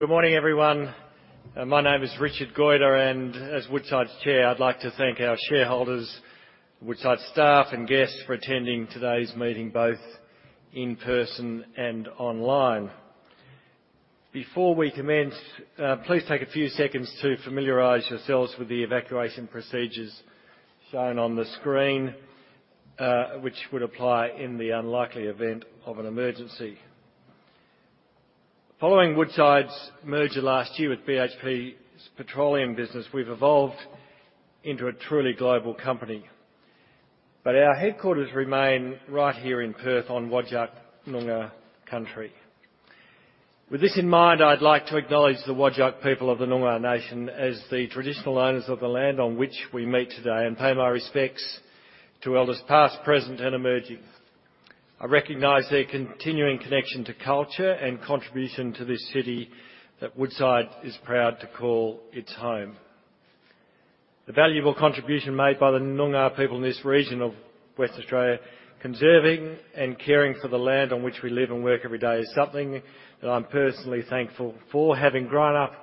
Good morning, everyone. My name is Richard Goyder, and as Woodside's Chair, I'd like to thank our shareholders, Woodside staff, and guests for attending today's meeting, both in person and online. Before we commence, please take a few seconds to familiarize yourselves with the evacuation procedures shown on the screen, which would apply in the unlikely event of an emergency. Following Woodside's merger last year with BHP's petroleum business, we've evolved into a truly global company. Our headquarters remain right here in Perth on Whadjuk Noongar country. With this in mind, I'd like to acknowledge the Whadjuk people of the Noongar Nation as the traditional owners of the land on which we meet today and pay my respects to elders past, present, and emerging. I recognize their continuing connection to culture and contribution to this city that Woodside is proud to call its home. The valuable contribution made by the Noongar people in this region of West Australia, conserving and caring for the land on which we live and work every day, is something that I'm personally thankful for, having grown up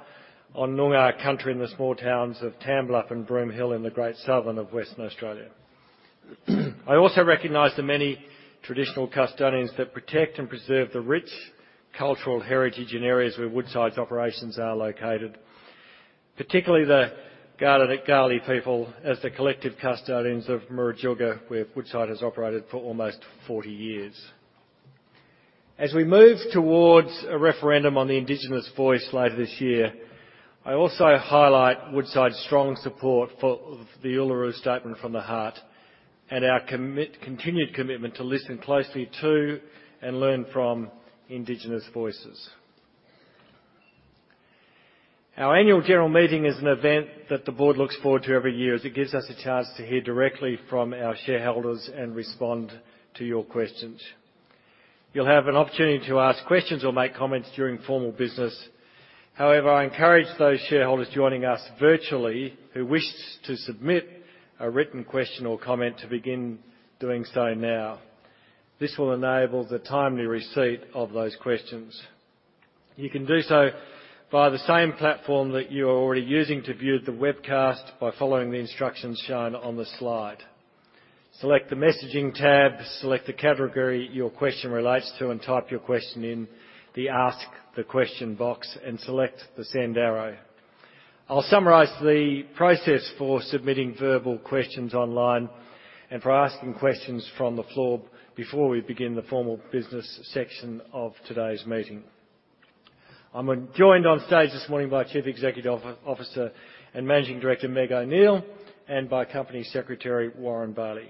on Noongar country in the small towns of Tambellup and Broome Hill in the Great Southern of Western Australia. I also recognize the many traditional custodians that protect and preserve the rich cultural heritage in areas where Woodside's operations are located, particularly the Ngarda-Ngarli people as the collective custodians of Murujuga, where Woodside has operated for almost 40 years. As we move towards a referendum on the Voice to Parliament later this year, I also highlight Woodside's strong support for of the Uluru Statement from the Heart and our continued commitment to listen closely to and learn from indigenous voices. Our annual general meeting is an event that the board looks forward to every year, as it gives us a chance to hear directly from our shareholders and respond to your questions. You'll have an opportunity to ask questions or make comments during formal business. I encourage those shareholders joining us virtually who wish to submit a written question or comment to begin doing so now. This will enable the timely receipt of those questions. You can do so via the same platform that you are already using to view the webcast by following the instructions shown on the slide. Select the Messaging tab, select the category your question relates to, and type your question in the Ask the Question box and select the send arrow. I'll summarize the process for submitting verbal questions online and for asking questions from the floor before we begin the formal business section of today's meeting. I'm joined on stage this morning by Chief Executive Officer and Managing Director Meg O'Neill and by Company Secretary Warren Baillie.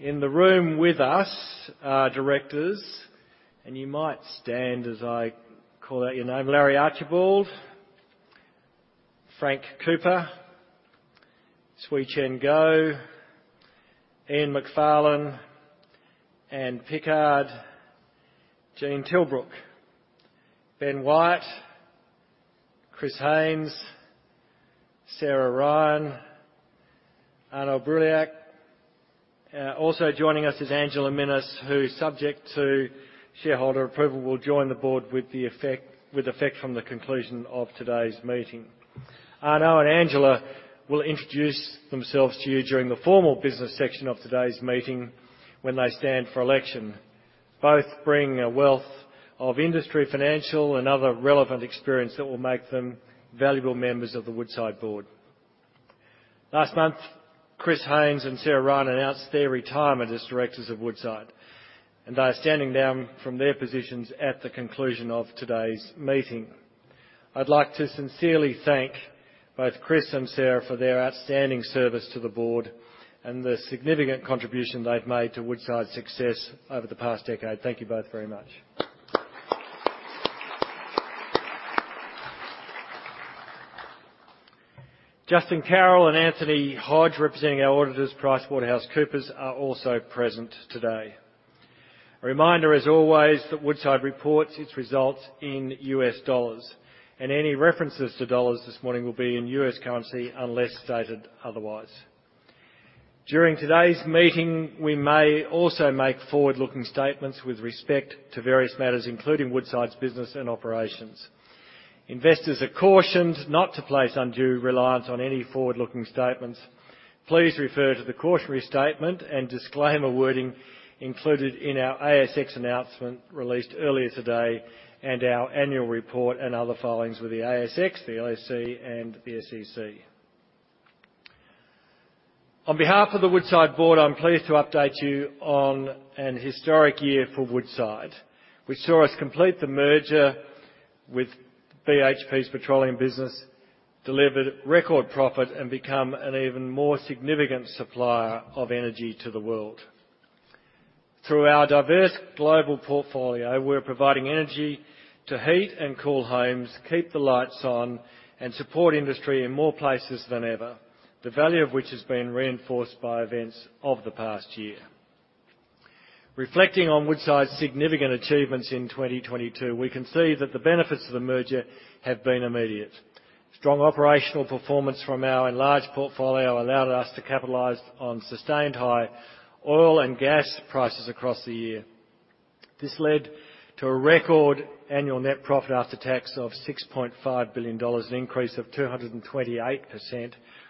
In the room with us are directors, and you might stand as I call out your name. Larry Archibald, Frank Cooper, Swee Chen Goh, Ian Macfarlane, Ann Pickard, Gene Tilbrook, Ben Wyatt, Chris Haynes, Sarah Ryan, Arnaud Breuillac. Also joining us is Angela Minas, who, subject to shareholder approval, will join the board with effect from the conclusion of today's meeting. Arnaud and Angela Minas will introduce themselves to you during the formal business section of today's meeting when they stand for election. Both bring a wealth of industry, financial, and other relevant experience that will make them valuable members of the Woodside Board. Last month, Chris Haynes and Sarah Ryan announced their retirement as directors of Woodside, and they are standing down from their positions at the conclusion of today's meeting. I'd like to sincerely thank both Chris and Sarah for their outstanding service to the Board and the significant contribution they've made to Woodside's success over the past decade. Thank you both very much. Justin Carroll and Anthony Hodge, representing our auditors, PricewaterhouseCoopers, are also present today. A reminder, as always, that Woodside reports its results in U.S. dollars, and any references to dollars this morning will be in U.S. currency, unless stated otherwise. During today's meeting, we may also make forward-looking statements with respect to various matters, including Woodside's business and operations. Investors are cautioned not to place undue reliance on any forward-looking statements. Please refer to the cautionary statement and disclaimer wording included in our ASX announcement released earlier today and our annual report and other filings with the ASX, the OSC, and the SEC. On behalf of the Woodside board, I'm pleased to update you on an historic year for Woodside, which saw us complete the merger with BHP's petroleum business, delivered record profit, and become an even more significant supplier of energy to the world. Through our diverse global portfolio, we're providing energy to heat and cool homes, keep the lights on, and support industry in more places than ever, the value of which has been reinforced by events of the past year. Reflecting on Woodside's significant achievements in 2022, we can see that the benefits of the merger have been immediate. Strong operational performance from our enlarged portfolio allowed us to capitalize on sustained high oil and gas prices across the year. This led to a record annual net profit after tax of $6.5 billion, an increase of 228%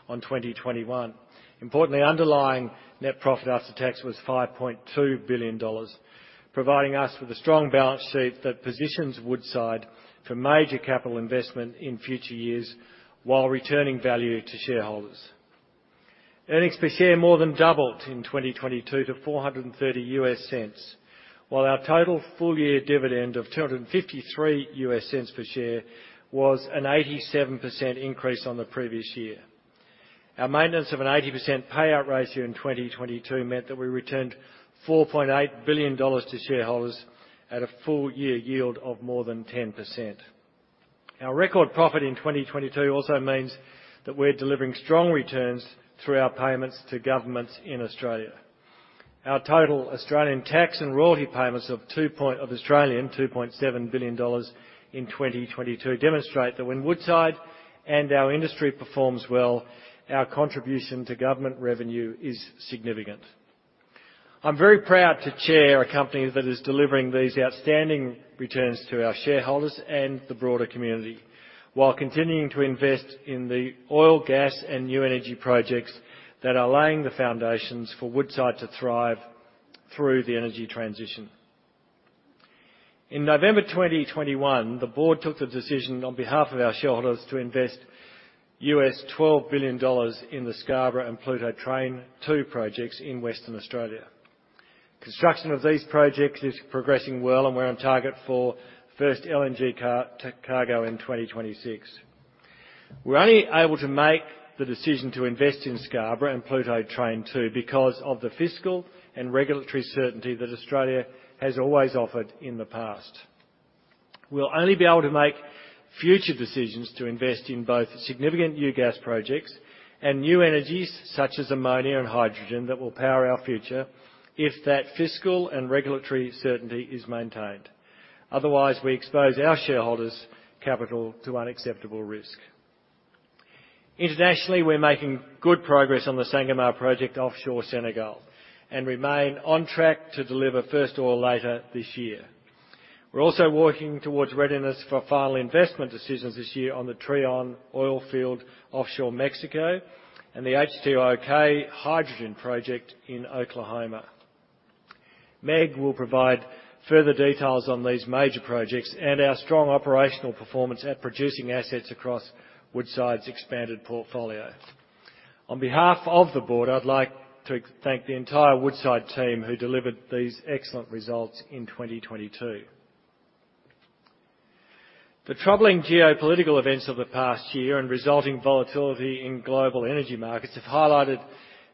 on 2021. Importantly, underlying net profit after tax was $5.2 billion, providing us with a strong balance sheet that positions Woodside for major capital investment in future years while returning value to shareholders. Earnings per share more than doubled in 2022 to $4.30, while our total full year dividend of $2.53 per share was an 87% increase on the previous year. Our maintenance of an 80% payout ratio in 2022 meant that we returned $4.8 billion to shareholders at a full year yield of more than 10%. Our record profit in 2022 also means that we're delivering strong returns through our payments to governments in Australia. Our total Australian tax and royalty payments of 2.7 billion Australian dollars in 2022 demonstrate that when Woodside and our industry performs well, our contribution to government revenue is significant. I'm very proud to chair a company that is delivering these outstanding returns to our shareholders and the broader community while continuing to invest in the oil, gas, and new energy projects that are laying the foundations for Woodside to thrive through the energy transition. In November 2021, the board took the decision on behalf of our shareholders to invest $12 billion in the Scarborough and Pluto Train 2 projects in Western Australia. Construction of these projects is progressing well, and we're on target for first LNG cargo in 2026. We're only able to make the decision to invest in Scarborough and Pluto Train 2 because of the fiscal and regulatory certainty that Australia has always offered in the past. We'll only be able to make future decisions to invest in both significant new gas projects and new energies such as ammonia and hydrogen that will power our future if that fiscal and regulatory certainty is maintained. Otherwise, we expose our shareholders' capital to unacceptable risk. Internationally, we're making good progress on the Sangomar project offshore Senegal and remain on track to deliver first oil later this year. We're also working towards readiness for final investment decisions this year on the Trion oil field offshore Mexico and the H2OK hydrogen project in Oklahoma. Meg will provide further details on these major projects and our strong operational performance at producing assets across Woodside's expanded portfolio. On behalf of the board, I'd like to thank the entire Woodside team who delivered these excellent results in 2022. The troubling geopolitical events of the past year and resulting volatility in global energy markets have highlighted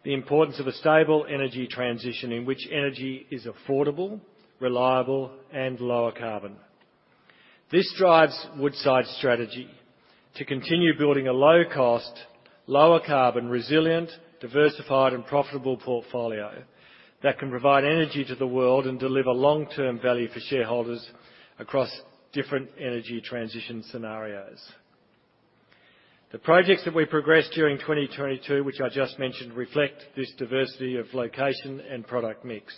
the importance of a stable energy transition in which energy is affordable, reliable, and lower carbon. This drives Woodside's strategy to continue building a low cost, lower carbon, resilient, diversified, and profitable portfolio that can provide energy to the world and deliver long-term value for shareholders across different energy transition scenarios. The projects that we progressed during 2022, which I just mentioned, reflect this diversity of location and product mix.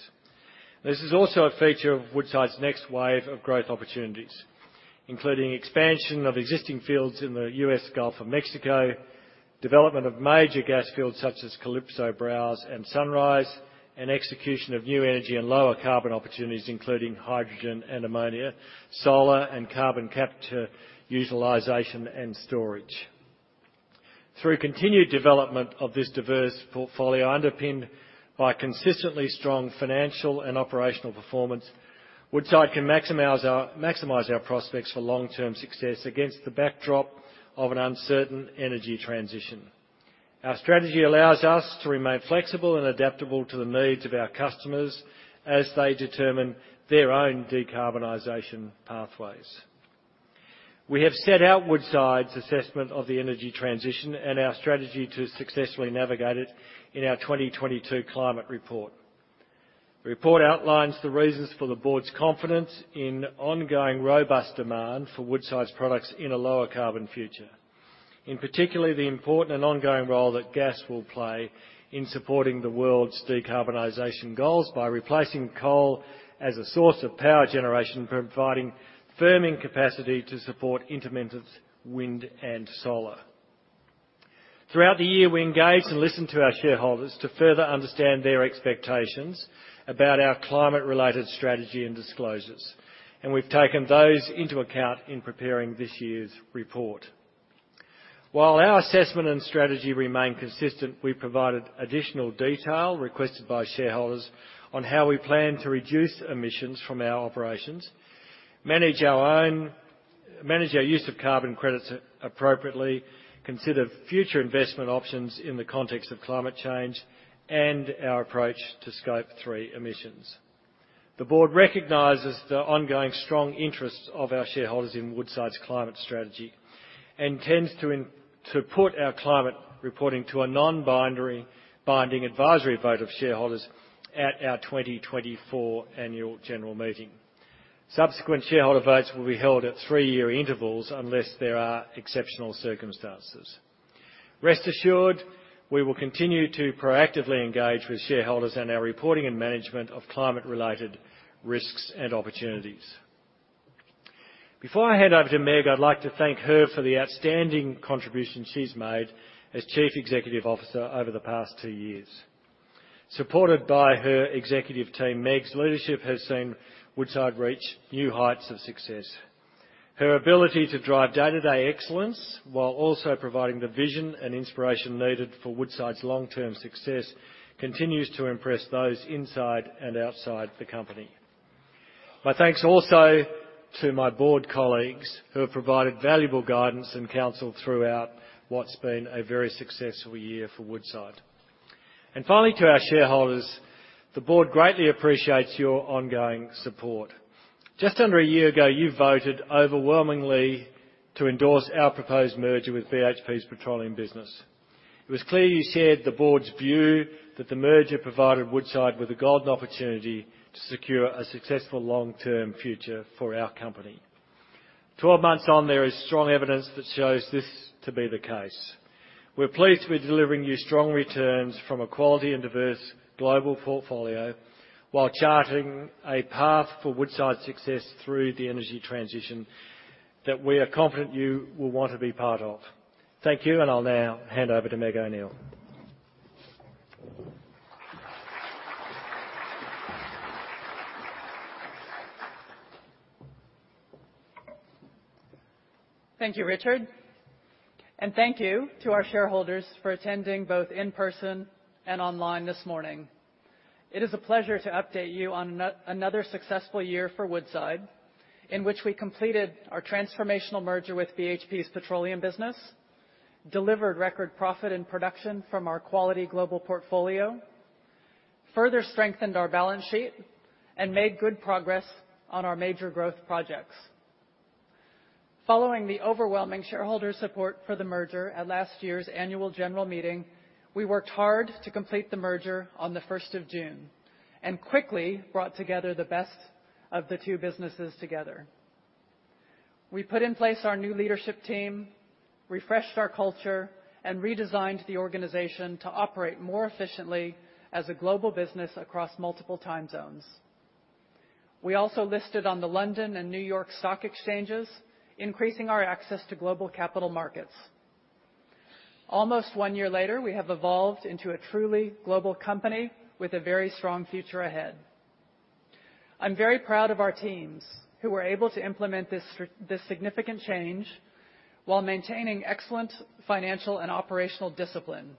This is also a feature of Woodside's next wave of growth opportunities, including expansion of existing fields in the U.S. Gulf of Mexico, development of major gas fields such as Calypso, Browse, and Sunrise, and execution of new energy and lower carbon opportunities, including hydrogen and ammonia, solar and carbon capture utilization and storage. Through continued development of this diverse portfolio underpinned by consistently strong financial and operational performance, Woodside can maximize our prospects for long-term success against the backdrop of an uncertain energy transition. Our strategy allows us to remain flexible and adaptable to the needs of our customers as they determine their own decarbonization pathways. We have set out Woodside's assessment of the energy transition and our strategy to successfully navigate it in our 2022 climate report. The report outlines the reasons for the board's confidence in ongoing robust demand for Woodside's products in a lower carbon future. In particular, the important and ongoing role that gas will play in supporting the world's decarbonization goals by replacing coal as a source of power generation, providing firming capacity to support intermittent wind and solar. Throughout the year, we engaged and listened to our shareholders to further understand their expectations about our climate-related strategy and disclosures, and we've taken those into account in preparing this year's report. While our assessment and strategy remain consistent, we provided additional detail requested by shareholders on how we plan to reduce emissions from our operations, manage our use of carbon credits appropriately, consider future investment options in the context of climate change, and our approach to Scope 3 emissions. The board recognizes the ongoing strong interests of our shareholders in Woodside's climate strategy and tends to put our climate reporting to a non-binding advisory vote of shareholders at our 2024 annual general meeting. Subsequent shareholder votes will be held at three-year intervals unless there are exceptional circumstances. Rest assured, we will continue to proactively engage with shareholders on our reporting and management of climate-related risks and opportunities. Before I hand over to Meg, I'd like to thank her for the outstanding contribution she's made as Chief Executive Officer over the past two years. Supported by her executive team, Meg's leadership has seen Woodside reach new heights of success. Her ability to drive day-to-day excellence while also providing the vision and inspiration needed for Woodside's long-term success continues to impress those inside and outside the company. My thanks also to my board colleagues, who have provided valuable guidance and counsel throughout what's been a very successful year for Woodside. Finally, to our shareholders, the board greatly appreciates your ongoing support. Just under one year ago, you voted overwhelmingly to endorse our proposed merger with BHP's petroleum business. It was clear you shared the board's view that the merger provided Woodside with a golden opportunity to secure a successful long-term future for our company. 12 months on, there is strong evidence that shows this to be the case. We're pleased to be delivering you strong returns from a quality and diverse global portfolio while charting a path for Woodside's success through the energy transition that we are confident you will want to be part of. Thank you, and I'll now hand over to Meg O'Neill. Thank you, Richard. Thank you to our shareholders for attending both in person and online this morning. It is a pleasure to update you on another successful year for Woodside, in which we completed our transformational merger with BHP's petroleum business, delivered record profit and production from our quality global portfolio, further strengthened our balance sheet, and made good progress on our major growth projects. Following the overwhelming shareholder support for the merger at last year's annual general meeting, we worked hard to complete the merger on the 1st of June, and quickly brought together the best of the two businesses together. We put in place our new leadership team, refreshed our culture, and redesigned the organization to operate more efficiently as a global business across multiple time zones. We also listed on the London Stock Exchange and New York Stock Exchange, increasing our access to global capital markets. Almost one year later, we have evolved into a truly global company with a very strong future ahead. I'm very proud of our teams, who were able to implement this significant change while maintaining excellent financial and operational discipline.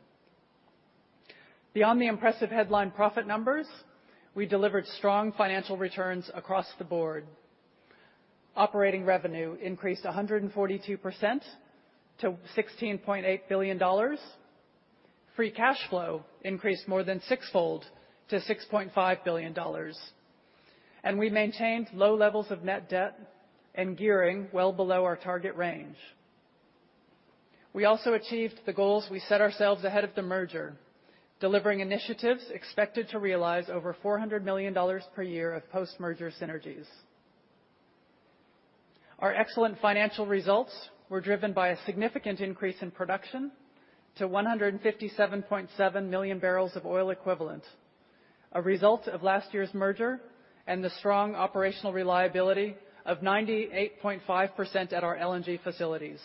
Beyond the impressive headline profit numbers, we delivered strong financial returns across the board. Operating revenue increased 142% to $16.8 billion. Free cash flow increased more than six-fold to $6.5 billion. We maintained low levels of net debt and gearing well below our target range. We also achieved the goals we set ourselves ahead of the merger, delivering initiatives expected to realize over $400 million per year of post-merger synergies. Our excellent financial results were driven by a significant increase in production to 157.7 million barrels of oil equivalent, a result of last year's merger and the strong operational reliability of 98.5% at our LNG facilities.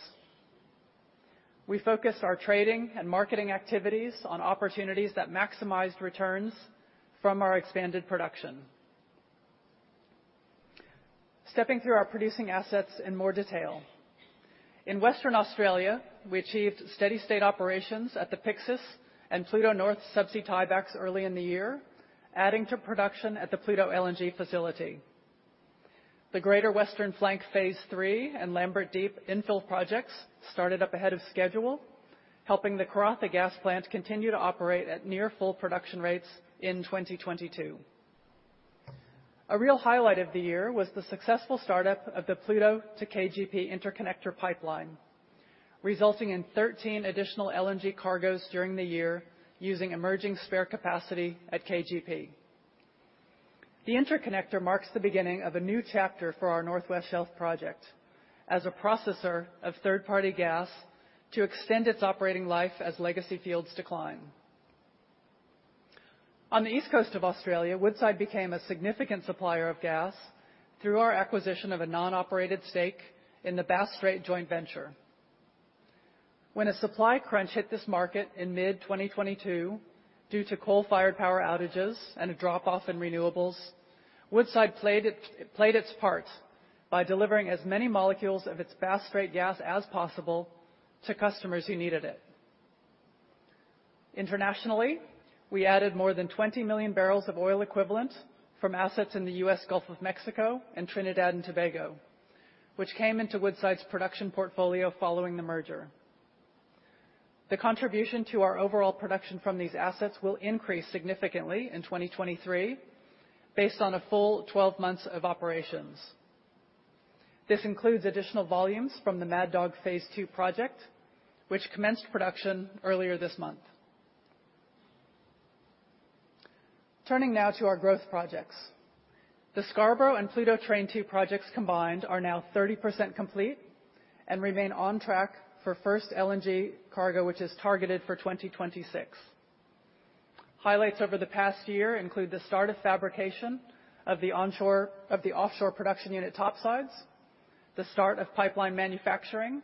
We focused our trading and marketing activities on opportunities that maximized returns from our expanded production. Stepping through our producing assets in more detail. In Western Australia, we achieved steady state operations at the Pyxis and Pluto North sub-sea tiebacks early in the year, adding to production at the Pluto LNG facility. The Greater Western Flank Phase III and Lambert Deep infill projects started up ahead of schedule, helping the Karratha Gas Plant continue to operate at near full production rates in 2022. A real highlight of the year was the successful startup of the Pluto-KGP interconnector pipeline, resulting in 13 additional LNG cargoes during the year using emerging spare capacity at KGP. The interconnector marks the beginning of a new chapter for our North West Shelf Project as a processor of third-party gas to extend its operating life as legacy fields decline. On the east coast of Australia, Woodside became a significant supplier of gas through our acquisition of a non-operated stake in the Bass Strait Joint Venture. A supply crunch hit this market in mid-2022 due to coal-fired power outages and a drop-off in renewables, Woodside played its part by delivering as many molecules of its Bass Strait gas as possible to customers who needed it. Internationally, we added more than 20 million barrels of oil equivalent from assets in the U.S. Gulf of Mexico and Trinidad and Tobago, which came into Woodside's production portfolio following the merger. The contribution to our overall production from these assets will increase significantly in 2023 based on a full 12 months of operations. This includes additional volumes from the Mad Dog Phase II project, which commenced production earlier this month. Turning now to our growth projects. The Scarborough and Pluto Train 2 projects combined are now 30% complete and remain on track for first LNG cargo, which is targeted for 2026. Highlights over the past year include the start of fabrication of the offshore production unit top sides, the start of pipeline manufacturing,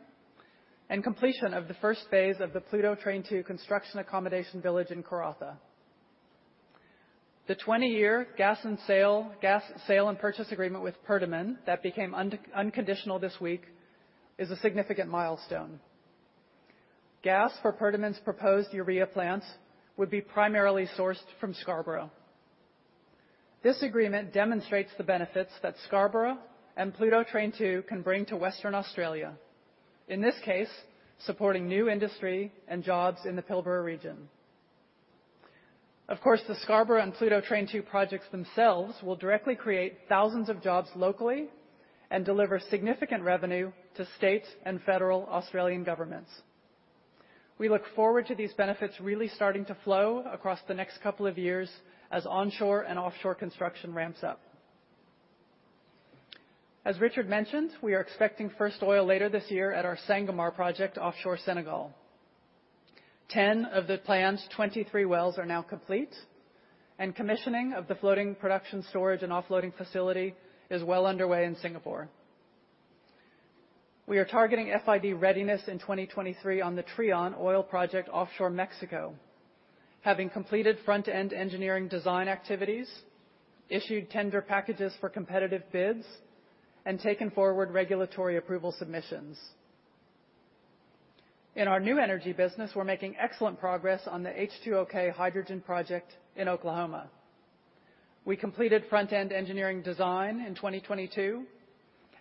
and completion of the first phase of the Pluto Train 2 construction accommodation village in Karratha. The 20-year gas sale and purchase agreement with Perdaman that became unconditional this week is a significant milestone. Gas for Perdaman's proposed urea plants would be primarily sourced from Scarborough. This agreement demonstrates the benefits that Scarborough and Pluto Train 2 can bring to Western Australia, in this case, supporting new industry and jobs in the Pilbara region. Of course, the Scarborough and Pluto Train 2 projects themselves will directly create thousands of jobs locally and deliver significant revenue to state and federal Australian governments. We look forward to these benefits really starting to flow across the next couple of years as onshore and offshore construction ramps up. As Richard mentioned, we are expecting first oil later this year at our Sangomar project offshore Senegal. 10 of the planned 23 wells are now complete, and commissioning of the floating production storage and offloading facility is well underway in Singapore. We are targeting FID readiness in 2023 on the Trion oil project offshore Mexico, having completed front-end engineering design activities, issued tender packages for competitive bids, and taken forward regulatory approval submissions. In our new energy business, we're making excellent progress on the H2OK hydrogen project in Oklahoma. We completed front-end engineering design in 2022,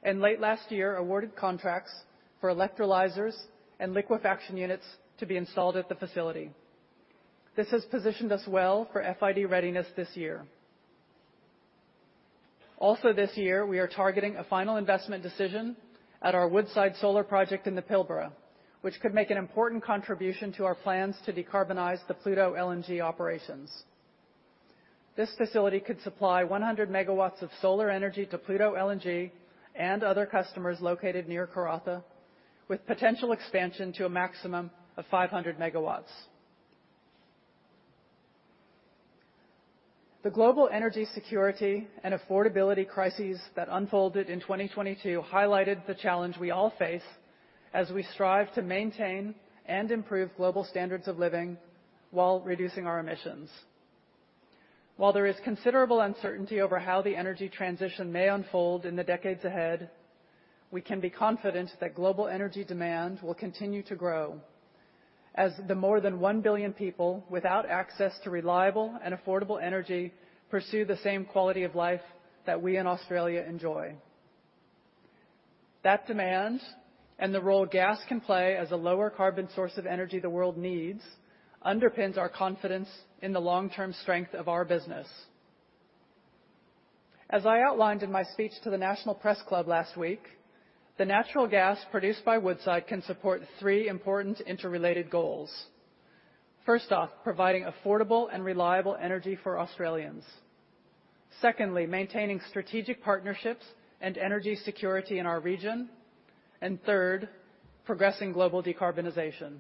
and late last year awarded contracts for electrolysers and liquefaction units to be installed at the facility. This has positioned us well for FID readiness this year. Also this year, we are targeting a final investment decision at our Woodside Solar Project in the Pilbara, which could make an important contribution to our plans to decarbonize the Pluto LNG operations. This facility could supply 100 MQ of solar energy to Pluto LNG and other customers located near Karratha, with potential expansion to a maximum of 500 MW. The global energy security and affordability crises that unfolded in 2022 highlighted the challenge we all face as we strive to maintain and improve global standards of living while reducing our emissions. While there is considerable uncertainty over how the energy transition may unfold in the decades ahead, we can be confident that global energy demand will continue to grow as the more than one billion people without access to reliable and affordable energy pursue the same quality of life that we in Australia enjoy. That demand, and the role gas can play as a lower carbon source of energy the world needs, underpins our confidence in the long-term strength of our business. As I outlined in my speech to the National Press Club last week, the natural gas produced by Woodside can support three important interrelated goals. First off, providing affordable and reliable energy for Australians. Secondly, maintaining strategic partnerships and energy security in our region. Third, progressing global decarbonization.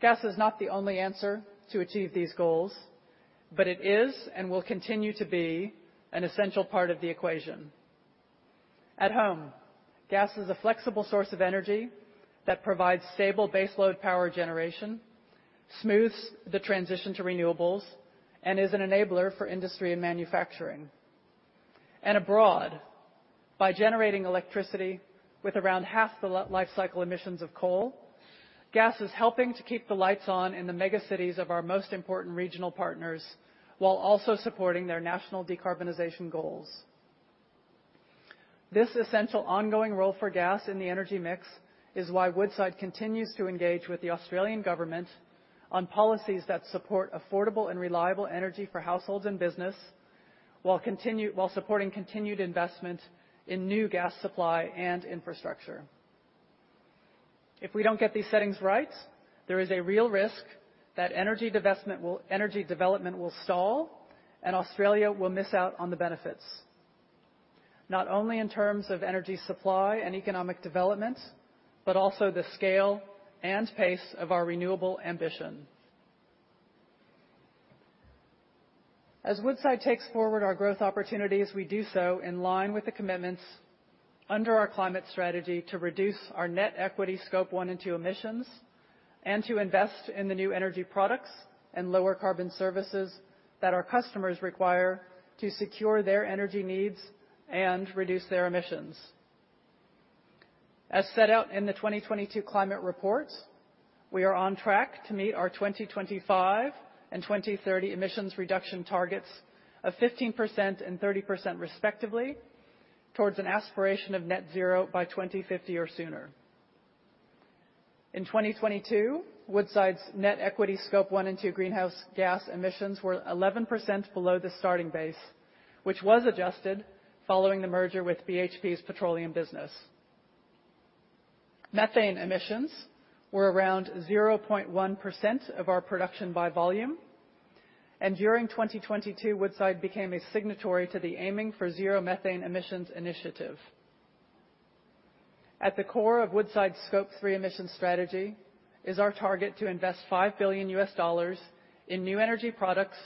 Gas is not the only answer to achieve these goals, but it is, and will continue to be, an essential part of the equation. At home, gas is a flexible source of energy that provides stable baseload power generation, smooths the transition to renewables, and is an enabler for industry and manufacturing. Abroad, by generating electricity with around half the life cycle emissions of coal, gas is helping to keep the lights on in the mega cities of our most important regional partners, while also supporting their national decarbonization goals. This essential ongoing role for gas in the energy mix is why Woodside continues to engage with the Australian government on policies that support affordable and reliable energy for households and business while supporting continued investment in new gas supply and infrastructure. If we don't get these settings right, there is a real risk that energy development will stall and Australia will miss out on the benefits, not only in terms of energy supply and economic development, but also the scale and pace of our renewable ambition. As Woodside takes forward our growth opportunities, we do so in line with the commitments under our climate strategy to reduce our net equity Scope 1 and 2 emissions, and to invest in the new energy products and lower carbon services that our customers require to secure their energy needs and reduce their emissions. As set out in the 2022 climate reports, we are on track to meet our 2025 and 2030 emissions reduction targets of 15% and 30% respectively towards an aspiration of net zero by 2050 or sooner. In 2022, Woodside's net equity Scope 1 and 2 greenhouse gas emissions were 11% below the starting base, which was adjusted following the merger with BHP's petroleum business. Methane emissions were around 0.1% of our production by volume. During 2022, Woodside became a signatory to the Aiming for Zero Methane Emissions initiative. At the core of Woodside Scope 3 emissions strategy is our target to invest $5 billion in new energy products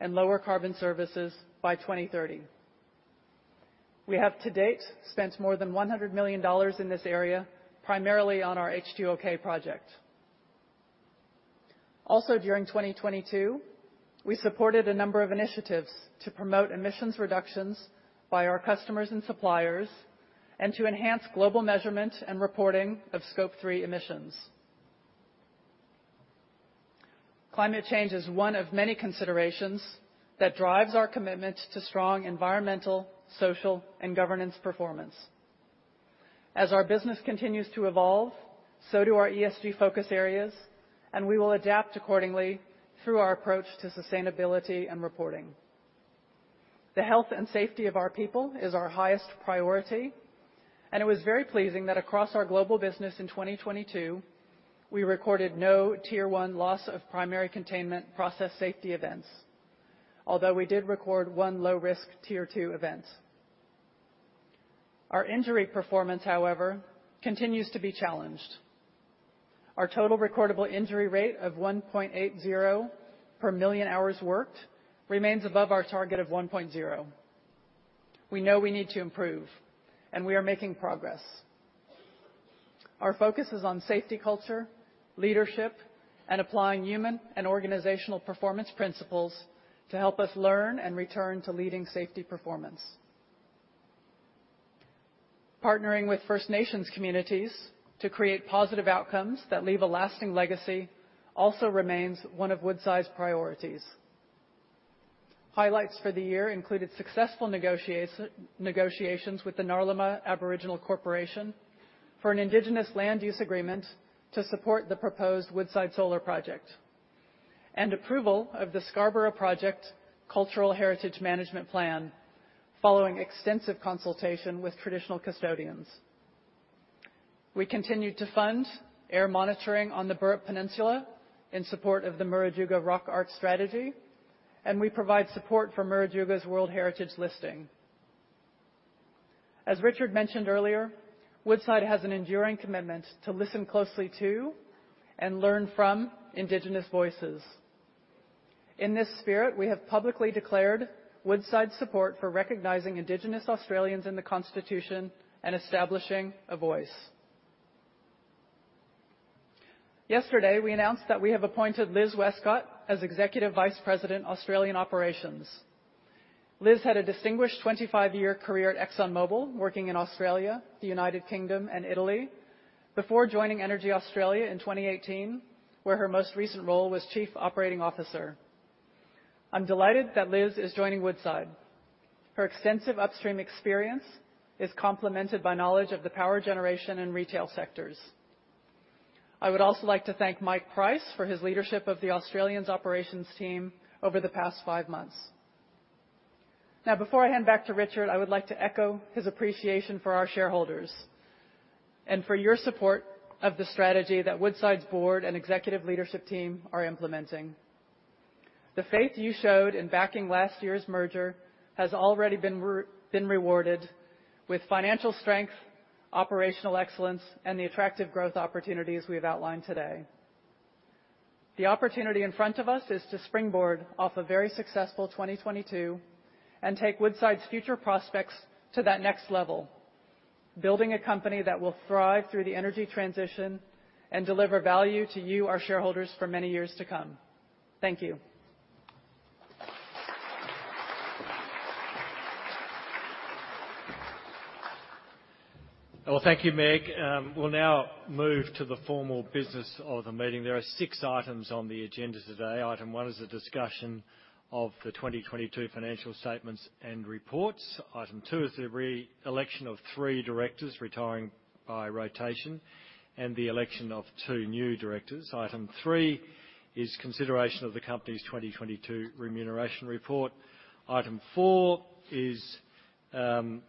and lower carbon services by 2030. We have to date, spent more than $100 million in this area, primarily on our H2OK project. During 2022, we supported a number of initiatives to promote emissions reductions by our customers and suppliers and to enhance global measurement and reporting of Scope 3 emissions. Climate change is one of many considerations that drives our commitment to strong environmental, social, and governance performance. As our business continues to evolve, so do our ESG focus areas, and we will adapt accordingly through our approach to sustainability and reporting. The health and safety of our people is our highest priority, and it was very pleasing that across our global business in 2022, we recorded no Tier 1 loss of primary containment process safety events. Although we did record one low-risk Tier 2 event. Our injury performance, however, continues to be challenged. Our total recordable injury rate of 1.80 per million hours worked remains above our target of 1.0. We know we need to improve. We are making progress. Our focus is on safety culture, leadership, and applying human and organizational performance principles to help us learn and return to leading safety performance. Partnering with First Nations communities to create positive outcomes that leave a lasting legacy also remains one of Woodside's priorities. Highlights for the year included successful negotiations with the Ngarluma Aboriginal Corporation for an indigenous land use agreement to support the proposed Woodside Solar Project. Approval of the Scarborough Project Cultural Heritage Management Plan following extensive consultation with traditional custodians. We continued to fund air monitoring on the Burrup Peninsula in support of the Murujuga Rock Art strategy. We provide support for Murujuga's World Heritage listing. As Richard mentioned earlier, Woodside has an enduring commitment to listen closely to and learn from indigenous voices. In this spirit, we have publicly declared Woodside support for recognizing Indigenous Australians in the Constitution and establishing a Voice. Yesterday, we announced that we have appointed Liz Westcott as Executive Vice President, Australian Operations. Liz had a distinguished 25-year career at ExxonMobil, working in Australia, the United Kingdom, and Italy before joining EnergyAustralia in 2018, where her most recent role was Chief Operating Officer. I'm delighted that Liz is joining Woodside. Her extensive upstream experience is complemented by knowledge of the power generation and retail sectors. I would also like to thank Mike Price for his leadership of the Australian operations team over the past five months. Before I hand back to Richard, I would like to echo his appreciation for our shareholders and for your support of the strategy that Woodside's board and executive leadership team are implementing. The faith you showed in backing last year's merger has already been rewarded with financial strength, operational excellence, and the attractive growth opportunities we have outlined today. The opportunity in front of us is to springboard off a very successful 2022 and take Woodside's future prospects to that next level. Building a company that will thrive through the energy transition and deliver value to you, our shareholders, for many years to come. Thank you. Well, thank you, Meg. We'll now move to the formal business of the meeting. There are six items on the agenda today. Item one is a discussion of the 2022 financial statements and reports. Item two is the re-election of three directors retiring by rotation and the election of two new directors. Item three is consideration of the company's 2022 remuneration report. Item four is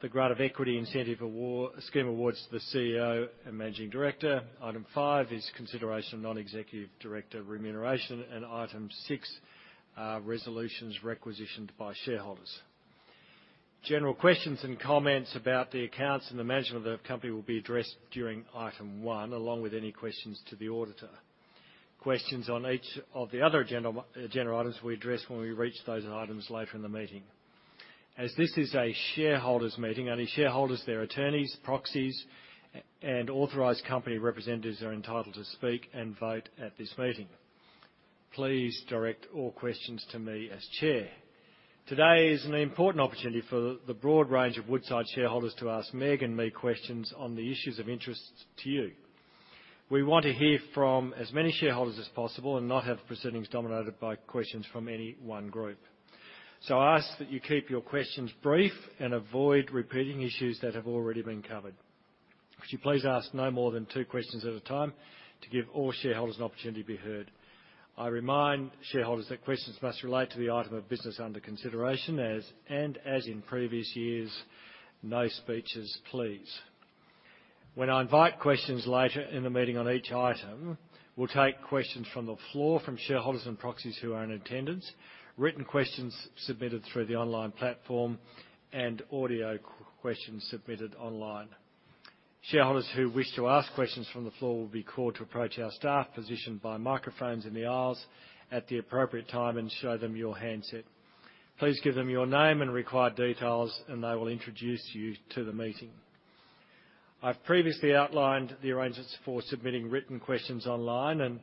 the grant of equity incentive scheme awards to the CEO and managing director. Item five is consideration of non-executive director remuneration. Item six, resolutions requisitioned by shareholders. General questions and comments about the accounts and the management of the company will be addressed during item one, along with any questions to the auditor. Questions on each of the other agenda general items will be addressed when we reach those items later in the meeting. As this is a shareholders' meeting, only shareholders, their attorneys, proxies, and authorized company representatives are entitled to speak and vote at this meeting. Please direct all questions to me as Chair. Today is an important opportunity for the broad range of Woodside shareholders to ask Meg and me questions on the issues of interest to you. We want to hear from as many shareholders as possible and not have proceedings dominated by questions from any one group. I ask that you keep your questions brief and avoid repeating issues that have already been covered. Could you please ask no more than two questions at a time to give all shareholders an opportunity to be heard. I remind shareholders that questions must relate to the item of business under consideration as. As in previous years, no speeches, please. When I invite questions later in the meeting on each item, we'll take questions from the floor from shareholders and proxies who are in attendance, written questions submitted through the online platform, and audio questions submitted online. Shareholders who wish to ask questions from the floor will be called to approach our staff positioned by microphones in the aisles at the appropriate time and show them your handset. Please give them your name and required details, and they will introduce you to the meeting. I've previously outlined the arrangements for submitting written questions online.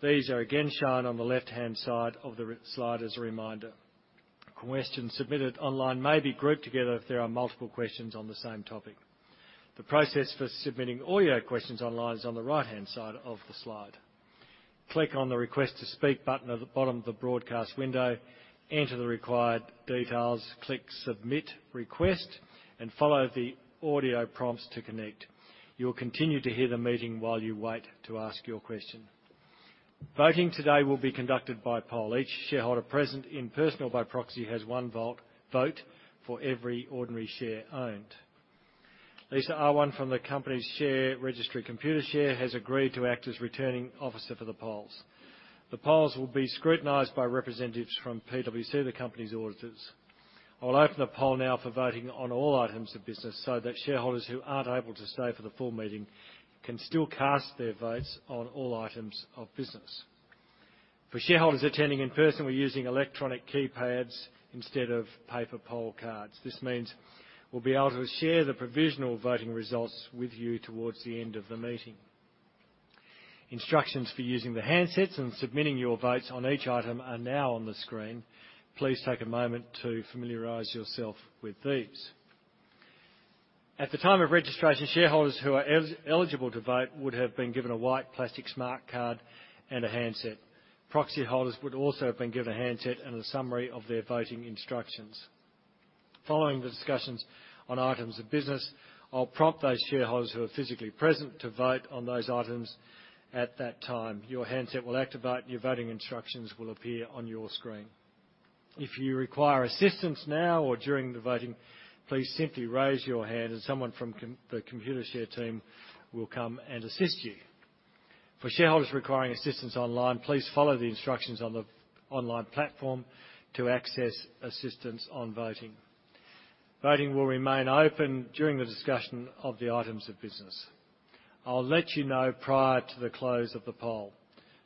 These are again shown on the left-hand side of the slide as a reminder. Questions submitted online may be grouped together if there are multiple questions on the same topic. The process for submitting audio questions online is on the right-hand side of the slide. Click on the Request to speak button at the bottom of the broadcast window, enter the required details, click Submit Request, and follow the audio prompts to connect. You will continue to hear the meeting while you wait to ask your question. Voting today will be conducted by poll. Each shareholder present in person or by proxy has one vote for every ordinary share owned. Lisa Ahwan from the company's share registry Computershare has agreed to act as Returning Officer for the polls. The polls will be scrutinized by representatives from PwC, the company's auditors. I'll open the poll now for voting on all items of business so that shareholders who aren't able to stay for the full meeting can still cast their votes on all items of business. For shareholders attending in person, we're using electronic keypads instead of paper poll cards. This means we'll be able to share the provisional voting results with you towards the end of the meeting. Instructions for using the handsets and submitting your votes on each item are now on the screen. Please take a moment to familiarize yourself with these. At the time of registration, shareholders who are eligible to vote would have been given a white plastic smart card and a handset. Proxy holders would also have been given a handset and a summary of their voting instructions. Following the discussions on items of business, I'll prompt those shareholders who are physically present to vote on those items at that time. Your handset will activate, and your voting instructions will appear on your screen. If you require assistance now or during the voting, please simply raise your hand and someone from the Computershare team will come and assist you. For shareholders requiring assistance online, please follow the instructions on the online platform to access assistance on voting. Voting will remain open during the discussion of the items of business. I'll let you know prior to the close of the poll.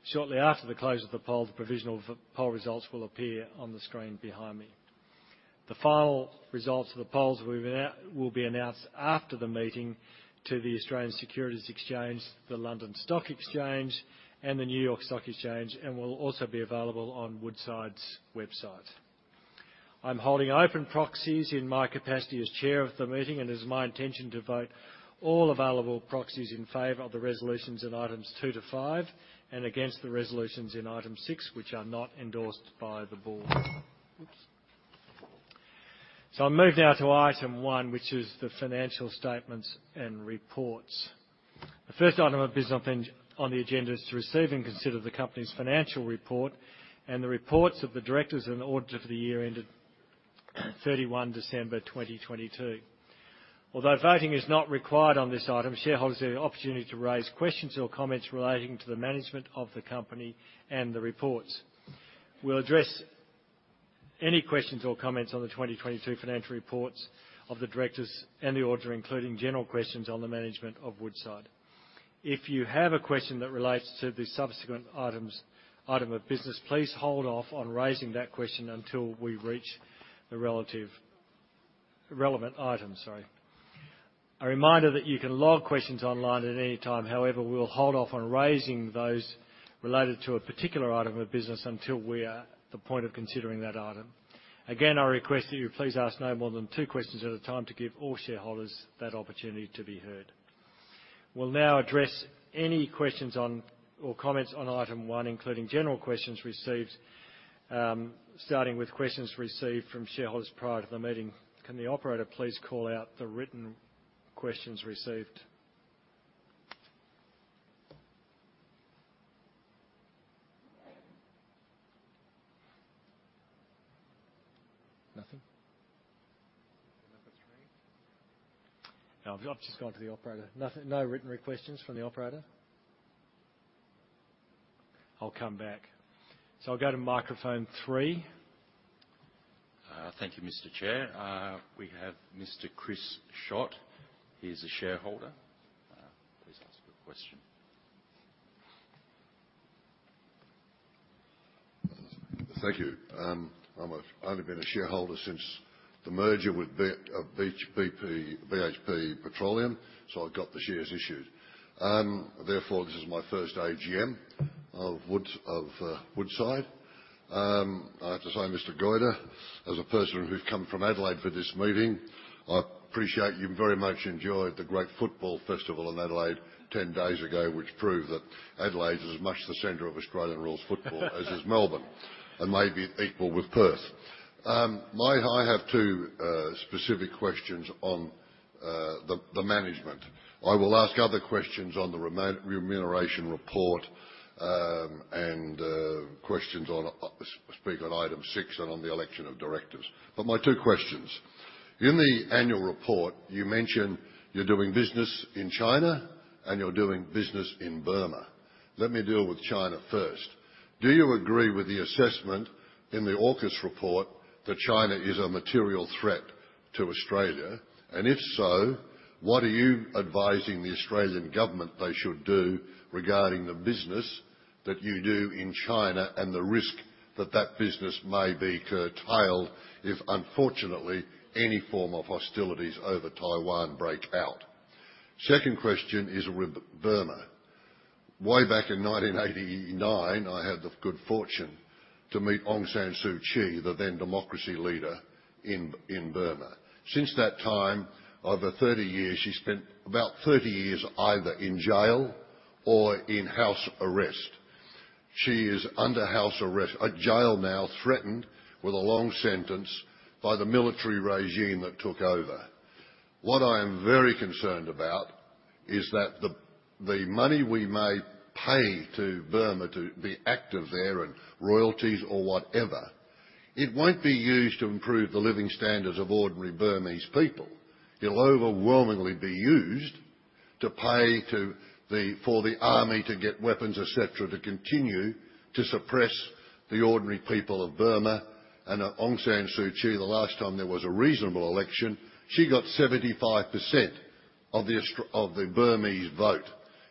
Shortly after the close of the poll, the provisional poll results will appear on the screen behind me. The final results of the polls will be announced after the meeting to the Australian Securities Exchange, the London Stock Exchange, and the New York Stock Exchange, and will also be available on Woodside's website. I'm holding open proxies in my capacity as Chair of the meeting, and it's my intention to vote all available proxies in favor of the resolutions in items two to five and against the resolutions in item six, which are not endorsed by the board. Oops. I move now to item one, which is the financial statements and reports. The first item of business on the agenda is to receive and consider the company's financial report and the reports of the directors and the auditor for the year ended 31 December 2022. Although voting is not required on this item, shareholders have the opportunity to raise questions or comments relating to the management of the company and the reports. We'll address any questions or comments on the 2022 financial reports of the directors and the auditor, including general questions on the management of Woodside. If you have a question that relates to the subsequent items, item of business, please hold off on raising that question until we reach the relevant item, sorry. A reminder that you can log questions online at any time. We'll hold off on raising those related to a particular item of business until we are at the point of considering that item. Again, I request that you please ask no more than two questions at a time to give all shareholders that opportunity to be heard. We'll now address any questions on or comments on Item one, including general questions received, starting with questions received from shareholders prior to the meeting. Can the operator please call out the written questions received? Nothing? Number three. I've just gone to the operator. Nothing, no written requests from the operator? I'll come back. I'll go to microphone three. Thank you, Mr. Chair. We have Mr. Chris Schott. He is a shareholder. Please ask your question. Thank you. I've only been a shareholder since the merger with BHP Petroleum, so I got the shares issued. This is my first AGM of Woodside. I have to say, Mr. Goyder, as a person who've come from Adelaide for this meeting, I appreciate you very much enjoyed the great football festival in Adelaide 10 days ago, which proved that Adelaide is as much the center of Australian rules football as is Melbourne, and may be equal with Perth. My, I have two specific questions on the management. I will ask other questions on the remuneration report, and questions on speaking on item six and on the election of directors. My two questions. In the annual report, you mention you're doing business in China and you're doing business in Burma. Let me deal with China first. Do you agree with the assessment in the ASIO report that China is a material threat to Australia? If so, what are you advising the Australian government they should do regarding the business that you do in China and the risk that that business may be curtailed if, unfortunately, any form of hostilities over Taiwan break out? Second question is with Burma. Way back in 1989, I had the good fortune to meet Aung San Suu Kyi, the then democracy leader in Burma. Since that time, over 30 years, she spent about 30 years either in jail or in house arrest. She is under house arrest at jail now, threatened with a long sentence by the military regime that took over. What I am very concerned about is that the money we may pay to Burma to be active there in royalties or whatever. It won't be used to improve the living standards of ordinary Burmese people. It'll overwhelmingly be used for the army to get weapons, et cetera, to continue to suppress the ordinary people of Burma. Aung San Suu Kyi, the last time there was a reasonable election, she got 75% of the Burmese vote,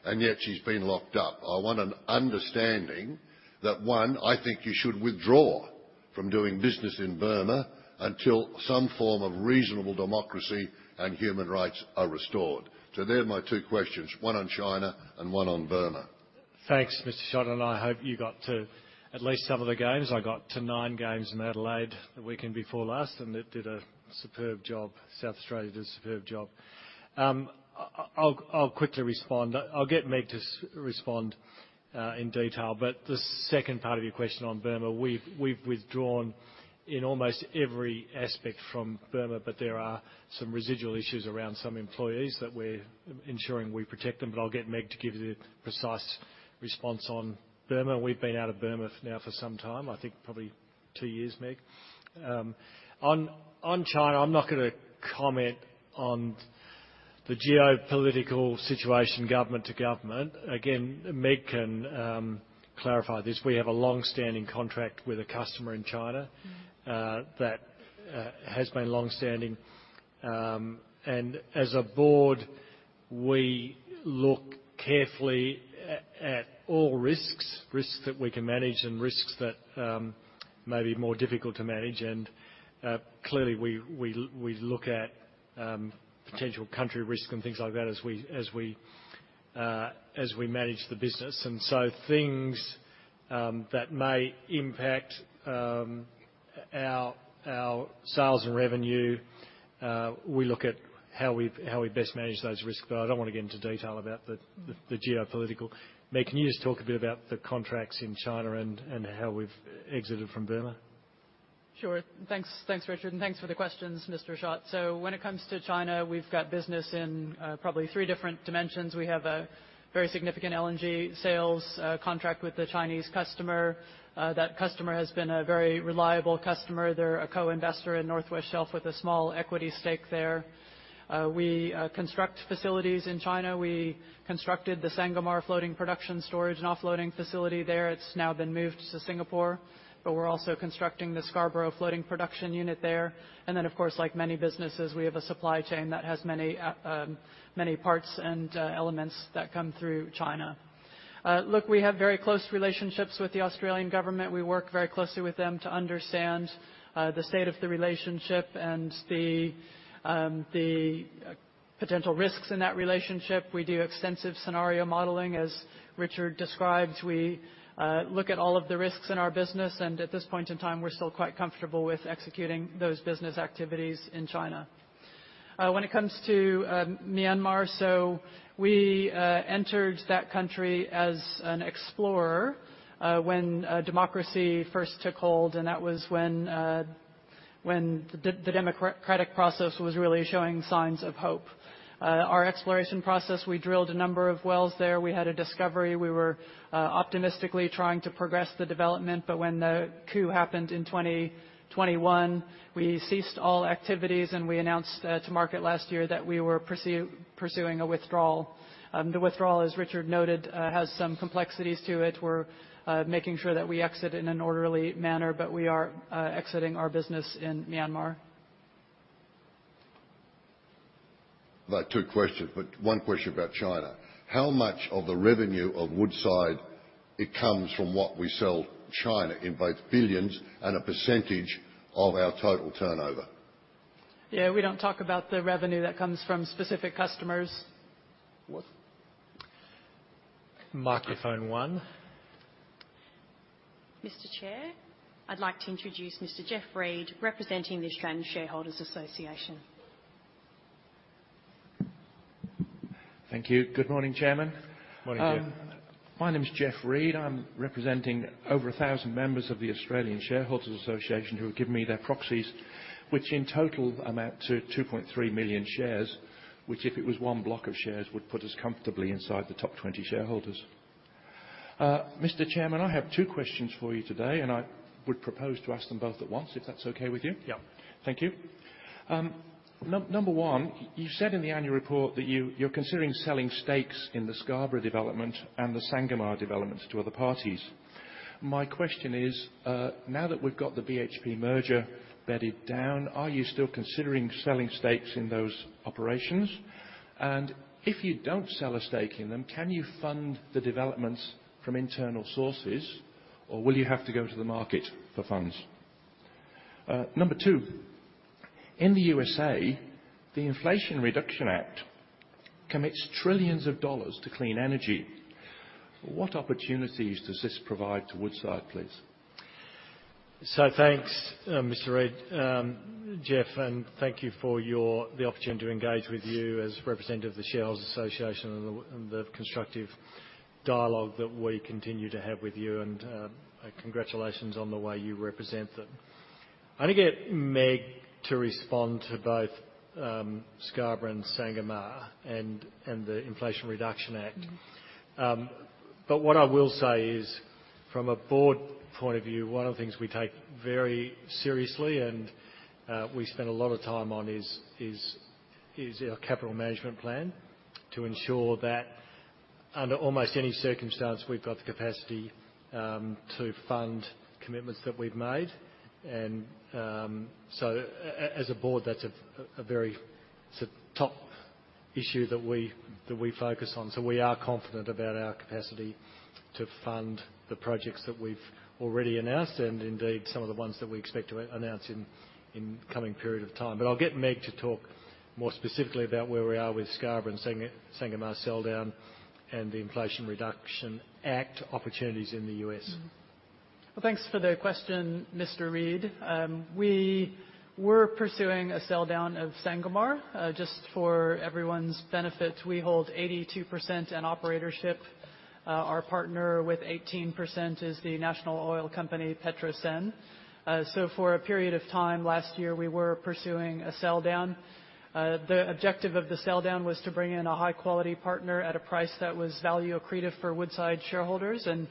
and yet she's been locked up. I want an understanding that, one, I think you should withdraw from doing business in Burma until some form of reasonable democracy and human rights are restored. They're my two questions, one on China and one on Burma. Thanks, Mr. Schott. I hope you got to at least some of the games. I got to nine games in Adelaide the weekend before last. It did a superb job. South Australia did a superb job. I'll quickly respond. I'll get Meg to respond in detail. The second part of your question on Burma, we've withdrawn in almost every aspect from Burma, but there are some residual issues around some employees that we're ensuring we protect them. I'll get Meg to give you the precise response on Burma. We've been out of Burma now for some time, I think probably two years, Meg. On China, I'm not gonna comment on the geopolitical situation, government to government. Meg can clarify this. We have a long-standing contract with a customer in China that has been long-standing. As a board, we look carefully at all risks that we can manage and risks that may be more difficult to manage. Clearly, we look at potential country risks and things like that as we manage the business. Things that may impact our sales and revenue, we look at how we best manage those risks, but I don't want to get into detail about the geopolitical. Meg, can you just talk a bit about the contracts in China and how we've exited from Burma? Sure. Thanks. Thanks, Richard. Thanks for the questions, Mr. Schott. When it comes to China, we've got business in probably three different dimensions. We have a very significant LNG sales contract with a Chinese customer. That customer has been a very reliable customer. They're a co-investor in North West Shelf with a small equity stake there. We construct facilities in China. We constructed the Sangomar floating production storage and offloading facility there. It's now been moved to Singapore. We're also constructing the Scarborough floating production unit there. Of course, like many businesses, we have a supply chain that has many parts and elements that come through China. Look, we have very close relationships with the Australian government. We work very closely with them to understand the state of the relationship and the potential risks in that relationship. We do extensive scenario modeling, as Richard described. We look at all of the risks in our business, and at this point in time, we're still quite comfortable with executing those business activities in China. When it comes to Myanmar, we entered that country as an explorer when democracy first took hold, and that was when the democratic process was really showing signs of hope. Our exploration process, we drilled a number of wells there. We had a discovery. We were optimistically trying to progress the development. When the coup happened in 2021, we ceased all activities, and we announced to market last year that we were pursuing a withdrawal. The withdrawal, as Richard noted, has some complexities to it. We're making sure that we exit in an orderly manner, but we are exiting our business in Myanmar. About two questions, but one question about China. How much of the revenue of Woodside, it comes from what we sell China in both billions and a percentage of our total turnover? Yeah, we don't talk about the revenue that comes from specific customers. What? Microphone one. Mr. Chair, I'd like to introduce Mr. Geoff Read, representing the Australian Shareholders Association. Thank you. Good morning, Chairman. Morning, Geoff. My name is Geoff Read. I'm representing over 1,000 members of the Australian Shareholders Association who have given me their proxies, which in total amount to 2.3 million shares, which if it was one block of shares, would put us comfortably inside the top 20 shareholders. Mr. Chairman, I have two questions for you today, I would propose to ask them both at once, if that's okay with you. Yeah. Thank you. Number one, you said in the annual report that you're considering selling stakes in the Scarborough development and the Sangomar development to other parties. My question is, now that we've got the BHP merger bedded down, are you still considering selling stakes in those operations? If you don't sell a stake in them, can you fund the developments from internal sources, or will you have to go to the market for funds? Number two, in the U.S.A., the Inflation Reduction Act commits trillions of dollars to clean energy. What opportunities does this provide to Woodside, please? Thanks, Mr. Geoff Reed. Geoff, thank you for the opportunity to engage with you as representative of the Australian Shareholders Association and the constructive dialogue that we continue to have with you. Congratulations on the way you represent them. I'm gonna get Meg O'Neill to respond to both Scarborough and Sangomar and the Inflation Reduction Act. Mm-hmm. What I will say is, from a Board point of view, one of the things we take very seriously and we spend a lot of time on is our capital management plan to ensure that under almost any circumstance we've got the capacity to fund commitments that we've made. As a Board, that's a very top issue that we focus on. We are confident about our capacity to fund the projects that we've already announced and indeed some of the ones that we expect to announce in coming period of time. I'll get Meg to talk more specifically about where we are with Scarborough and Sangomar sell-down and the Inflation Reduction Act opportunities in the U.S. Well, thanks for the question, Mr. Reed. We were pursuing a sell-down of Sangomar. Just for everyone's benefit, we hold 82% in operatorship. Our partner with 18% is the national oil company, PETROSEN. For a period of time last year, we were pursuing a sell-down. The objective of the sell-down was to bring in a high quality partner at a price that was value accretive for Woodside shareholders, and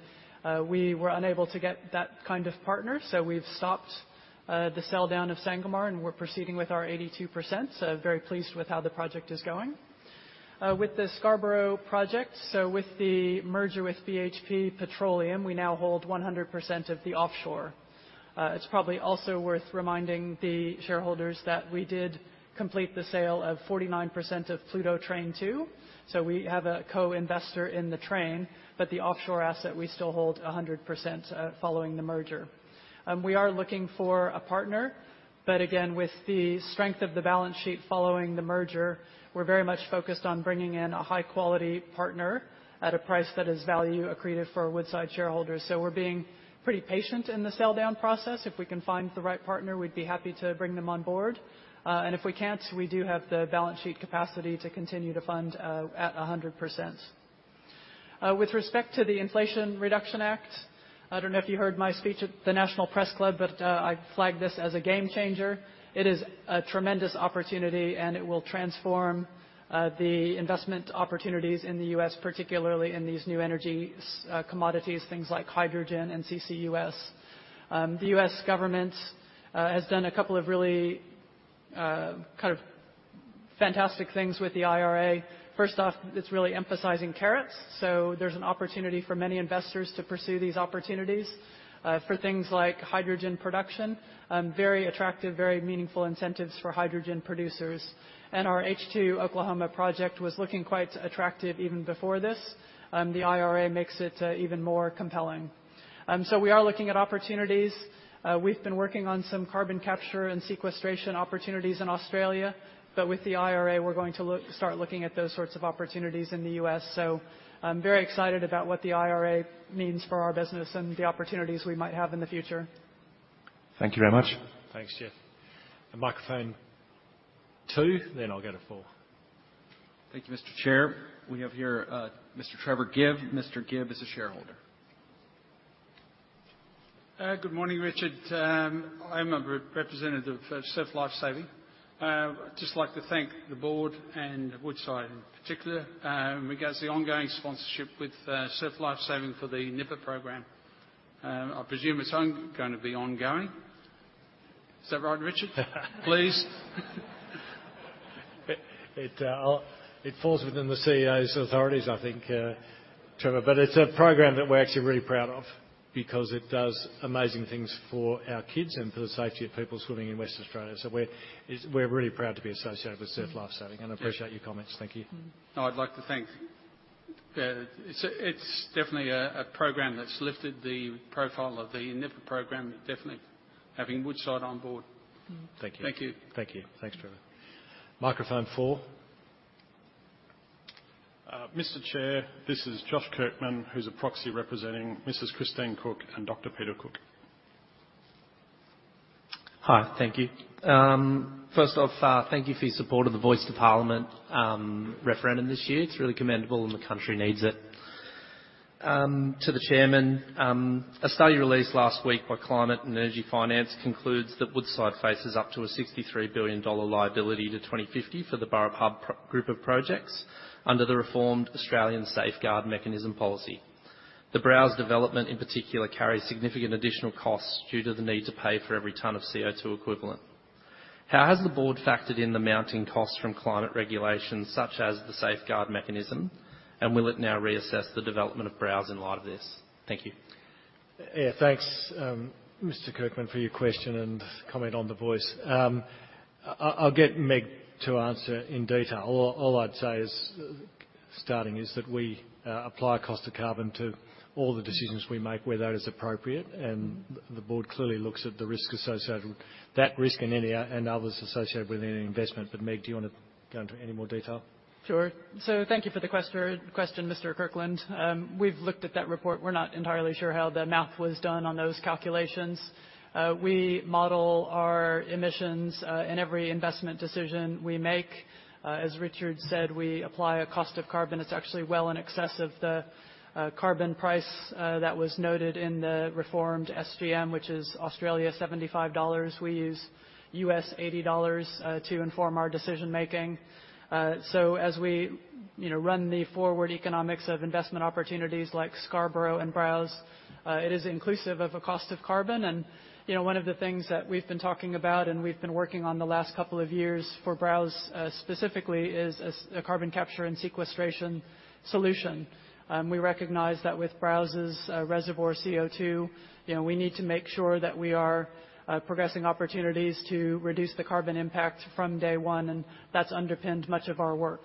we were unable to get that kind of partner. We've stopped the sell-down of Sangomar, and we're proceeding with our 82%. Very pleased with how the project is going. With the Scarborough project, so with the merger with BHP Petroleum, we now hold 100% of the offshore. It's probably also worth reminding the shareholders that we did complete the sale of 49% of Pluto Train 2. We have a co-investor in the train, but the offshore asset, we still hold 100% following the merger. We are looking for a partner, but again, with the strength of the balance sheet following the merger, we're very much focused on bringing in a high quality partner at a price that is value accretive for Woodside shareholders. We're being pretty patient in the sell-down process. If we can find the right partner, we'd be happy to bring them on board. If we can't, we do have the balance sheet capacity to continue to fund at 100%. With respect to the Inflation Reduction Act, I don't know if you heard my speech at the National Press Club, but I flagged this as a game changer. It is a tremendous opportunity, and it will transform the investment opportunities in the U.S., particularly in these new energy commodities, things like hydrogen and CCUS. The U.S. government has done a couple of really kind of fantastic things with the IRA. First off, it's really emphasizing carrots. There's an opportunity for many investors to pursue these opportunities for things like hydrogen production, very attractive, very meaningful incentives for hydrogen producers. Our H2 Oklahoma project was looking quite attractive even before this. The IRA makes it even more compelling. We are looking at opportunities. We've been working on some carbon capture and sequestration opportunities in Australia. With the IRA, we're going to start looking at those sorts of opportunities in the U.S. I'm very excited about what the IRA means for our business and the opportunities we might have in the future. Thank you very much. Thanks, Geoff. Microphone two. Then I'll go to four. Thank you, Mr. Chair. We have here, Mr. Trevor Gibb. Mr. Gibb is a shareholder. Good morning, Richard. I'm a representative of Surf Life Saving. I'd just like to thank the board and Woodside in particular, regards the ongoing sponsorship with Surf Life Saving for the Nipper program. I presume it's gonna be ongoing. Is that right, Richard? Please. It falls within the CEO's authorities, I think, Trevor. It's a program that we're actually really proud of because it does amazing things for our kids and for the safety of people swimming in West Australia. We're really proud to be associated with Surf Life Saving, and I appreciate your comments. Thank you. Mm-hmm. No, I'd like to thank, it's definitely a program that's lifted the profile of the Nippers program, definitely having Woodside on board. Mm-hmm. Thank you. Thank you. Thanks, Trevor. Microphone four. Mr. Chair, this is Josh Kirkman, who's a proxy representing Mrs. Christine Cook and Dr. Peter Cook. Hi, thank you. First off, thank you for your support of the Voice to Parliament referendum this year. It's really commendable, the country needs it. To the chairman, a study released last week by Climate Energy Finance concludes that Woodside faces up to a $63 billion liability to 2050 for the Burrup Hub group of projects under the reformed Australian Safeguard Mechanism policy. The Browse development in particular carries significant additional costs due to the need to pay for every ton of CO2 equivalent. How has the board factored in the mounting costs from climate regulations such as the Safeguard Mechanism, will it now reassess the development of Browse in light of this? Thank you. Yeah. Thanks, Mr. Kirkland, for your question and comment on The Voice. I'll get Meg to answer in detail. All I'd say is starting is that we apply cost of carbon to all the decisions we make where that is appropriate, and the board clearly looks at the risk associated with that risk and any, and others associated with any investment. Meg, do you wanna go into any more detail? Sure. Thank you for the question, Mr. Kirkland. We've looked at that report. We're not entirely sure how the math was done on those calculations. We model our emissions in every investment decision we make. As Richard said, we apply a cost of carbon. It's actually well in excess of the carbon price that was noted in the reformed SGM, which is 75 dollars. We use $80 to inform our decision-making. So as we, you know, run the forward economics of investment opportunities like Scarborough and Browse, it is inclusive of a cost of carbon. You know, one of the things that we've been talking about and we've been working on the last couple of years for Browse, specifically is a carbon capture and sequestration solution. We recognize that with Browse's reservoir CO₂, you know, we need to make sure that we are progressing opportunities to reduce the carbon impact from day one, and that's underpinned much of our work.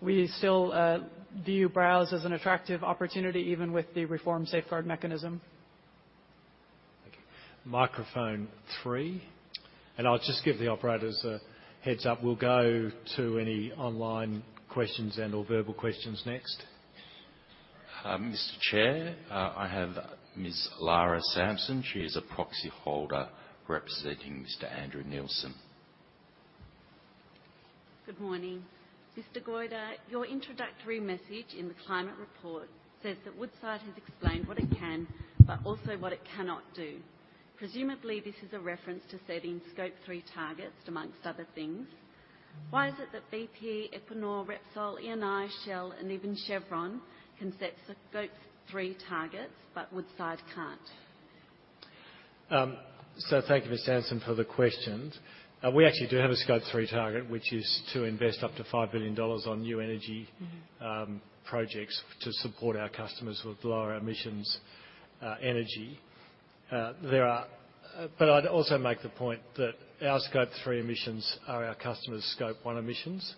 We still view Browse as an attractive opportunity even with the reformed Safeguard Mechanism. Thank you. Microphone three. I'll just give the operators a heads-up. We'll go to any online questions and/or verbal questions next. Mr. Chair, I have Ms. Lara Samson. She is a proxy holder representing Mr. Andrew Nielsen. Good morning. Mr. Goyder, your introductory message in the climate report says that Woodside has explained what it can, but also what it cannot do. Presumably, this is a reference to setting Scope 3 targets among other things. Why is it that BP, Equinor, Repsol, Eni, Shell, and even Chevron can set Scope 3 targets, but Woodside can't? Thank you, Ms. Samson for the questions. We actually do have a Scope 3 target, which is to invest up to $5 billion. Mm-hmm... Projects to support our customers with lower emissions, energy. I'd also make the point that our Scope 3 emissions are our customers' Scope 1 emissions.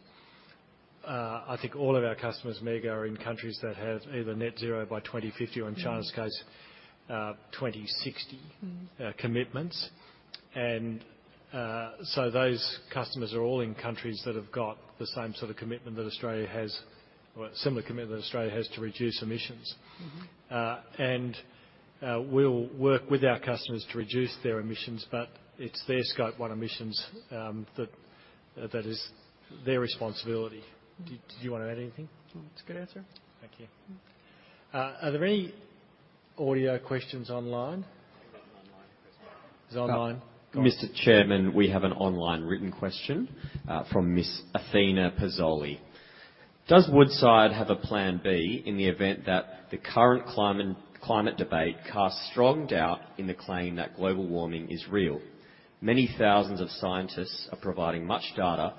I think all of our customers, Meg, are in countries that have either net zero by 2050 or in China's case, 2060. Mm-hmm... Commitments. Those customers are all in countries that have got the same sort of commitment that Australia has or a similar commitment that Australia has to reduce emissions. Mm-hmm. We'll work with our customers to reduce their emissions, but it's their Scope 1 emissions, that is their responsibility. Do you wanna add anything? No, that's a good answer. Thank you. Mm-hmm. Are there any audio questions online? We've got online as well. There's online. Go on. Mr. Chairman, we have an online written question from Miss Athena Pizoli. Does Woodside have a plan B in the event that the current climate debate casts strong doubt in the claim that global warming is real? Many thousands of scientists are providing much data,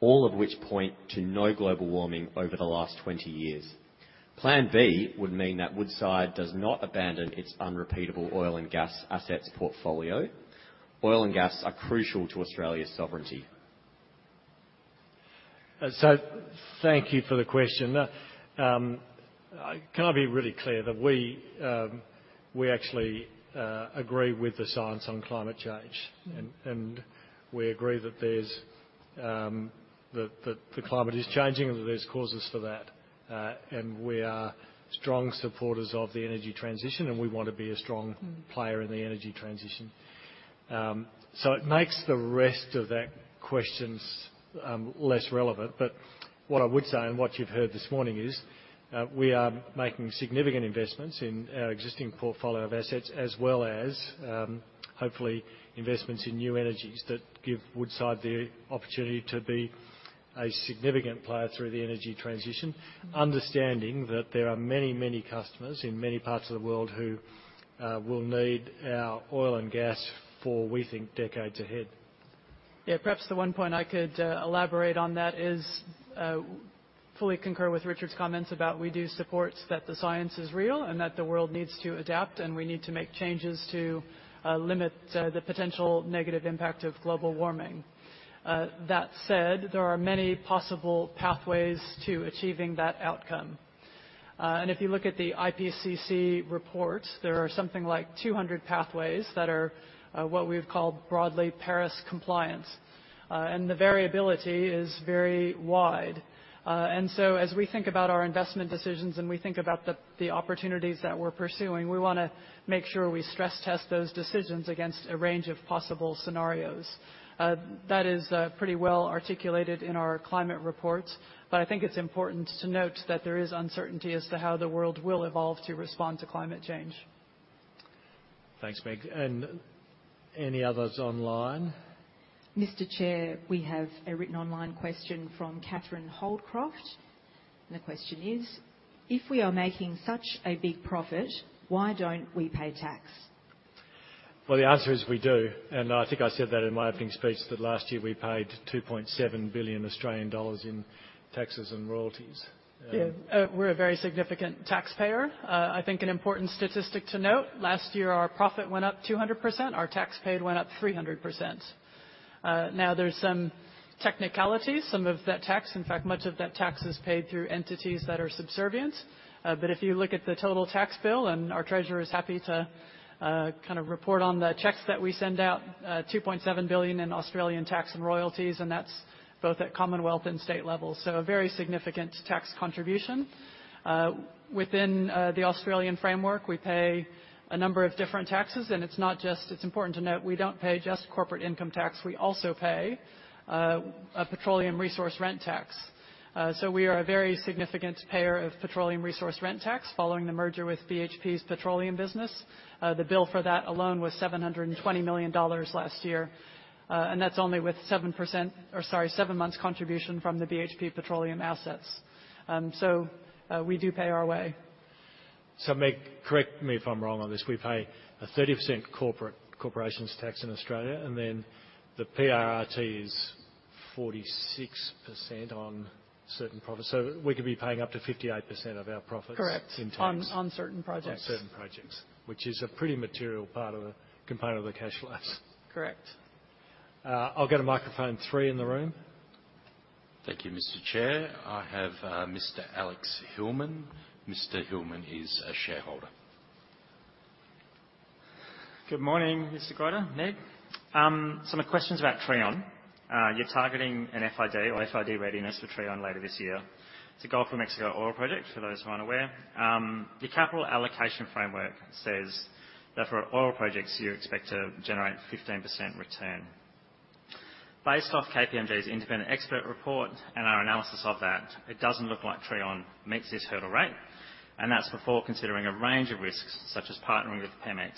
all of which point to no global warming over the last 20 years. Plan B would mean that Woodside does not abandon its unrepeatable oil and gas assets portfolio. Oil and gas are crucial to Australia's sovereignty. Thank you for the question. Can I be really clear that we actually agree with the science on climate change. Mm-hmm. We agree that there's that the climate is changing and that there's causes for that. We are strong supporters of the energy transition, and we want to be a. Mm-hmm... Player in the energy transition. It makes the rest of that questions, less relevant. What I would say, and what you've heard this morning is, we are making significant investments in our existing portfolio of assets, as well as, hopefully investments in new energies that give Woodside the opportunity to be a significant player through the energy transition. Mm-hmm. Understanding that there are many customers in many parts of the world who will need our oil and gas for, we think, decades ahead. Yeah. Perhaps the one point I could elaborate on that is fully concur with Richard's comments about we do support that the science is real and that the world needs to adapt, and we need to make changes to limit the potential negative impact of global warming. That said, there are many possible pathways to achieving that outcome. If you look at the IPCC report, there are something like 200 pathways that are what we've called broadly Paris compliance. The variability is very wide. So as we think about our investment decisions and we think about the opportunities that we're pursuing, we wanna make sure we stress test those decisions against a range of possible scenarios. That is pretty well articulated in our climate report. I think it's important to note that there is uncertainty as to how the world will evolve to respond to climate change. Thanks, Meg. Any others online? Mr. Chair, we have a written online question from Catherine Holdcroft. The question is: If we are making such a big profit, why don't we pay tax? The answer is, we do. I think I said that in my opening speech, that last year we paid 2.7 billion Australian dollars in taxes and royalties. We're a very significant taxpayer. I think an important statistic to note, last year our profit went up 200%, our tax paid went up 300%. Now there's some technicalities. Some of that tax, in fact, much of that tax is paid through entities that are subservient. If you look at the total tax bill, and our treasurer is happy to kind of report on the checks that we send out, 2.7 billion in Australian tax and royalties, and that's both at Commonwealth and state levels. A very significant tax contribution. Within the Australian framework, we pay a number of different taxes, and it's not just. It's important to note, we don't pay just corporate income tax, we also pay a petroleum resource rent tax. We are a very significant payer of petroleum resource rent tax following the merger with BHP's petroleum business. The bill for that alone was $720 million last year. That's only with 7%, or sorry, seven months contribution from the BHP petroleum assets. We do pay our way. Meg, correct me if I'm wrong on this. We pay a 30% corporations tax in Australia, the PRRT is 46% on certain profits. We could be paying up to 58% of our profits Correct. In tax. On certain projects. On certain projects. Which is a pretty material component of the cash life. Correct. I'll go to microphone three in the room. Thank you, Mr. Chair. I have, Mr. Alex Hillman. Mr. Hillman is a shareholder. Good morning, Mr. Goyder, Meg. Some of the questions about Trion. You're targeting an FID or FID readiness for Trion later this year. It's a Gulf of Mexico oil project for those who aren't aware. Your capital allocation framework says that for oil projects, you expect to generate 15% return. Based off KPMG's independent expert report and our analysis of that, it doesn't look like Trion meets this hurdle rate, and that's before considering a range of risks, such as partnering with Pemex,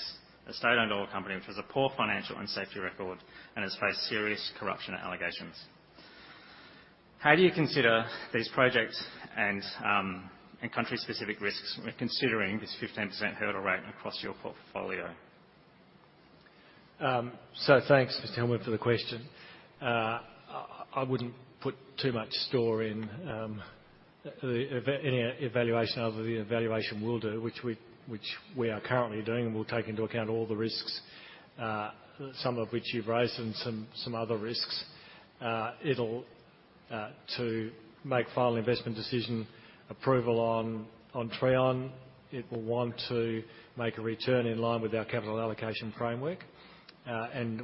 a state-owned oil company which has a poor financial and safety record and has faced serious corruption allegations. How do you consider these projects and country-specific risks when considering this 15% hurdle rate across your portfolio? Thanks, Mr. Hillman, for the question. I wouldn't put too much store in any evaluation other than the evaluation we'll do, which we are currently doing, and we'll take into account all the risks, some of which you've raised and some other risks. It'll to make final investment decision approval on Trion, it will want to make a return in line with our capital allocation framework.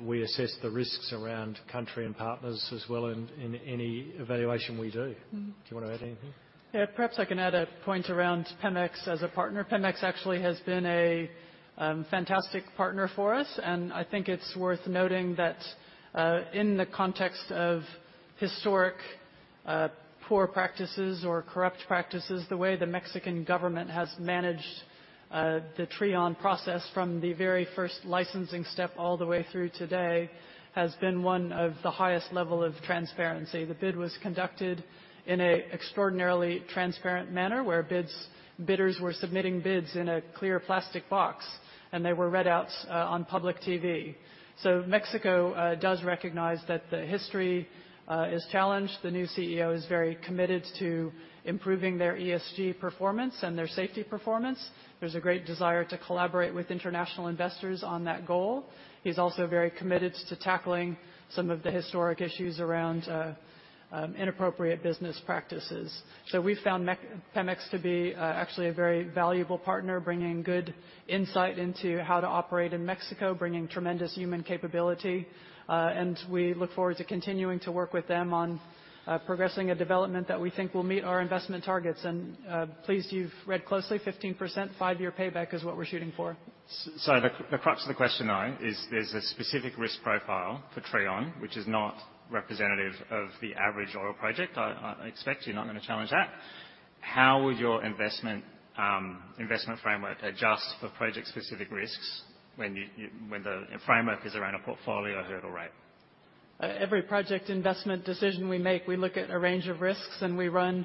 We assess the risks around country and partners as well in any evaluation we do. Mm-hmm. Do you wanna add anything? Yeah. Perhaps I can add a point around Pemex as a partner. Pemex actually has been a fantastic partner for us, and I think it's worth noting that in the context of historic poor practices or corrupt practices, the way the Mexican government has managed the Trion process from the very first licensing step all the way through today, has been one of the highest level of transparency. The bid was conducted in an extraordinarily transparent manner, where bidders were submitting bids in a clear plastic box, and they were read out on public TV. Mexico does recognize that the history is challenged. The new CEO is very committed to improving their ESG performance and their safety performance. There's a great desire to collaborate with international investors on that goal. He's also very committed to tackling some of the historic issues around inappropriate business practices. We've found Pemex to be actually a very valuable partner, bringing good insight into how to operate in Mexico, bringing tremendous human capability. We look forward to continuing to work with them on progressing a development that we think will meet our investment targets. Pleased you've read closely, 15%, five-year payback is what we're shooting for. The crux of the question now is there's a specific risk profile for Trion which is not representative of the average oil project. I expect you're not gonna challenge that. How would your investment investment framework adjust for project-specific risks when you, when the framework is around a portfolio hurdle rate? Every project investment decision we make, we look at a range of risks, we run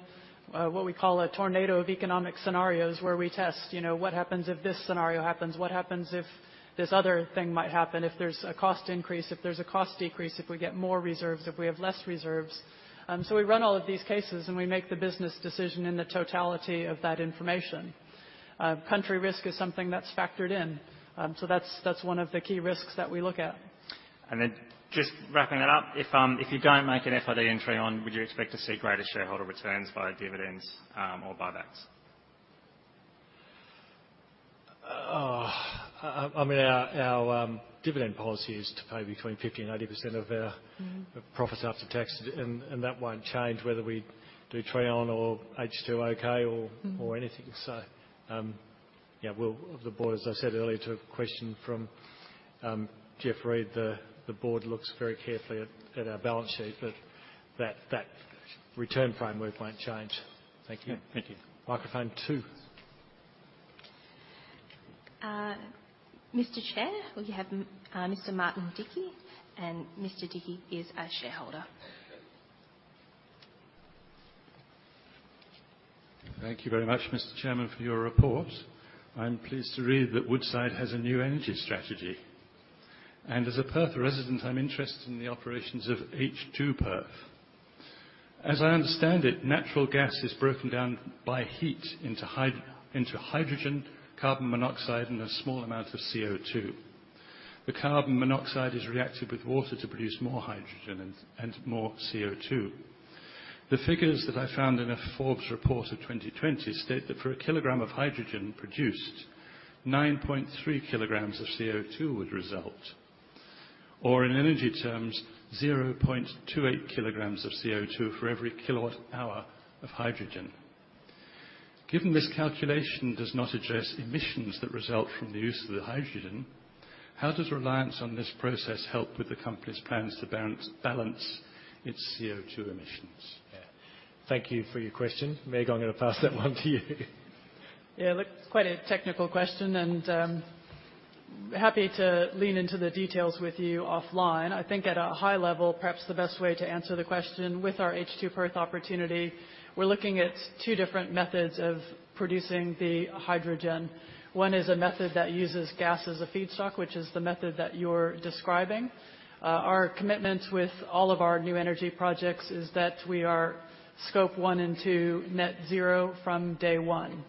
what we call a tornado of economic scenarios where we test, you know, what happens if this scenario happens? What happens if this other thing might happen? If there's a cost increase, if there's a cost decrease, if we get more reserves, if we have less reserves. We run all of these cases, we make the business decision in the totality of that information. Country risk is something that's factored in. That's one of the key risks that we look at. Just wrapping it up. If, if you don't make an FID entry on, would you expect to see greater shareholder returns via dividends, or buybacks? I mean, our dividend policy is to pay between 50% and 80%. Mm-hmm. Profits after tax. That won't change whether we do Trion or H2OK or... Mm-hmm. -Or anything. The board, as I said earlier to a question from Geoff Read, the board looks very carefully at our balance sheet, but that return framework won't change. Thank you. Thank you. Microphone two. Mr. Chair, we have Mr. Martin Dickie, and Mr. Dickie is a shareholder. Thank you very much, Mr. Chairman, for your report. I'm pleased to read that Woodside has a new energy strategy. As a Perth resident, I'm interested in the operations of H2Perth. As I understand it, natural gas is broken down by heat into hydrogen, carbon monoxide, and a small amount of CO2. The carbon monoxide is reacted with water to produce more hydrogen and more CO2. The figures that I found in a Forbes report of 2020 state that for a kilogram of hydrogen produced, 9.3 kg of CO2 would result. In energy terms, 0.28 kg of CO2 for every kilowatt-hour of hydrogen. Given this calculation does not address emissions that result from the use of the hydrogen, how does reliance on this process help with the company's plans to balance its CO2 emissions? Yeah. Thank you for your question. Meg, I'm gonna pass that one to you. Yeah, look, it's quite a technical question, and happy to lean into the details with you offline. I think at a high level, perhaps the best way to answer the question with our H2Perth opportunity, we're looking at two different methods of producing the hydrogen. One is a method that uses gas as a feedstock, which is the method that you're describing. Our commitments with all of our new energy projects is that we are Scope 1 and 2 net zero from day one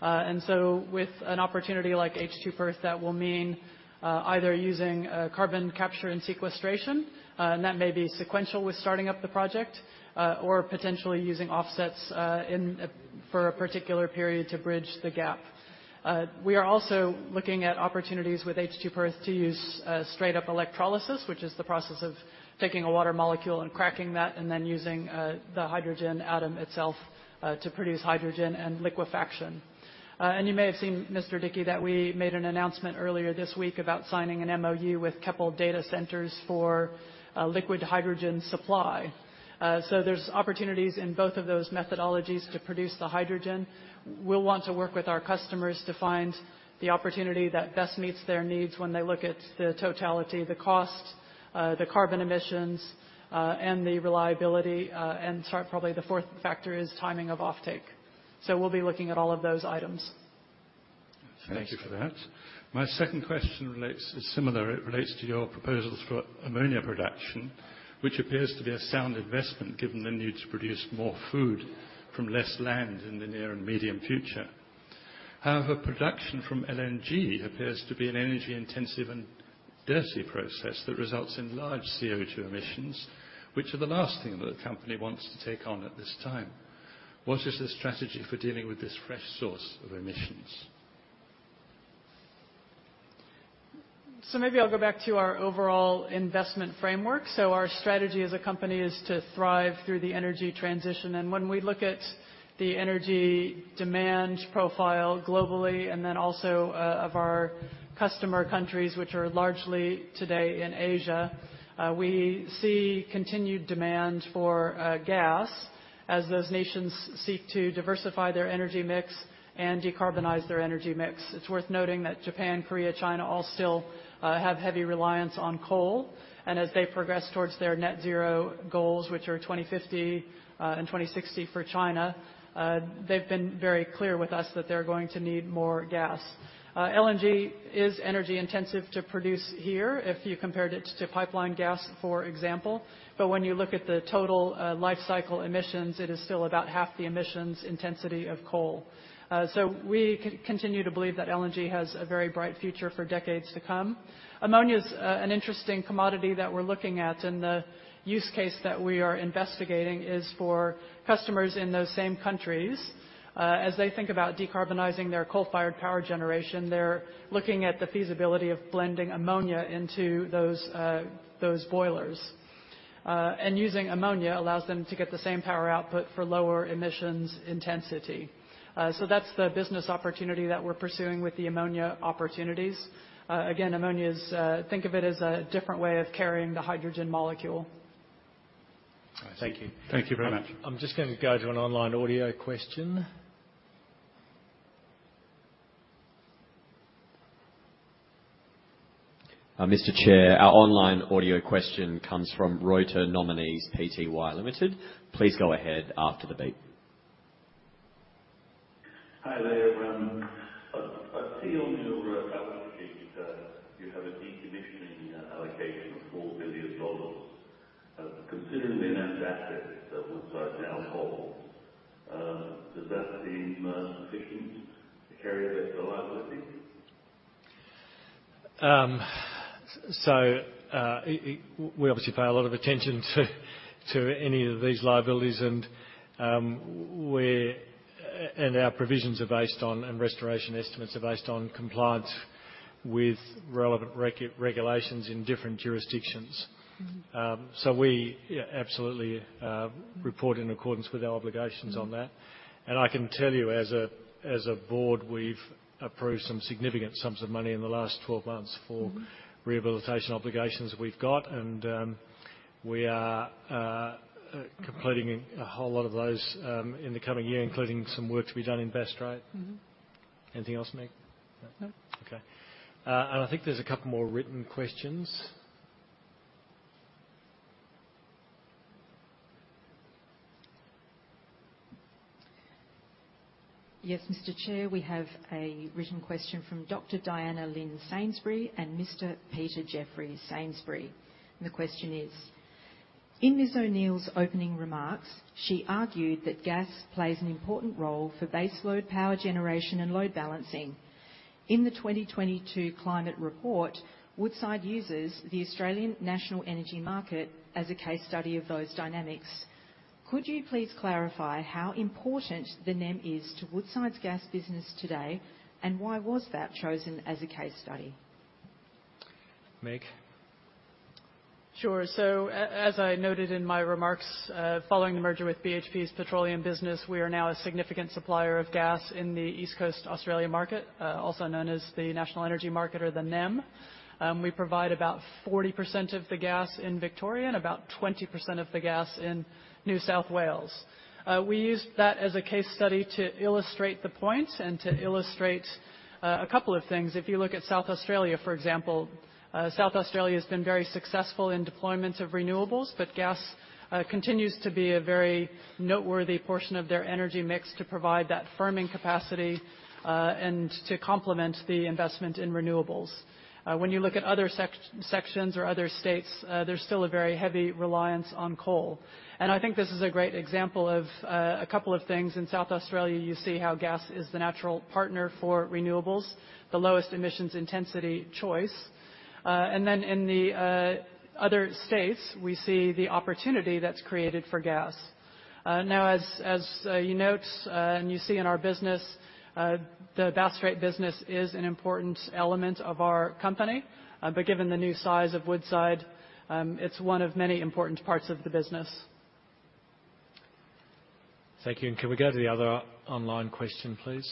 With an opportunity like H2Perth, that will mean either using carbon capture and sequestration, and that may be sequential with starting up the project, or potentially using offsets in for a particular period to bridge the gap. We are also looking at opportunities with H2Perth to use straight up electrolysis, which is the process of taking a water molecule and cracking that and then using the hydrogen atom itself to produce hydrogen and liquefaction. You may have seen, Mr. Dickie, that we made an announcement earlier this week about signing an MOU with Keppel Data Centres for liquid hydrogen supply. There's opportunities in both of those methodologies to produce the hydrogen. We'll want to work with our customers to find the opportunity that best meets their needs when they look at the totality, the cost, the carbon emissions, and the reliability. Probably the fourth factor is timing of offtake. We'll be looking at all of those items. Thank you for that. My second question relates, is similar. It relates to your proposals for ammonia production, which appears to be a sound investment, given the need to produce more food from less land in the near and medium future. However, production from LNG appears to be an energy-intensive and dirty process that results in large CO2 emissions, which are the last thing that a company wants to take on at this time. What is the strategy for dealing with this fresh source of emissions? Maybe I'll go back to our overall investment framework. Our strategy as a company is to thrive through the energy transition. When we look at the energy demand profile globally and then also, of our customer countries, which are largely today in Asia, we see continued demand for gas as those nations seek to diversify their energy mix and decarbonize their energy mix. It's worth noting that Japan, Korea, China, all still have heavy reliance on coal, and as they progress towards their net zero goals, which are 2050 and 2060 for China, they've been very clear with us that they're going to need more gas. LNG is energy intensive to produce here if you compared it to pipeline gas, for example. When you look at the total lifecycle emissions, it is still about half the emissions intensity of coal. We continue to believe that LNG has a very bright future for decades to come. Ammonia's an interesting commodity that we're looking at, the use case that we are investigating is for customers in those same countries. As they think about decarbonizing their coal-fired power generation, they're looking at the feasibility of blending ammonia into those boilers. Using ammonia allows them to get the same power output for lower emissions intensity. That's the business opportunity that we're pursuing with the ammonia opportunities. Again, ammonia's think of it as a different way of carrying the hydrogen molecule. All right. Thank you. Thank you very much. I'm just gonna go to an online audio question. Mr. Chair, our online audio question comes from Reuters Nominees PTY Limited. Please go ahead after the beep. Hi there. I see on your balance sheet that you have a decommissioning allocation of $4 billion. Considering the amount of assets that Woodside now holds, does that seem sufficient to carry this liability? We obviously pay a lot of attention to any of these liabilities, and our provisions are based on, and restoration estimates are based on compliance with relevant regulations in different jurisdictions. Mm-hmm. We, yeah, absolutely, report in accordance with our obligations on that. I can tell you as a board, we've approved some significant sums of money in the last 12 months. Mm-hmm. For rehabilitation obligations we've got, and, we are Mm-hmm. Completing a whole lot of those, in the coming year, including some work to be done in Bass Strait. Mm-hmm. Anything else, Meg? No. Okay. I think there's a couple more written questions. Yes, Mr. Chair. We have a written question from Dr. Diana Lynn Sainsbury and Mr. Peter Jeffrey Sainsbury. The question is: In Ms. O'Neill's opening remarks, she argued that gas plays an important role for baseload power generation and load balancing. In the 2022 climate report, Woodside uses the Australian National Electricity Market as a case study of those dynamics. Could you please clarify how important the NEM is to Woodside's gas business today, and why was that chosen as a case study? Meg? Sure. As I noted in my remarks, following the merger with BHP's petroleum business, we are now a significant supplier of gas in the East Coast Australia market, also known as the National Electricity Market or the NEM. We provide about 40% of the gas in Victoria and about 20% of the gas in New South Wales. We used that as a case study to illustrate the point and to illustrate a couple of things. If you look at South Australia, for example, South Australia has been very successful in deployments of renewables, but gas continues to be a very noteworthy portion of their energy mix to provide that firming capacity and to complement the investment in renewables. When you look at other sections or other states, there's still a very heavy reliance on coal. I think this is a great example of a couple of things. In South Australia, you see how gas is the natural partner for renewables, the lowest emissions intensity choice. Then in the other states, we see the opportunity that's created for gas. Now, as you note, and you see in our business, the Bass Strait business is an important element of our company. Given the new size of Woodside, it's one of many important parts of the business. Thank you. Can we go to the other online question, please?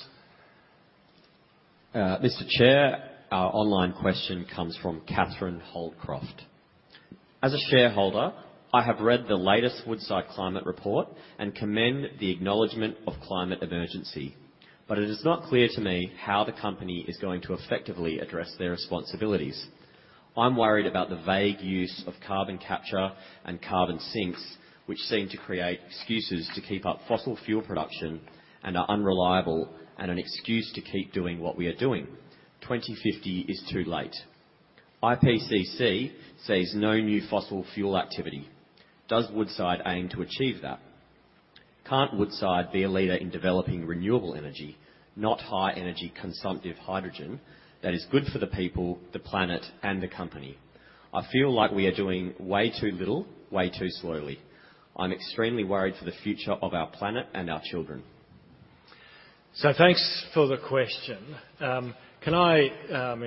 Mr. Chair, our online question comes from Catherine Holdcroft. As a shareholder, I have read the latest Woodside climate report and commend the acknowledgement of climate emergency. It is not clear to me how the company is going to effectively address their responsibilities. I'm worried about the vague use of carbon capture and carbon sinks, which seem to create excuses to keep up fossil fuel production and are unreliable and an excuse to keep doing what we are doing. 2050 is too late. IPCC says no new fossil fuel activity. Does Woodside aim to achieve that? Can't Woodside be a leader in developing renewable energy, not high energy consumptive hydrogen that is good for the people, the planet, and the company? I feel like we are doing way too little, way too slowly. I'm extremely worried for the future of our planet and our children. Thanks for the question. Can I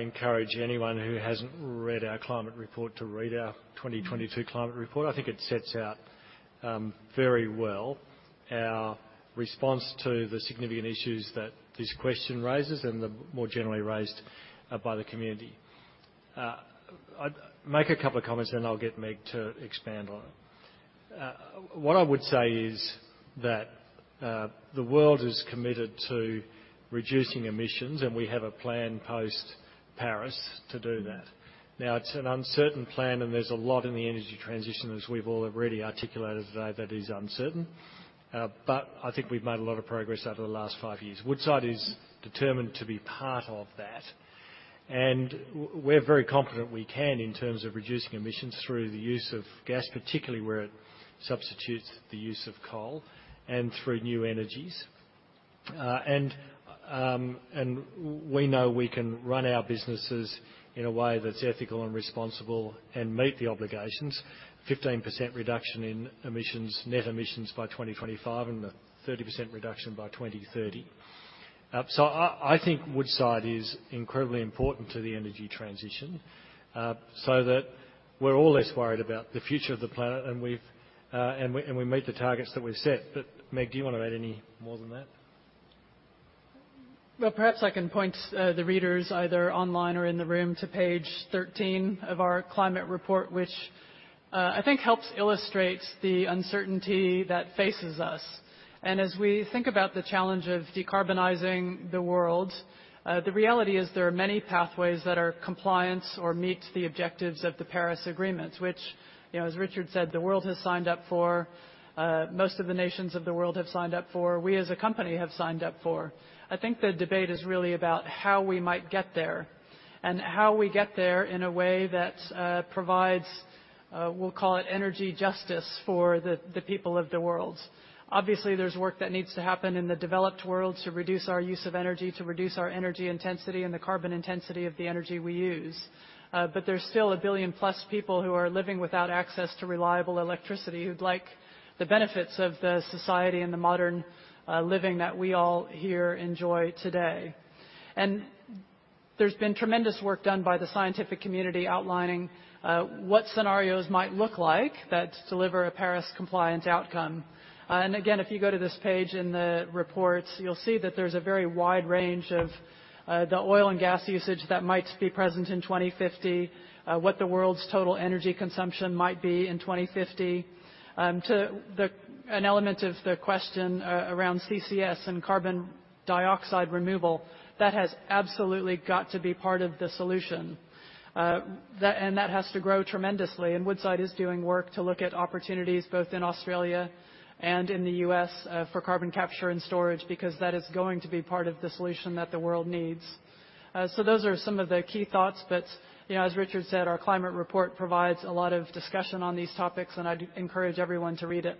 encourage anyone who hasn't read our climate report to read our 2022 climate report? I think it sets out very well our response to the significant issues that this question raises and the more generally raised by the community. I'd make a couple of comments, and I'll get Meg to expand on it. What I would say is that the world is committed to reducing emissions, and we have a plan post-Paris to do that. Now, it's an uncertain plan, and there's a lot in the energy transition, as we've all already articulated today, that is uncertain. I think we've made a lot of progress over the last five years. Woodside is determined to be part of that. We're very confident we can in terms of reducing emissions through the use of gas, particularly where it substitutes the use of coal and through new energies. And we know we can run our businesses in a way that's ethical and responsible and meet the obligations. 15% reduction in emissions, net emissions by 2025, and a 30% reduction by 2030. I think Woodside is incredibly important to the energy transition, so that we're all less worried about the future of the planet, and we've and we meet the targets that we've set. Meg, do you want to add any more than that? Well, perhaps I can point the readers, either online or in the room, to Page 13 of our climate report, which I think helps illustrate the uncertainty that faces us. As we think about the challenge of decarbonizing the world, the reality is there are many pathways that are compliance or meet the objectives of the Paris Agreement, which, you know, as Richard said, the world has signed up for, most of the nations of the world have signed up for, we as a company have signed up for. I think the debate is really about how we might get there and how we get there in a way that provides we'll call it energy justice for the people of the world. Obviously, there's work that needs to happen in the developed world to reduce our use of energy, to reduce our energy intensity and the carbon intensity of the energy we use. There's still one billion plus people who are living without access to reliable electricity who'd like the benefits of the society and the modern living that we all here enjoy today. There's been tremendous work done by the scientific community outlining what scenarios might look like that deliver a Paris-compliant outcome. Again, if you go to this page in the reports, you'll see that there's a very wide range of the oil and gas usage that might be present in 2050, what the world's total energy consumption might be in 2050. To the... An element of the question around CCS and carbon dioxide removal, that has absolutely got to be part of the solution. And that has to grow tremendously, and Woodside is doing work to look at opportunities both in Australia and in the U.S., for carbon capture and storage, because that is going to be part of the solution that the world needs. So those are some of the key thoughts. You know, as Richard said, our climate report provides a lot of discussion on these topics, and I'd encourage everyone to read it.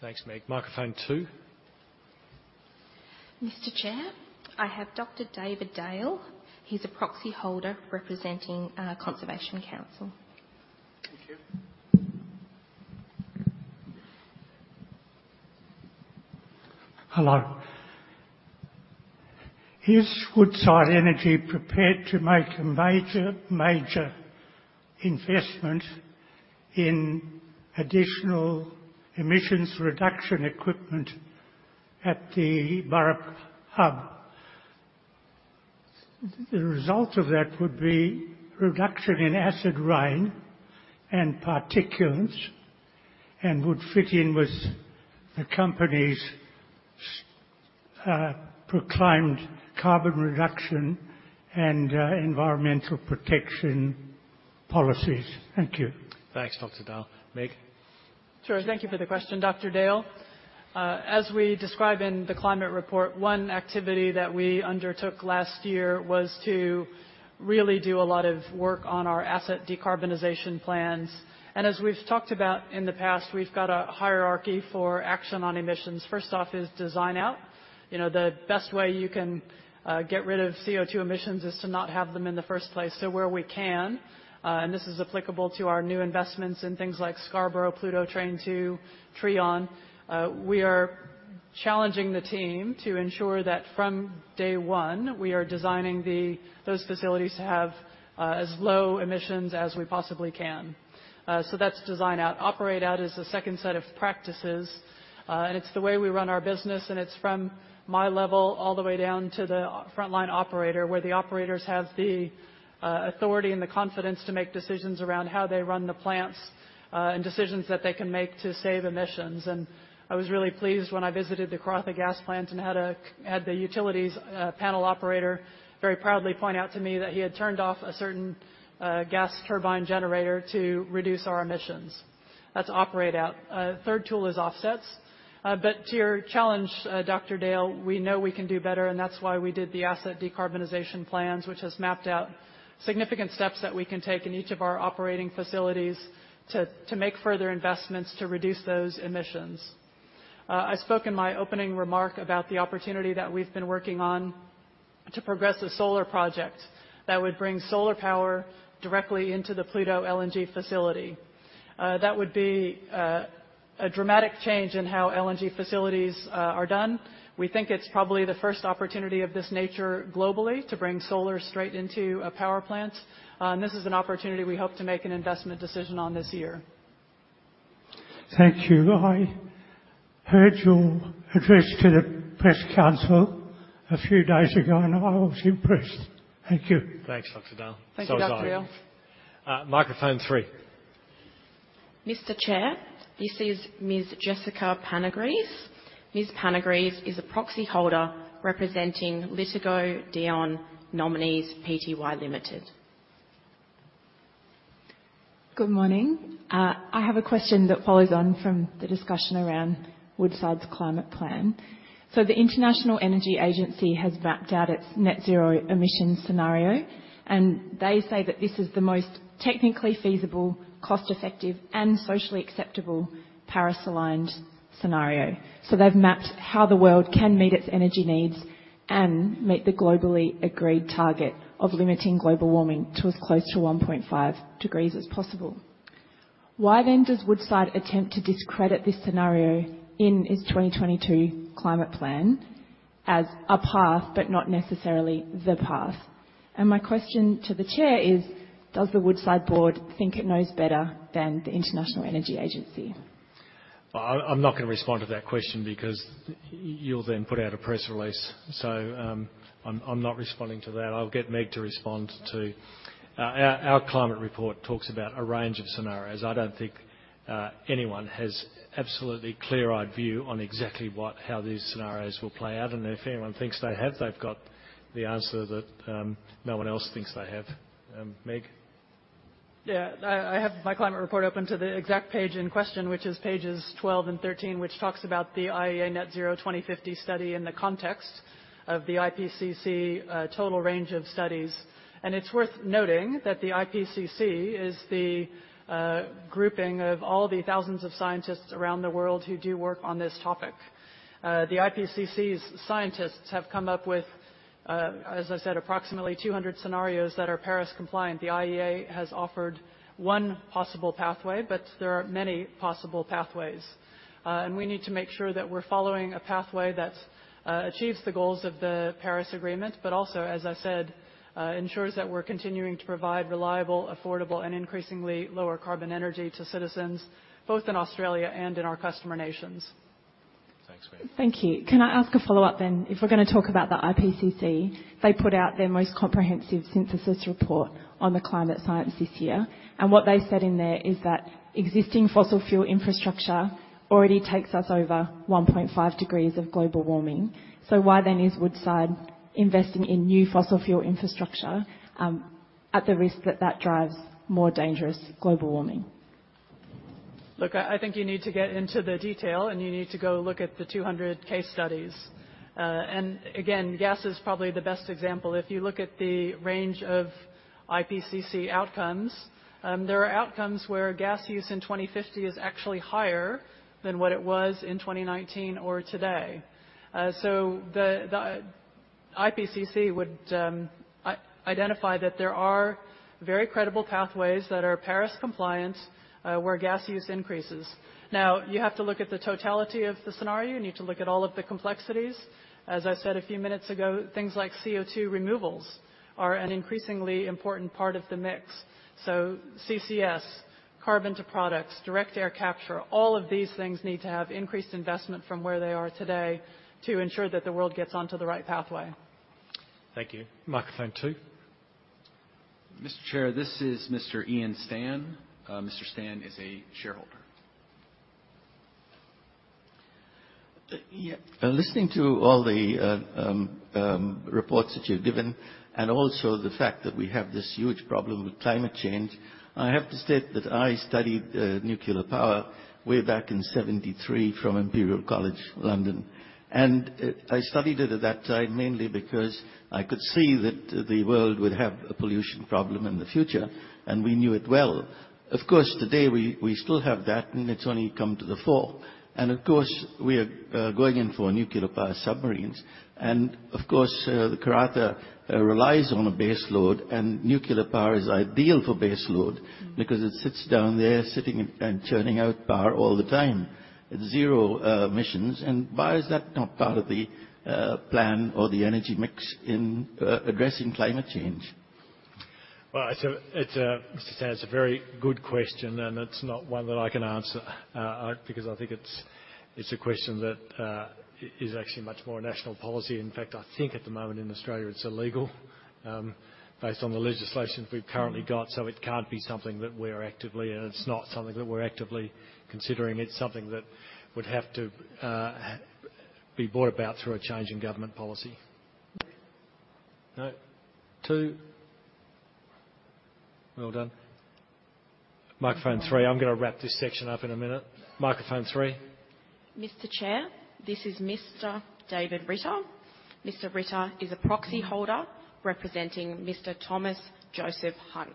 Thanks, Meg. Microphone two. Mr. Chair, I have Dr. David Dale. He's a proxy holder representing, Conservation Council. Thank you. Hello. Is Woodside Energy prepared to make a major investment in additional emissions reduction equipment at the Burrup Hub? The result of that would be reduction in acid rain and particulates, would fit in with the company's proclaimed carbon reduction and environmental protection policies. Thank you. Thanks, Dr. Dale. Meg. Sure. Thank you for the question, Dr. Dale. As we describe in the climate report, one activity that we undertook last year was to really do a lot of work on our asset decarbonization plans. As we've talked about in the past, we've got a hierarchy for action on emissions. First off is design out. You know, the best way you can get rid of CO2 emissions is to not have them in the first place. Where we can, and this is applicable to our new investments in things like Scarborough, Pluto Train 2, Trion, we are challenging the team to ensure that from day one, we are designing those facilities to have as low emissions as we possibly can. That's design out. Operate out is the second set of practices. And it's the way we run our business, and it's from my level all the way down to the frontline operator, where the operators have the authority and the confidence to make decisions around how they run the plants, and decisions that they can make to save emissions. And I was really pleased when I visited the Karratha Gas Plant and had the utilities panel operator very proudly point out to me that he had turned off a certain gas turbine generator to reduce our emissions. That's operate out. Third tool is offsets. But to your challenge, Dr. Dale, we know we can do better, and that's why we did the asset decarbonization plans, which has mapped out significant steps that we can take in each of our operating facilities to make further investments to reduce those emissions. I spoke in my opening remark about the opportunity that we've been working on to progress a Woodside Solar Project that would bring solar power directly into the Pluto LNG facility. That would be a dramatic change in how LNG facilities are done. We think it's probably the first opportunity of this nature globally to bring solar straight into a power plant. This is an opportunity we hope to make an investment decision on this year. Thank you. I heard your address to the Press Council a few days ago, and I was impressed. Thank you. Thanks, Dr. Dale. Thank you, Dr. Dale. Sorry. Microphone three. Mr. Chair, this is Ms. Jessica Panagris. Ms. Panagris is a proxy holder representing Mostia Dion Nominees Pty Ltd. Good morning. I have a question that follows on from the discussion around Woodside's climate plan. The International Energy Agency has mapped out its net zero emission scenario, and they say that this is the most technically feasible, cost-effective, and socially acceptable Paris-aligned scenario. They've mapped how the world can meet its energy needs and meet the globally agreed target of limiting global warming to as close to 1.5 degrees as possible. Why then does Woodside attempt to discredit this scenario in its 2022 climate plan as a path, but not necessarily the path? My question to the chair is, does the Woodside board think it knows better than the International Energy Agency? I'm not gonna respond to that question because you'll then put out a press release. I'm not responding to that. I'll get Meg to respond to. Our climate report talks about a range of scenarios. I don't think anyone has absolutely clear-eyed view on exactly what how these scenarios will play out. If anyone thinks they have, they've got the answer that no one else thinks they have. Meg. Yeah. I have my climate report open to the exact page in question, which is Pages 12 and 13, which talks about the IEA Net Zero 2050 study in the context of the IPCC total range of studies. It's worth noting that the IPCC is the grouping of all the thousands of scientists around the world who do work on this topic. The IPCC's scientists have come up with, as I said, approximately 200 scenarios that are Paris compliant. The IEA has offered one possible pathway, but there are many possible pathways. We need to make sure that we're following a pathway that achieves the goals of the Paris Agreement, but also, as I said, ensures that we're continuing to provide reliable, affordable, and increasingly lower carbon energy to citizens, both in Australia and in our customer nations. Thank you. Can I ask a follow-up then? If we're gonna talk about the IPCC, they put out their most comprehensive synthesis report on the climate science this year. What they said in there is that existing fossil fuel infrastructure already takes us over 1.5 degrees of global warming. Why then is Woodside investing in new fossil fuel infrastructure at the risk that that drives more dangerous global warming? Look, I think you need to get into the detail, you need to go look at the 200 case studies. Again, gas is probably the best example. If you look at the range of IPCC outcomes, there are outcomes where gas use in 2050 is actually higher than what it was in 2019 or today. The IPCC would identify that there are very credible pathways that are Paris compliant, where gas use increases. Now, you have to look at the totality of the scenario. You need to look at all of the complexities. As I said a few minutes ago, things like CO2 removals are an increasingly important part of the mix. CCS, carbon to products, direct air capture, all of these things need to have increased investment from where they are today to ensure that the world gets onto the right pathway. Thank you. Microphone two. Mr. Chair, this is Mr. Ian Stan. Mr. Stan is a shareholder. Listening to all the reports that you've given and also the fact that we have this huge problem with climate change, I have to state that I studied nuclear power way back in 73 from Imperial College London. I studied it at that time mainly because I could see that the world would have a pollution problem in the future, and we knew it well. Of course, today we still have that, and it's only come to the fore. Of course, we are going in for nuclear power submarines. Of course, the Karratha relies on a base load, and nuclear power is ideal for base load because it sits down there sitting and churning out power all the time at 0 emissions. Why is that not part of the plan or the energy mix in addressing climate change? Well, Mr. Stan, it's a very good question, and it's not one that I can answer because I think it's a question that is actually much more national policy. In fact, I think at the moment in Australia it's illegal, based on the legislation we've currently got. It can't be something that we're actively and it's not something that we're actively considering. It's something that would have to be brought about through a change in government policy. No? Two. Well done. Microphone three. I'm gonna wrap this section up in one minute. Microphone three. Mr. Chair, this is Mr. David Ritter. Mr. Ritter is a proxy holder representing Mr. Thomas Joseph Hunt.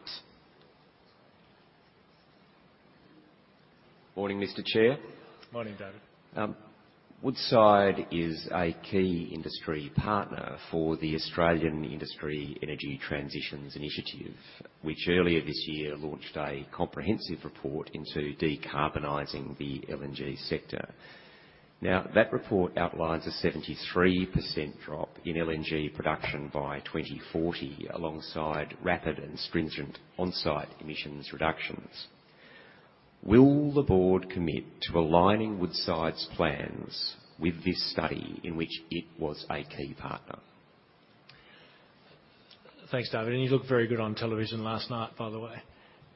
Morning, Mr. Chair. Morning, David. Woodside is a key industry partner for the Australian Industry Energy Transitions Initiative, which earlier this year launched a comprehensive report into decarbonizing the LNG sector. Now, that report outlines a 73% drop in LNG production by 2040 alongside rapid and stringent on-site emissions reductions. Will the board commit to aligning Woodside's plans with this study in which it was a key partner? Thanks, David. You looked very good on television last night, by the way.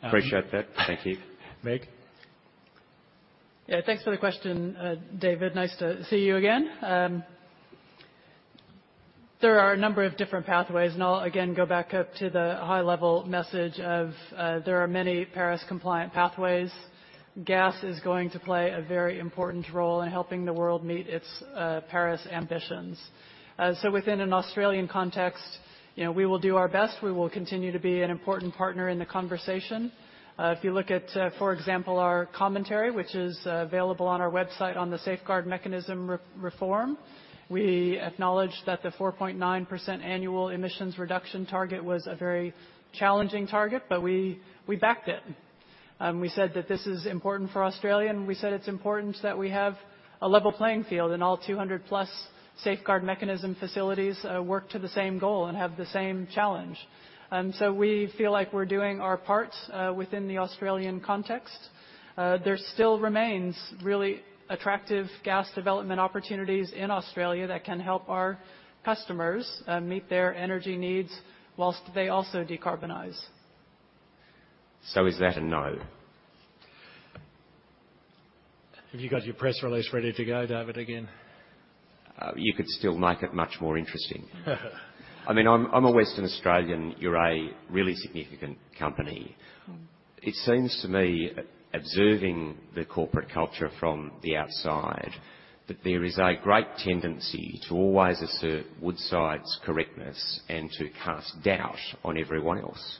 Appreciate that. Thank you. Meg. Yeah, thanks for the question, David. Nice to see you again. There are a number of different pathways, and I'll again go back up to the high level message of, there are many Paris compliant pathways. Gas is going to play a very important role in helping the world meet its, Paris ambitions. Within an Australian context, you know, we will do our best. We will continue to be an important partner in the conversation. If you look at, for example, our commentary, which is available on our website on the Safeguard Mechanism re-reform, we acknowledge that the 4.9% annual emissions reduction target was a very challenging target, but we backed it. We said that this is important for Australia, and we said it's important that we have a level playing field and all 200+ Safeguard Mechanism facilities, work to the same goal and have the same challenge. We feel like we're doing our part within the Australian context. There still remains really attractive gas development opportunities in Australia that can help our customers meet their energy needs whilst they also decarbonize. Is that a no? Have you got your press release ready to go, David, again? You could still make it much more interesting. I mean, I'm a Western Australian. You're a really significant company. Mm. It seems to me, observing the corporate culture from the outside, that there is a great tendency to always assert Woodside's correctness and to cast doubt on everyone else.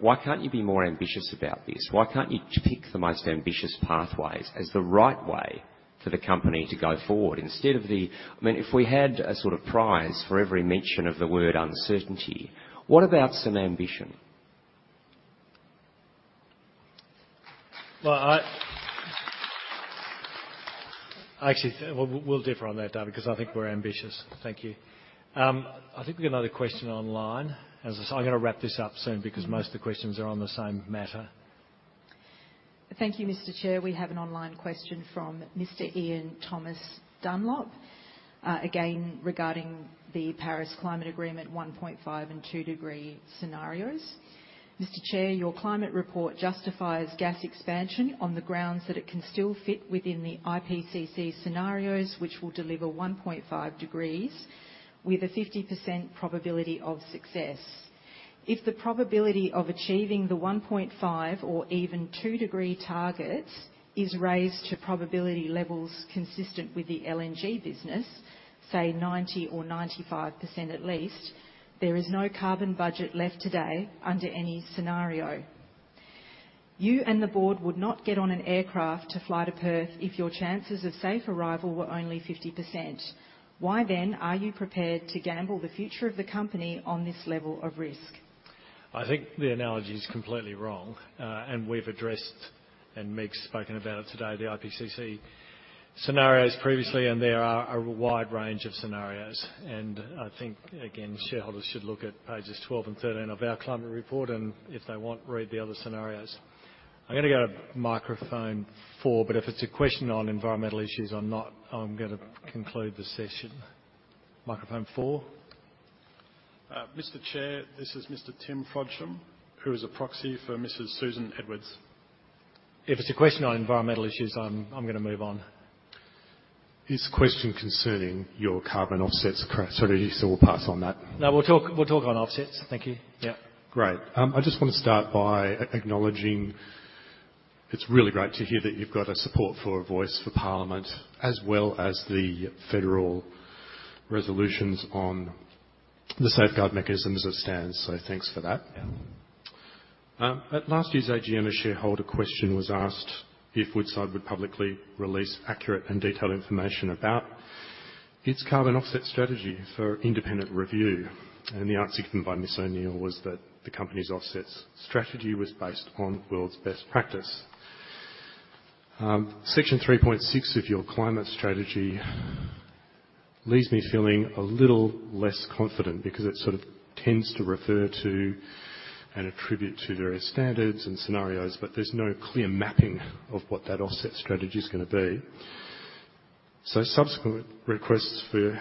Why can't you be more ambitious about this? Why can't you pick the most ambitious pathways as the right way for the company to go forward instead of the. I mean, if we had a sort of prize for every mention of the word uncertainty, what about some ambition? Well, I actually We'll differ on that, David, because I think we're ambitious. Thank you. I think we got another question online. As I said, I'm gonna wrap this up soon because most of the questions are on the same matter. Thank you, Mr. Chair. We have an online question from Mr. Ian Thomas Dunlop, again, regarding the Paris Climate Agreement 1.5 and 2-degree scenarios. Mr. Chair, your climate report justifies gas expansion on the grounds that it can still fit within the IPCC scenarios, which will deliver 1.5 degrees with a 50% probability of success. If the probability of achieving the 1.5 or even 2-degree targets is raised to probability levels consistent with the LNG business, say 90% or 95% at least, there is no carbon budget left today under any scenario. You and the board would not get on an aircraft to fly to Perth if your chances of safe arrival were only 50%. Why then are you prepared to gamble the future of the company on this level of risk? I think the analogy is completely wrong. We've addressed, and Meg's spoken about it today, the IPCC scenarios previously, and there are a wide range of scenarios. I think, again, shareholders should look at Pages 12 and 13 of our climate report, and if they want, read the other scenarios. I'm gonna go to microphone four, but if it's a question on environmental issues, I'm gonna conclude the session. Microphone four. Mr. Chair, this is Mr. Tim Frodsham, who is a proxy for Mrs. Susan Edwards. If it's a question on environmental issues, I'm gonna move on. It's a question concerning your carbon offsets strategy. We'll pass on that. No, we'll talk on offsets. Thank you. Yeah. Great. I just wanna start by acknowledging it's really great to hear that you've got a support for a Voice to Parliament, as well as the federal resolutions on the Safeguard Mechanism as it stands. Thanks for that. Yeah. At last year's AGM, a shareholder question was asked if Woodside would publicly release accurate and detailed information about its carbon offset strategy for independent review. The answer given by Ms. O'Neill was that the company's offsets strategy was based on world's best practice. Section 3.6 of your climate strategy leaves me feeling a little less confident because it sort of tends to refer to and attribute to various standards and scenarios, but there's no clear mapping of what that offset strategy is gonna be. Subsequent requests for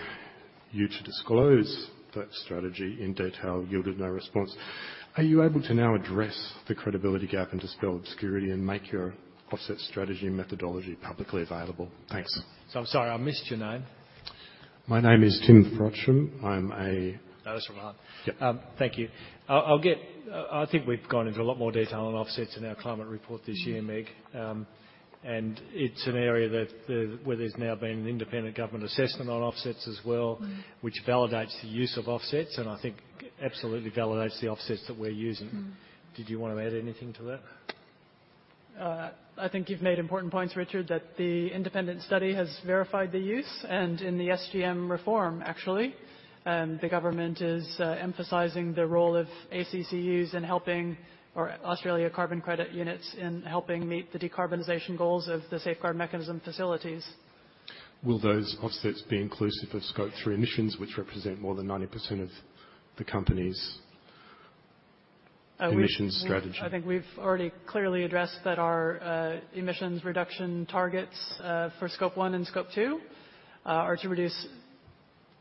you to disclose that strategy in detail yielded no response. Are you able to now address the credibility gap and dispel obscurity and make your offset strategy and methodology publicly available? Thanks. I'm sorry, I missed your name. My name is Tim Frodsham. I'm No, that's all right. Yeah. Thank you. I'll get I think we've gone into a lot more detail on offsets in our climate report this year, Meg. It's an area that where there's now been an independent government assessment on offsets as well. Mm-hmm. which validates the use of offsets, and I think absolutely validates the offsets that we're using. Mm-hmm. Did you wanna add anything to that? I think you've made important points, Richard, that the independent study has verified the use and in the SGM reform, actually. The government is emphasizing the role of ACCUs in helping, or Australian Carbon Credit Units, in helping meet the decarbonization goals of the Safeguard Mechanism facilities. Will those offsets be inclusive of Scope 3 emissions, which represent more than 90% of the company's emissions strategy? I think we've already clearly addressed that our emissions reduction targets for Scope 1 and Scope 2 are to reduce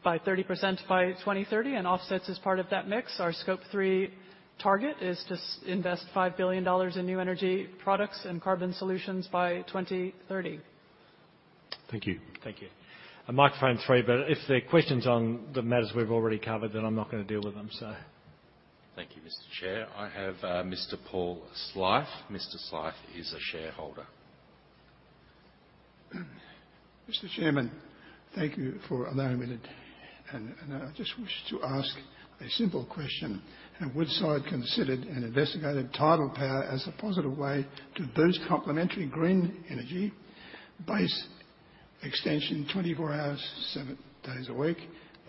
by 30% by 2030 and offsets is part of that mix. Our Scope 3 target is to invest $5 billion in new energy products and carbon solutions by 2030. Thank you. Thank you. Microphone three, if there are questions on the matters we've already covered, I'm not gonna deal with them, so... Thank you, Mr. Chair. I have, Mr. Paul Slythe. Mr. Slythe is a shareholder. Mr. Chairman, thank you for allowing me to... I just wish to ask a simple question. Have Woodside considered and investigated tidal power as a positive way to boost complementary green energy base extension 24 hours, seven days a week?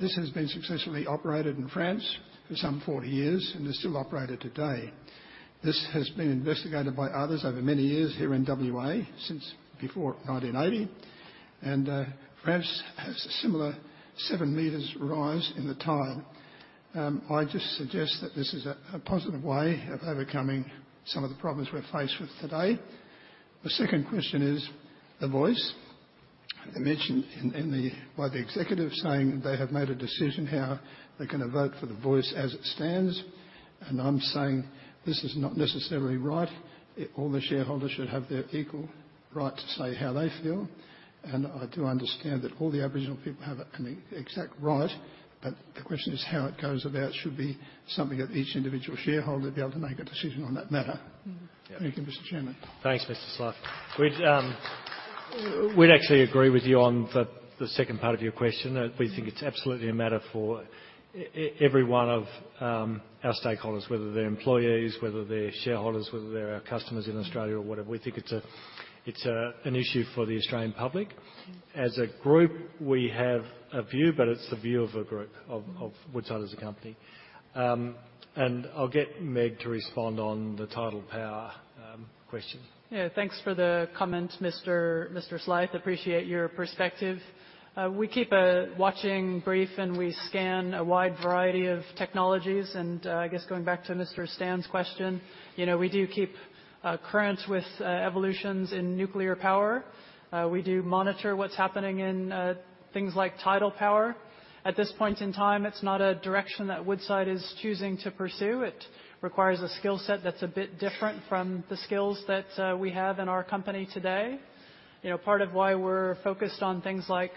This has been successfully operated in France for some 40 years and is still operated today. This has been investigated by others over many years here in WA since before 1980, France has a similar seven meters rise in the tide. I just suggest that this is a positive way of overcoming some of the problems we're faced with today. The second question is the Voice. It mentioned in the, by the executive saying they have made a decision how they're gonna vote for the Voice as it stands. I'm saying this is not necessarily right. All the shareholders should have their equal right to say how they feel. I do understand that all the Aboriginal people have an exact right. The question is how it goes about should be something that each individual shareholder be able to make a decision on that matter. Mm-hmm. Yeah. Thank you, Mr. Chairman. Thanks, Mr. Slythe. We'd actually agree with you on the second part of your question. We think it's absolutely a matter for every one of our stakeholders, whether they're employees, whether they're shareholders, whether they're our customers in Australia or whatever. We think it's an issue for the Australian public. Mm-hmm. As a group, we have a view, but it's the view of a group- Mm-hmm. -of Woodside as a company. I'll get Meg to respond on the tidal power question. Yeah, thanks for the comment, Mr. Slythe. Appreciate your perspective. We keep a watching brief, and we scan a wide variety of technologies. I guess going back to Mr. Stan's question, you know, we do keep current with evolutions in nuclear power. We do monitor what's happening in things like tidal power. At this point in time, it's not a direction that Woodside is choosing to pursue. It requires a skill set that's a bit different from the skills that we have in our company today. You know, part of why we're focused on things like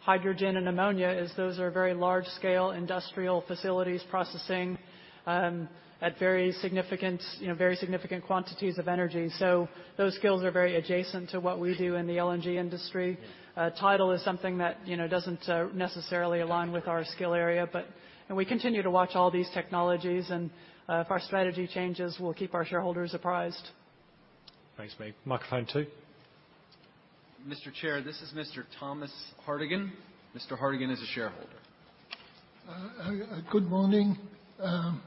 hydrogen and ammonia is those are very large-scale industrial facilities processing at very significant, you know, very significant quantities of energy. Those skills are very adjacent to what we do in the LNG industry. Yeah. Tidal is something that, you know, doesn't necessarily align with our skill area. We continue to watch all these technologies, and if our strategy changes, we'll keep our shareholders apprised. Thanks, Meg. Microphone two. Mr. Chair, this is Mr. Thomas Hartigan. Mr. Hartigan is a shareholder. Good morning. I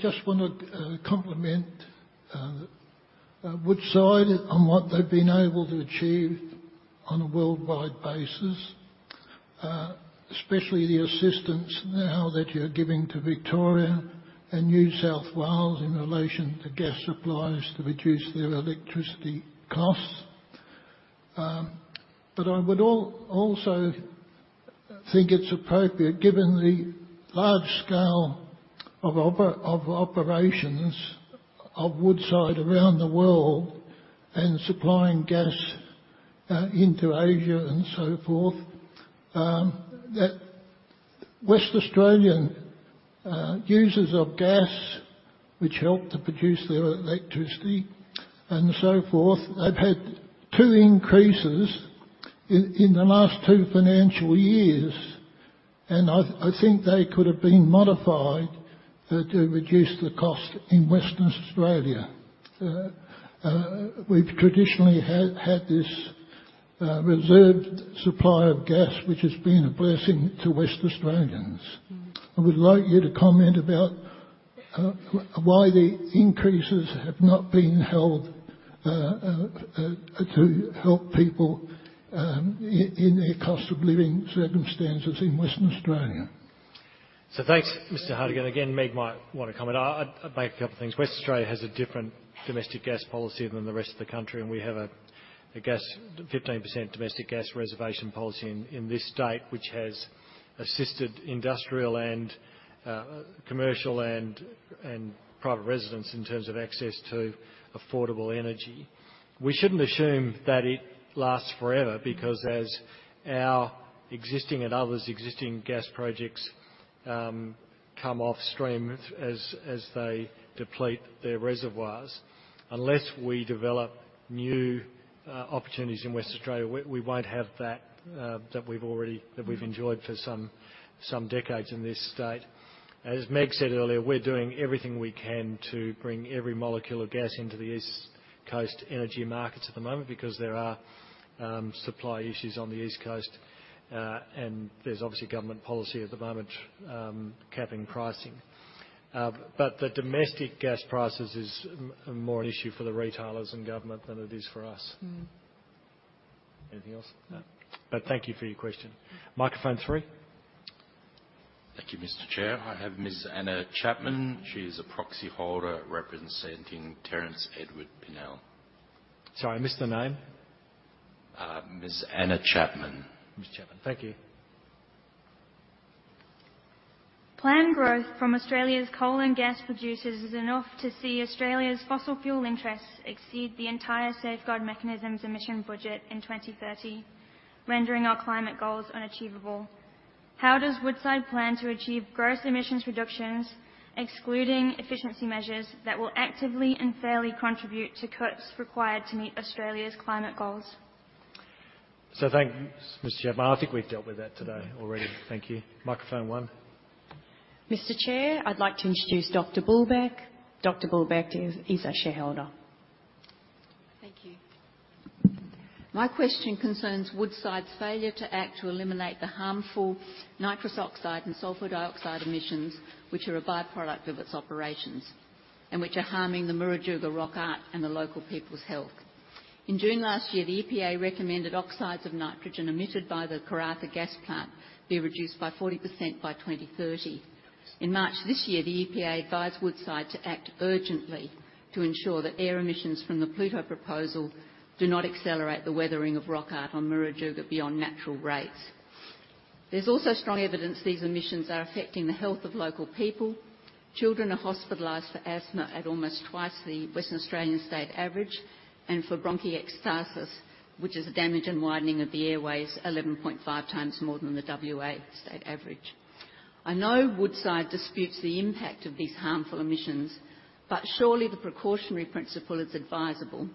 just want to compliment Woodside on what they've been able to achieve on a worldwide basis, especially the assistance now that you're giving to Victoria and New South Wales in relation to gas supplies to reduce their electricity costs. I would also think it's appropriate, given the large scale of operations of Woodside around the world and supplying gas into Asia and so forth, that Western Australian users of gas, which help to produce their electricity and so forth, they've had two increases in the last two financial years, and I think they could have been modified to reduce the cost in Western Australia. We've traditionally had this reserved supply of gas, which has been a blessing to Western Australians. Mm-hmm. I would like you to comment about, why the increases have not been held, to help people, in their cost of living circumstances in Western Australia. Thanks, Mr. Hartigan. Again, Meg might want to comment. I'll make a couple things. Western Australia has a different domestic gas policy than the rest of the country, and we have a gas, 15% domestic gas reservation policy in this state, which has assisted industrial and commercial and private residents in terms of access to affordable energy. We shouldn't assume that it lasts forever- Mm-hmm. because as our existing and others' existing gas projects, come off stream as they deplete their reservoirs, unless we develop new opportunities in West Australia, we won't have that we've. Mm-hmm. enjoyed for some decades in this state. As Meg said earlier, we're doing everything we can to bring every molecule of gas into the East Coast energy markets at the moment because there are supply issues on the East Coast. There's obviously government policy at the moment capping pricing. The domestic gas prices is more an issue for the retailers and government than it is for us. Mm-hmm. Anything else? No. Thank you for your question. Microphone three. Thank you, Mr. Chair. I have Ms. Anna Chapman. She is a proxy holder representing Terence Edward Pinnell. Sorry, I missed the name. Ms. Anna Chapman. Ms. Chapman. Thank you. Planned growth from Australia's coal and gas producers is enough to see Australia's fossil fuel interests exceed the entire Safeguard Mechanism's emission budget in 2030, rendering our climate goals unachievable. How does Woodside plan to achieve gross emissions reductions, excluding efficiency measures, that will actively and fairly contribute to cuts required to meet Australia's climate goals? Thanks, Ms. Chapman. I think we've dealt with that today already. Thank you. Microphone one. Mr. Chair, I'd like to introduce Dr. Bulbeck. Dr. Bulbeck is a shareholder. Thank you. My question concerns Woodside's failure to act to eliminate the harmful nitrous oxide and sulfur dioxide emissions, which are a byproduct of its operations, and which are harming the Murujuga Rock Art and the local people's health. In June last year, the EPA recommended oxides of nitrogen emitted by the Karratha Gas Plant be reduced by 40% by 2030. In March this year, the EPA advised Woodside to act urgently to ensure that air emissions from the Pluto proposal do not accelerate the weathering of rock art on Murujuga beyond natural rates. There's also strong evidence these emissions are affecting the health of local people. Children are hospitalized for asthma at almost twice the Western Australian state average and for bronchiectasis, which is damage and widening of the airways, 11.5 times more than the WA state average. I know Woodside disputes the impact of these harmful emissions, surely the precautionary principle is advisable,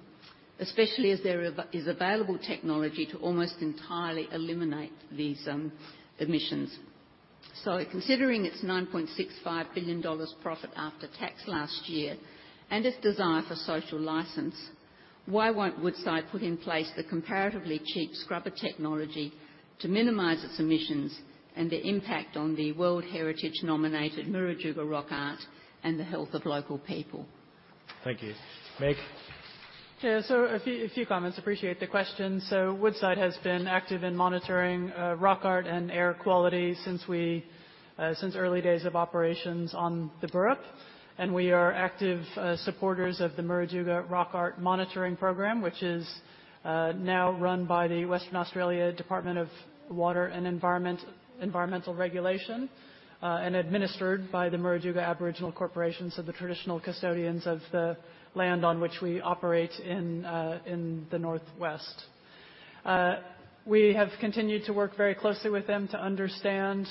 especially as there is available technology to almost entirely eliminate these emissions. Considering its $9.65 billion profit after tax last year and its desire for social license. Why won't Woodside put in place the comparatively cheap scrubber technology to minimize its emissions and the impact on the World Heritage-nominated Murujuga Rock Art and the health of local people? Thank you. Meg. Yeah. A few comments. Appreciate the question. Woodside has been active in monitoring rock art and air quality since we since early days of operations on the Burrup, and we are active supporters of the Murujuga Rock Art Monitoring Program, which is now run by the Western Australia Department of Water and Environmental Regulation and administered by the Murujuga Aboriginal Corporation, so the traditional custodians of the land on which we operate in the Northwest. We have continued to work very closely with them to understand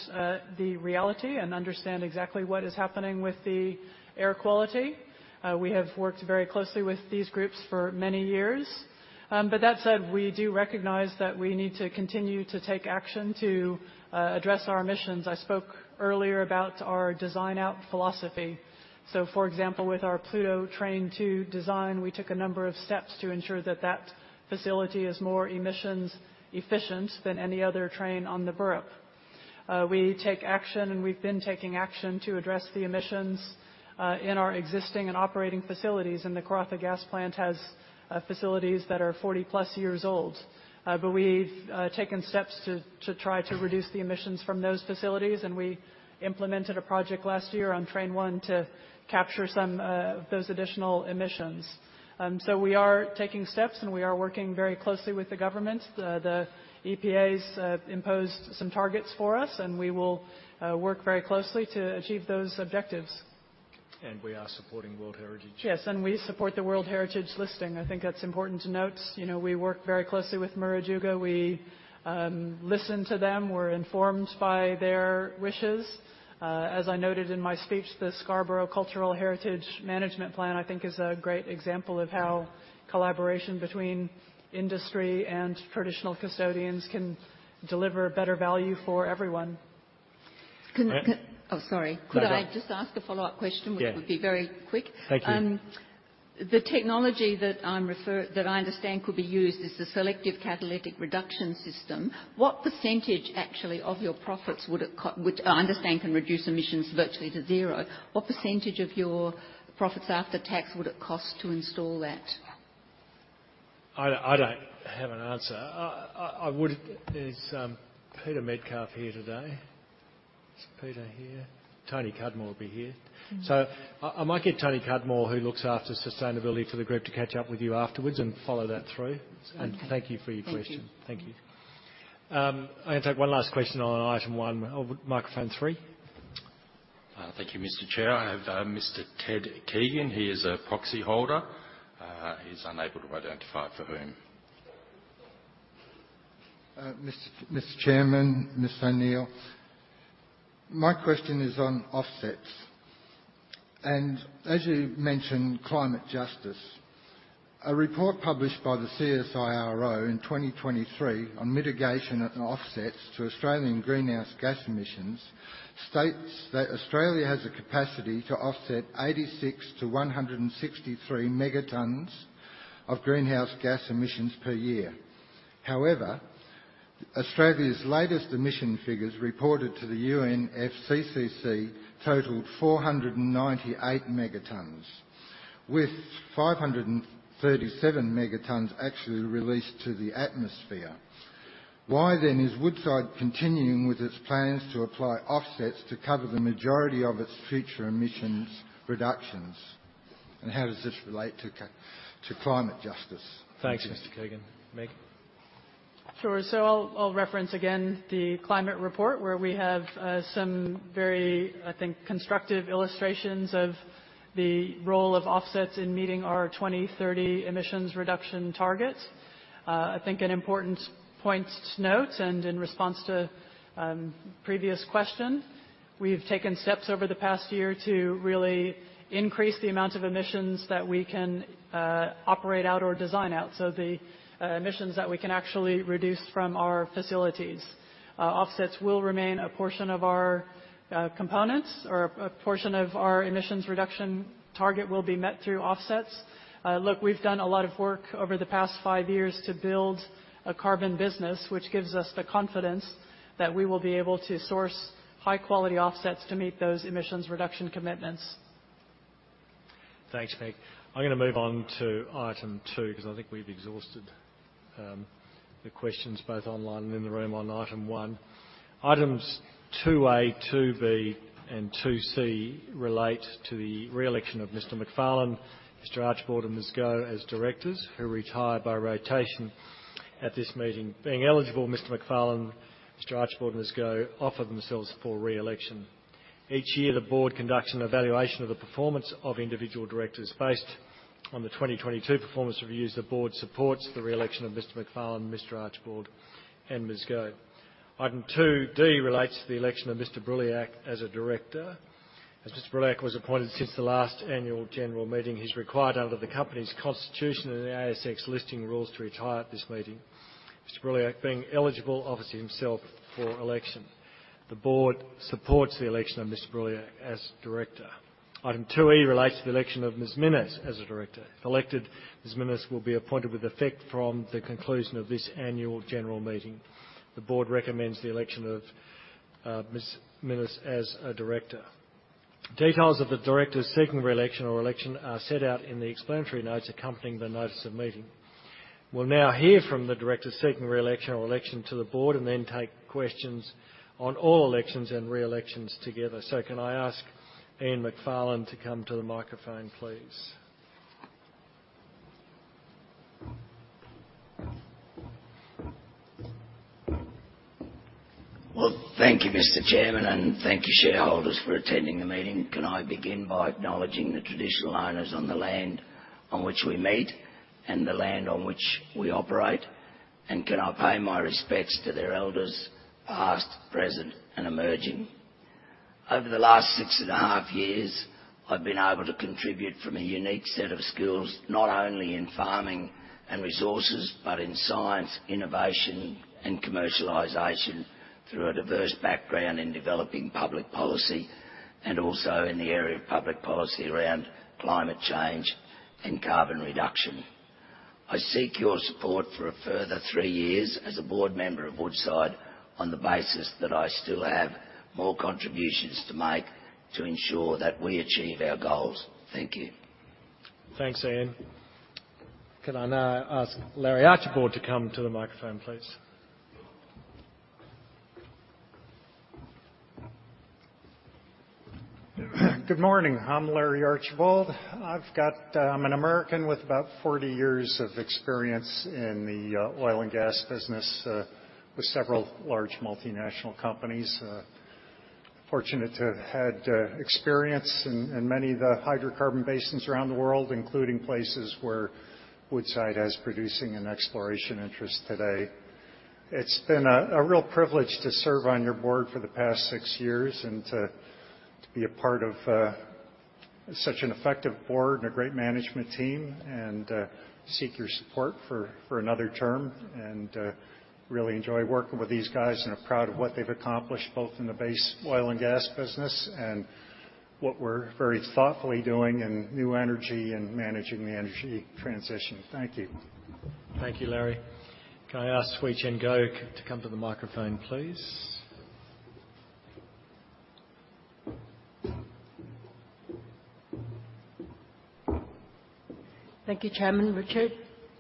the reality and understand exactly what is happening with the air quality. We have worked very closely with these groups for many years. That said, we do recognize that we need to continue to take action to address our emissions. I spoke earlier about our design-out philosophy. For example, with our Pluto Train 2 design, we took a number of steps to ensure that that facility is more emissions efficient than any other train on the Burrup. We take action, and we've been taking action to address the emissions in our existing and operating facilities, and the Karratha Gas Plant has facilities that are 40+ years old. We've taken steps to try to reduce the emissions from those facilities, and we implemented a project last year on Train 1 to capture some of those additional emissions. We are taking steps, and we are working very closely with the government. The EPAs have imposed some targets for us, and we will work very closely to achieve those objectives. We are supporting World Heritage. Yes, we support the World Heritage listing. I think that's important to note. You know, we work very closely with Murujuga. We listen to them. We're informed by their wishes. As I noted in my speech, the Scarborough Cultural Heritage Management Plan, I think is a great example of how collaboration between industry and traditional custodians can deliver better value for everyone. Can, can- Yeah. Oh, sorry. No, no. Could I just ask a follow-up question? Yeah. Which would be very quick? Thank you. The technology that I understand could be used is the selective catalytic reduction system. What % actually of your profits would it which I understand can reduce emissions virtually to zero. What % of your profits after tax would it cost to install that? I don't have an answer. I would. Is Peter Metcalfe here today? Is Peter here? Tony Cudmore would be here. Mm-hmm. I might get Tony Cudmore, who looks after sustainability for the group, to catch up with you afterwards and follow that through. Okay. Thank you for your question. Thank you. Thank you. I'm gonna take one last question on item one. Microphone three. Thank you, Mr. Chair. I have Mr. Ted Keegan. He is a proxy holder. He's unable to identify for whom. Mr. Chairman, Ms. O'Neill, my question is on offsets. As you mentioned, climate justice. A report published by the CSIRO in 2023 on mitigation and offsets to Australian greenhouse gas emissions states that Australia has a capacity to offset 86-163 megatons of greenhouse gas emissions per year. Australia's latest emission figures reported to the UNFCCC totaled 498 megatons, with 537 megatons actually released to the atmosphere. Why is Woodside continuing with its plans to apply offsets to cover the majority of its future emissions reductions, and how does this relate to climate justice? Thanks, Mr. Keegan. Meg. Sure. I'll reference again the climate report, where we have some very, I think, constructive illustrations of the role of offsets in meeting our 2030 emissions reduction targets. I think an important point to note and in response to previous question, we've taken steps over the past year to really increase the amount of emissions that we can operate out or design out, so the emissions that we can actually reduce from our facilities. Offsets will remain a portion of our components, or a portion of our emissions reduction target will be met through offsets. Look, we've done a lot of work over the past five years to build a carbon business, which gives us the confidence that we will be able to source high-quality offsets to meet those emissions reduction commitments. Thanks, Meg. I'm gonna move on to item two. I think we've exhausted the questions both online and in the room on item one. Items 2A, 2B, and 2C relate to the re-election of Mr. Macfarlane, Mr. Archibald, and Ms. Goh as directors who retire by rotation at this meeting. Being eligible, Mr. Macfarlane, Mr. Archibald, and Ms. Goh offer themselves for re-election. Each year, the board conducts an evaluation of the performance of individual directors. Based on the 2022 performance reviews, the board supports the re-election of Mr. Macfarlane, Mr. Archibald, and Ms. Goh. Item 2D relates to the election of Mr. Breuillac as a director. As Mr. Breuillac was appointed since the last annual general meeting, he's required under the company's constitution and the ASX Listing Rules to retire at this meeting. Mr. Breuillac being eligible, offers himself for election. The board supports the election of Mr. Breuillac as director. Item 2E relates to the election of Ms. Minnis as a director. Elected, Ms. Minnis will be appointed with effect from the conclusion of this annual general meeting. The board recommends the election of Ms. Minnis as a director. Details of the directors seeking reelection or election are set out in the explanatory notes accompanying the notice of meeting. We'll now hear from the directors seeking reelection or election to the board and then take questions on all elections and reelections together. Can I ask Ian Macfarlane to come to the microphone, please? Well, thank you, Mr. Chairman. Thank you, shareholders, for attending the meeting. Can I begin by acknowledging the traditional owners on the land on which we meet and the land on which we operate? Can I pay my respects to their elders, past, present, and emerging? Over the last six and a half years, I've been able to contribute from a unique set of skills, not only in farming and resources, but in science, innovation, and commercialization through a diverse background in developing public policy and also in the area of public policy around climate change and carbon reduction. I seek your support for a further three years as a board member of Woodside on the basis that I still have more contributions to make to ensure that we achieve our goals. Thank you. Thanks, Ian. Can I now ask Larry Archibald to come to the microphone, please? Good morning. I'm Larry Archibald. I'm an American with about 40 years of experience in the oil and gas business with several large multinational companies. Fortunate to have had experience in many of the hydrocarbon basins around the world, including places where Woodside has producing and exploration interests today. It's been a real privilege to serve on your board for the past six years and to be a part of such an effective board and a great management team. Seek your support for another term. Really enjoy working with these guys and are proud of what they've accomplished, both in the base oil and gas business and what we're very thoughtfully doing in new energy and managing the energy transition. Thank you. Thank you, Larry. Can I ask Swee Chen Goh to come to the microphone, please? Thank you, Chairman Richard.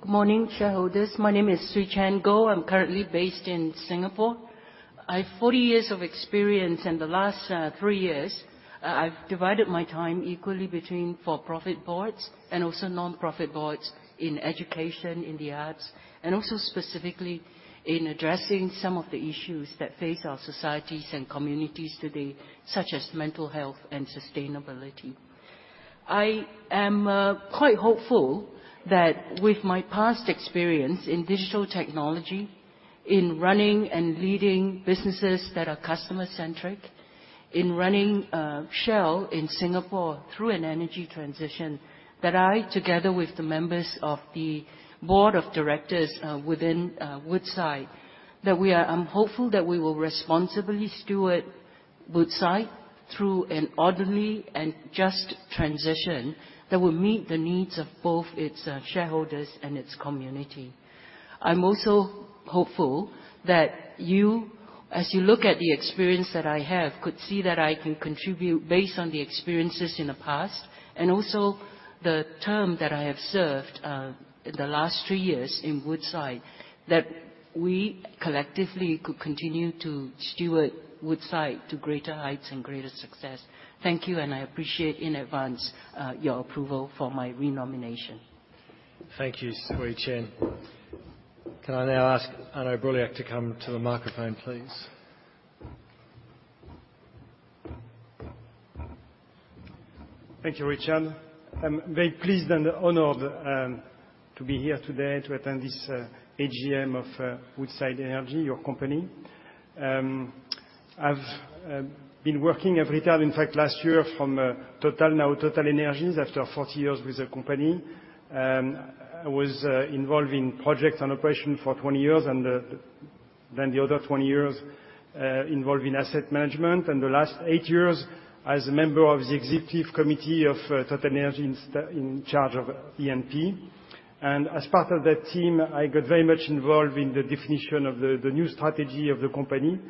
Good morning, shareholders. My name is Swee Chen Goh. I'm currently based in Singapore. I have 40 years of experience. In the last three years, I've divided my time equally between for-profit boards and also nonprofit boards in education, in the arts, and also specifically in addressing some of the issues that face our societies and communities today, such as mental health and sustainability. I am quite hopeful that with my past experience in digital technology, in running and leading businesses that are customer-centric, in running Shell in Singapore through an energy transition, that I, together with the members of the board of directors, within Woodside, I'm hopeful that we will responsibly steward Woodside through an orderly and just transition that will meet the needs of both its shareholders and its community. I'm also hopeful that you, as you look at the experience that I have, could see that I can contribute based on the experiences in the past and also the term that I have served, the last three years in Woodside, that we collectively could continue to steward Woodside to greater heights and greater success. Thank you, and I appreciate in advance, your approval for my re-nomination. Thank you, Swee Chen. Can I now ask Arnaud Breuillac to come to the microphone, please? Thank you, Richard. I'm very pleased and honored to be here today to attend this AGM of Woodside Energy, your company. I've been working at retail, in fact, last year from Total, now TotalEnergies, after 40 years with the company. I was involved in projects and operation for 20 years and then the other 20 years involved in asset management, and the last eight years as a member of the executive committee of TotalEnergies in charge of E&P. As part of that team, I got very much involved in the definition of the new strategy of the company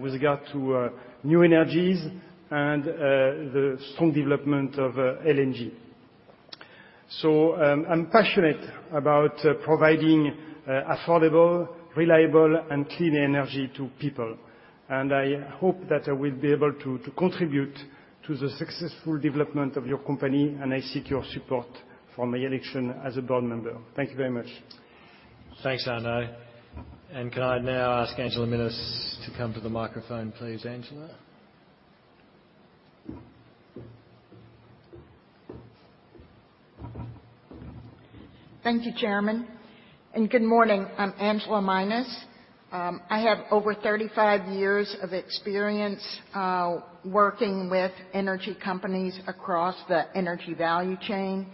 with regard to new energies and the strong development of LNG. I'm passionate about providing affordable, reliable, and clean energy to people. I hope that I will be able to contribute to the successful development of your company. I seek your support for my election as a board member. Thank you very much. Thanks, Arnaud. Can I now ask Angela Minas to come to the microphone, please? Angela. Thank you, Chairman, and good morning. I'm Angela Minas. I have over 35 years of experience working with energy companies across the energy value chain.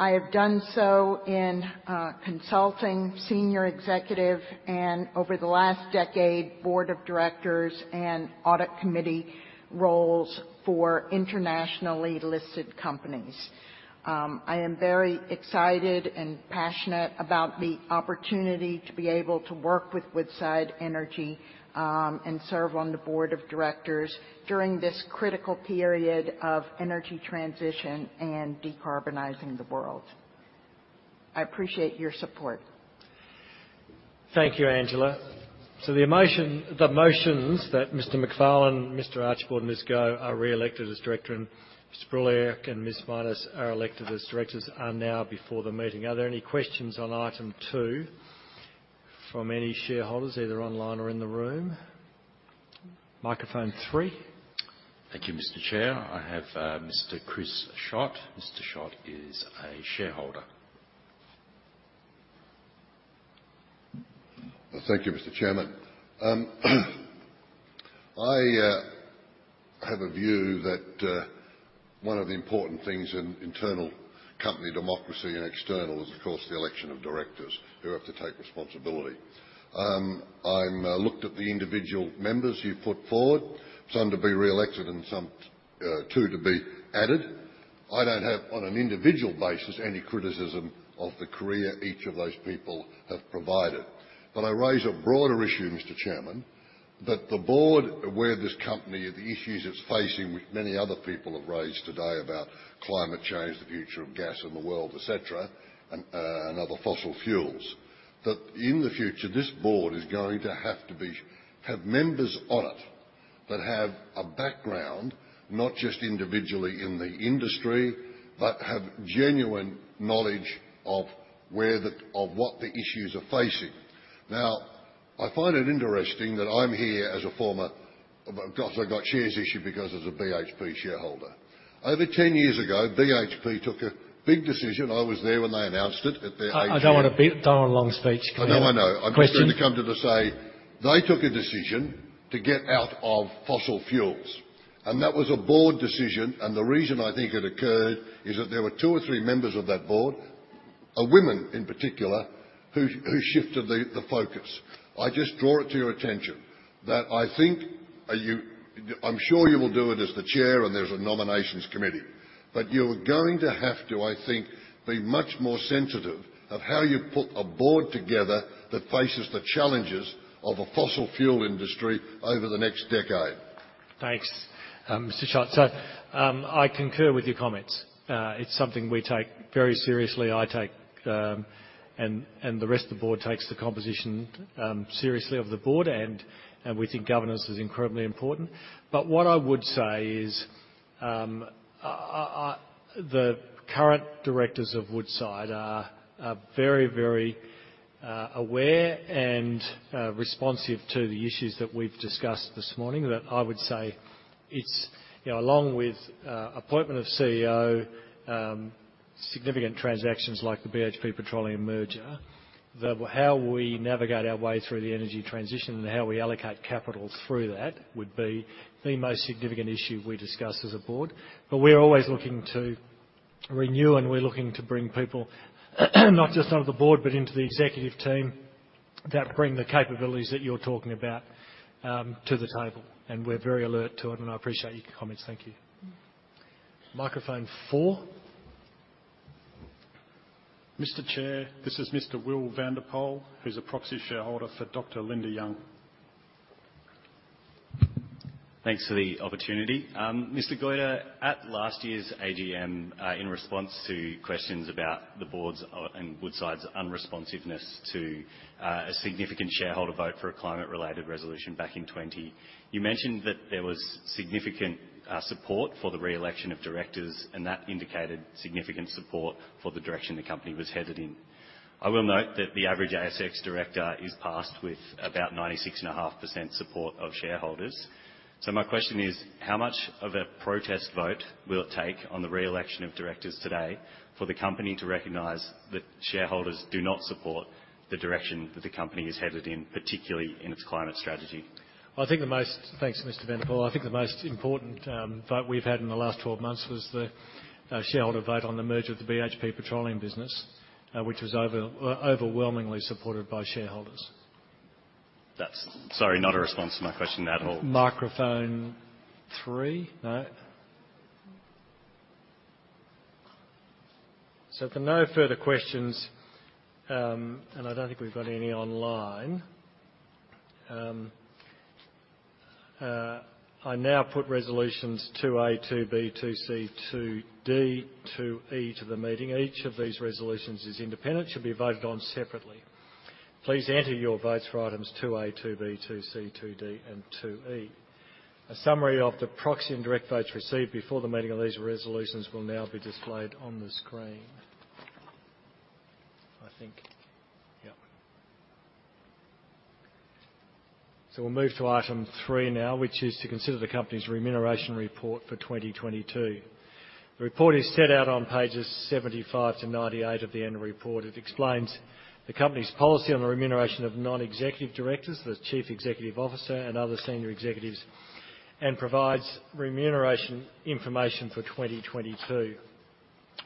I have done so in consulting, senior executive, and over the last decade, board of directors and audit committee roles for internationally listed companies. I am very excited and passionate about the opportunity to be able to work with Woodside Energy and serve on the board of directors during this critical period of energy transition and decarbonizing the world. I appreciate your support. Thank you, Angela. The motions that Mr. Macfarlane, Mr. Archibald, and Ms. Goh are reelected as director, and Mr. Breuillac and Ms. Minas are elected as directors are now before the meeting. Are there any questions on item two from any shareholders, either online or in the room? Microphone three. Thank you, Mr. Chair. I have Mr. Chris Schott. Mr. Schott is a shareholder. Well, thank you, Mr. Chairman. I have a view that one of the important things in internal company democracy and external is of course the election of directors who have to take responsibility. I'm looked at the individual members you've put forward, some to be reelected and some, two to be added. I don't have, on an individual basis, any criticism of the career each of those people have provided. I raise a broader issue, Mr. Chairman, that the board aware this company of the issues it's facing, which many other people have raised today about climate change, the future of gas in the world, et cetera, and other fossil fuels. In the future, this board is going to have to have members on it that have a background, not just individually in the industry, but have genuine knowledge of where of what the issues are facing. I find it interesting that I'm here as a former... I got shares issued because as a BHP shareholder. Over 10 years ago, BHP took a big decision. I was there when they announced it at their. I don't want a long speech. I know, I know. Question. I'm just going to come to the say, they took a decision to get out of fossil fuels. That was a board decision. The reason I think it occurred is that there were two or three members of that board, women in particular, who shifted the focus. I just draw it to your attention that I think you, I'm sure you will do it as the chair and there's a nominations committee, but you're going to have to, I think, be much more sensitive of how you put a board together that faces the challenges of a fossil fuel industry over the next decade. Thanks, Mr. Schott. I concur with your comments. It's something we take very seriously. I take and the rest of the board takes the composition seriously of the board and we think governance is incredibly important. What I would say is, The current directors of Woodside are very aware and responsive to the issues that we've discussed this morning, that I would say it's, you know, along with appointment of CEO, significant transactions like the BHP Petroleum merger, how we navigate our way through the energy transition and how we allocate capital through that would be the most significant issue we discuss as a board. We're always looking to renew, and we're looking to bring people, not just onto the board, but into the executive team that bring the capabilities that you're talking about, to the table. We're very alert to it, and I appreciate your comments. Thank you. Microphone four. Mr. Chair, this is Mr. Will van de Pol, who's a proxy shareholder for Dr. Linda Young. Thanks for the opportunity. Mr. Goyder, at last year's AGM, in response to questions about the board's and Woodside's unresponsiveness to a significant shareholder vote for a climate-related resolution back in 2020, you mentioned that there was significant support for the reelection of directors, and that indicated significant support for the direction the company was headed in. I will note that the average ASX director is passed with about 96.5% support of shareholders. My question is, how much of a protest vote will it take on the reelection of directors today for the company to recognize that shareholders do not support the direction that the company is headed in, particularly in its climate strategy? Thanks, Mr. van de Pol. I think the most important vote we've had in the last 12 months was the shareholder vote on the merger of the BHP Petroleum business, which was overwhelmingly supported by shareholders. That's, sorry, not a response to my question at all. Microphone three. No. If there no further questions, and I don't think we've got any online, I now put resolutions 2A, 2B, 2C, 2D, 2E to the meeting. Each of these resolutions is independent, should be voted on separately. Please enter your votes for items 2A, 2B, 2C, 2D, and 2E. A summary of the proxy and direct votes received before the meeting on these resolutions will now be displayed on the screen. We'll move to item three now, which is to consider the company's remuneration report for 2022. The report is set out on Pages 75-98 of the annual report. It explains the company's policy on the remuneration of non-executive directors, the chief executive officer and other senior executives, and provides remuneration information for 2022.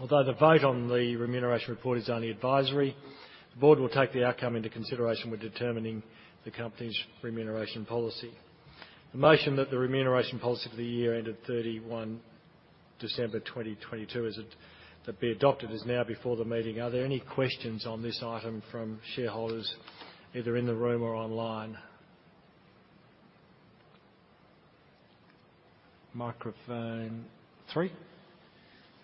Although the vote on the remuneration report is only advisory, the board will take the outcome into consideration when determining the company's remuneration policy. The motion that the remuneration policy for the year ended 31 December 2022 to be adopted is now before the meeting. Are there any questions on this item from shareholders, either in the room or online? Microphone three?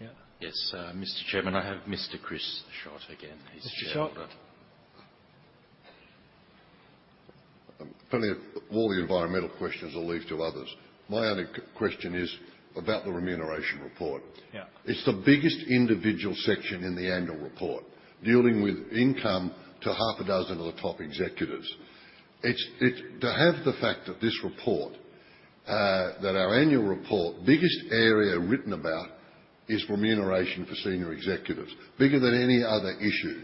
Yeah. Yes, Mr. Chairman, I have Mr. Chris Schott again. Mr. Schott. He's shared that. All the environmental questions I'll leave to others. My only question is about the remuneration report. Yeah. It's the biggest individual section in the annual report, dealing with income to half a dozen of the top executives. It's to have the fact that this report, that our annual report biggest area written about is remuneration for senior executives, bigger than any other issue.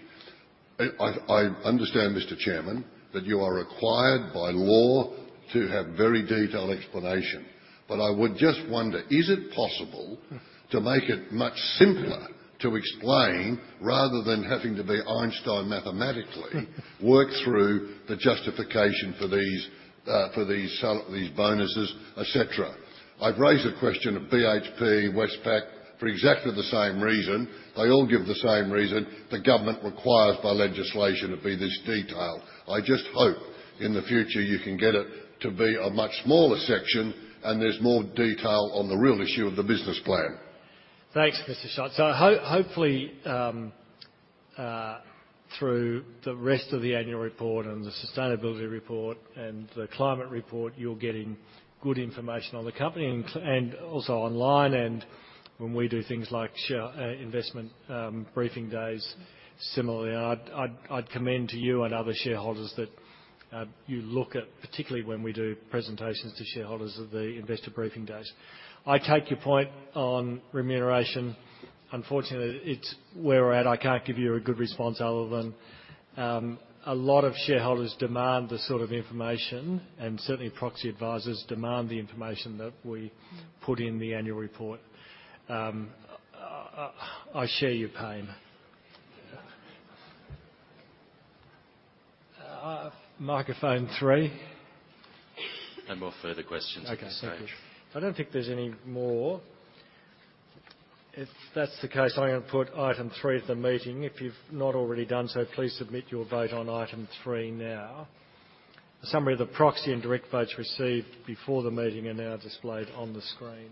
I understand, Mr. Chairman, that you are required by law to have very detailed explanation, but I would just wonder, is it possible- Mm. To make it much simpler to explain, rather than having to be Einstein mathematically. Work through the justification for these bonuses, et cetera. I've raised the question of BHP, Westpac for exactly the same reason. They all give the same reason. The government requires by legislation to be this detailed. I just hope in the future you can get it to be a much smaller section, and there's more detail on the real issue of the business plan. Thanks, Mr. Schott. Hopefully, through the rest of the annual report and the sustainability report and the climate report, you're getting good information on the company and also online and when we do things like share investment briefing days similarly. I'd commend to you and other shareholders that you look at, particularly when we do presentations to shareholders of the investor briefing days. I take your point on remuneration. Unfortunately, it's where we're at. I can't give you a good response other than a lot of shareholders demand this sort of information, and certainly proxy advisors demand the information that we put in the annual report. I share your pain. Yeah. Microphone three. No more further questions, Mr. Chairman. Okay, thank you. I don't think there's any more. If that's the case, I'm gonna put item three at the meeting. If you've not already done so, please submit your vote on item three now. A summary of the proxy and direct votes received before the meeting are now displayed on the screen.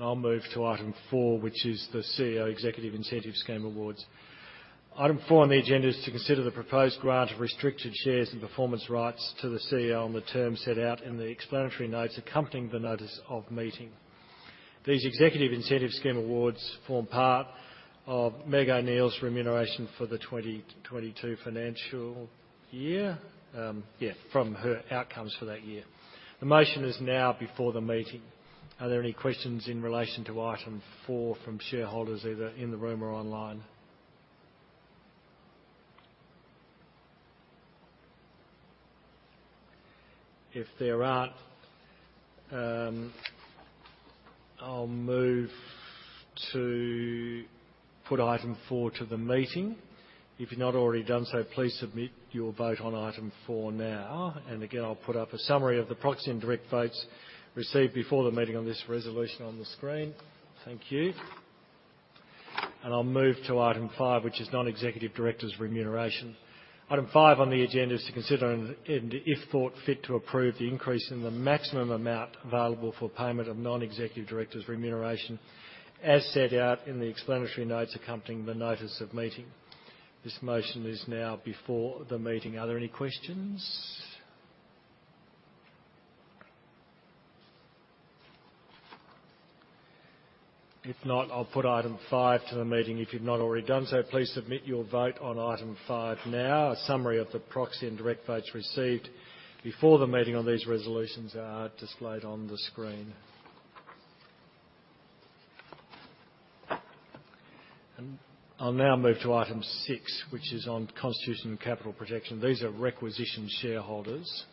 I'll move to item four, which is the CEO Executive Incentive Scheme Awards. Item four on the agenda is to consider the proposed grant of restricted shares and performance rights to the CEO on the terms set out in the explanatory notes accompanying the notice of meeting. These Executive Incentive Scheme Awards form part of Meg O'Neill's remuneration for the 2022 financial year. Yeah, from her outcomes for that year. The motion is now before the meeting. Are there any questions in relation to item four from shareholders, either in the room or online? If there aren't, I'll move to put item four to the meeting. If you've not already done so, please submit your vote on item four now. Again, I'll put up a summary of the proxy and direct votes received before the meeting on this resolution on the screen. Thank you. I'll move to item five, which is Non-Executive Directors' Remuneration. Item five on the agenda is to consider and if thought fit to approve the increase in the maximum amount available for payment of Non-Executive Directors' remuneration, as set out in the explanatory notes accompanying the notice of meeting. This motion is now before the meeting. Are there any questions? If not, I'll put item five to the meeting. If you've not already done so, please submit your vote on item five now. A summary of the proxy and direct votes received before the meeting on these resolutions are displayed on the screen. I'll now move to item six, which is on constitution and capital protection. These are requisition shareholders.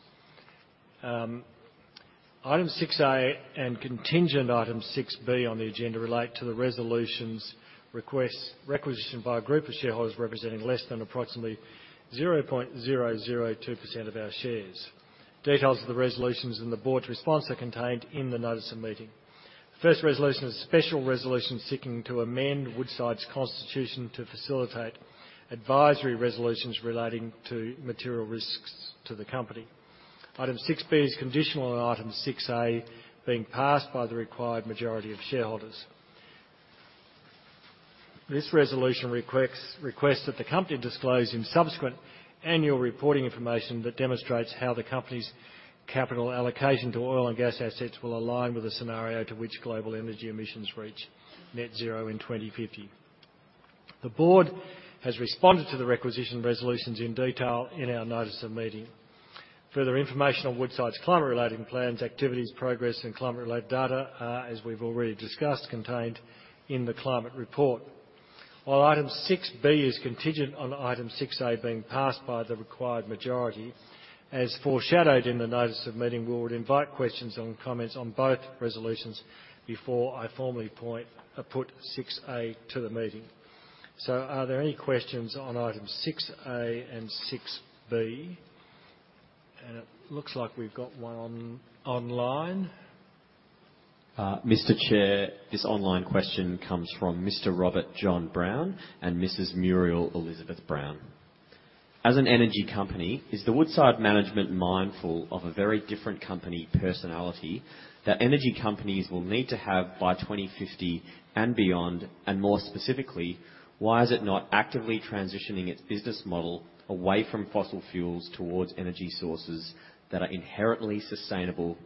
Item six A and contingent item 6B on the agenda relate to the resolutions requests requisitioned by a group of shareholders representing less than approximately 0.002% of our shares. Details of the resolutions and the board's response are contained in the notice of meeting. The first resolution is a special resolution seeking to amend Woodside's constitution to facilitate advisory resolutions relating to material risks to the company. Item 6B is conditional on item 6A being passed by the required majority of shareholders. This resolution requests that the company disclose in subsequent annual reporting information that demonstrates how the company's capital allocation to oil and gas assets will align with the scenario to which global energy emissions reach net zero in 2050. The board has responded to the requisition resolutions in detail in our notice of meeting. Further information on Woodside's climate-related plans, activities, progress, and climate-related data, as we've already discussed, contained in the climate report. While item 6B is contingent on item 6A being passed by the required majority, as foreshadowed in the notice of meeting, we would invite questions and comments on both resolutions before I formally put 6A to the meeting. Are there any questions on items 6A and 6B? It looks like we've got one online. Mr. Chair, this online question comes from Mr. Robert John Brown and Mrs. Muriel Elizabeth Brown. As an energy company, is the Woodside management mindful of a very different company personality that energy companies will need to have by 2050 and beyond? More specifically, why is it not actively transitioning its business model away from fossil fuels towards energy sources that are inherently sustainable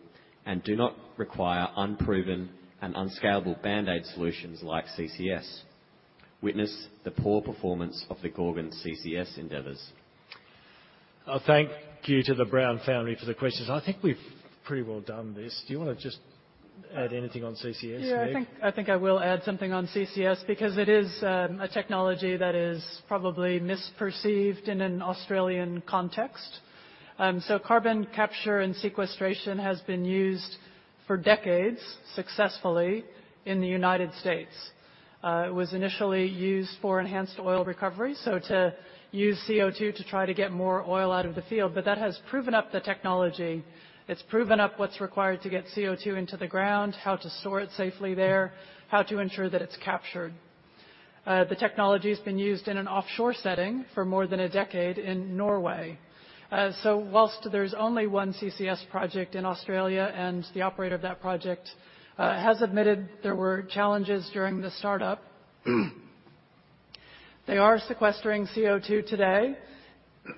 and do not require unproven and unscalable band-aid solutions like CCS? Witness, the poor performance of the Gorgon CCS endeavors. Thank you to the Brown family for the questions. I think we've pretty well done this. Do you wanna just add anything on CCS, Meg? Yeah. I think I will add something on CCS because it is a technology that is probably misperceived in an Australian context. Carbon capture and sequestration has been used for decades successfully in the United States. It was initially used for enhanced oil recovery, so to use CO2 to try to get more oil out of the field. That has proven up the technology. It's proven up what's required to get CO2 into the ground, how to store it safely there, how to ensure that it's captured. The technology's been used in an offshore setting for more than a decade in Norway. Whilst there's only one CCS project in Australia, and the operator of that project, has admitted there were challenges during the startup, they are sequestering CO2 today.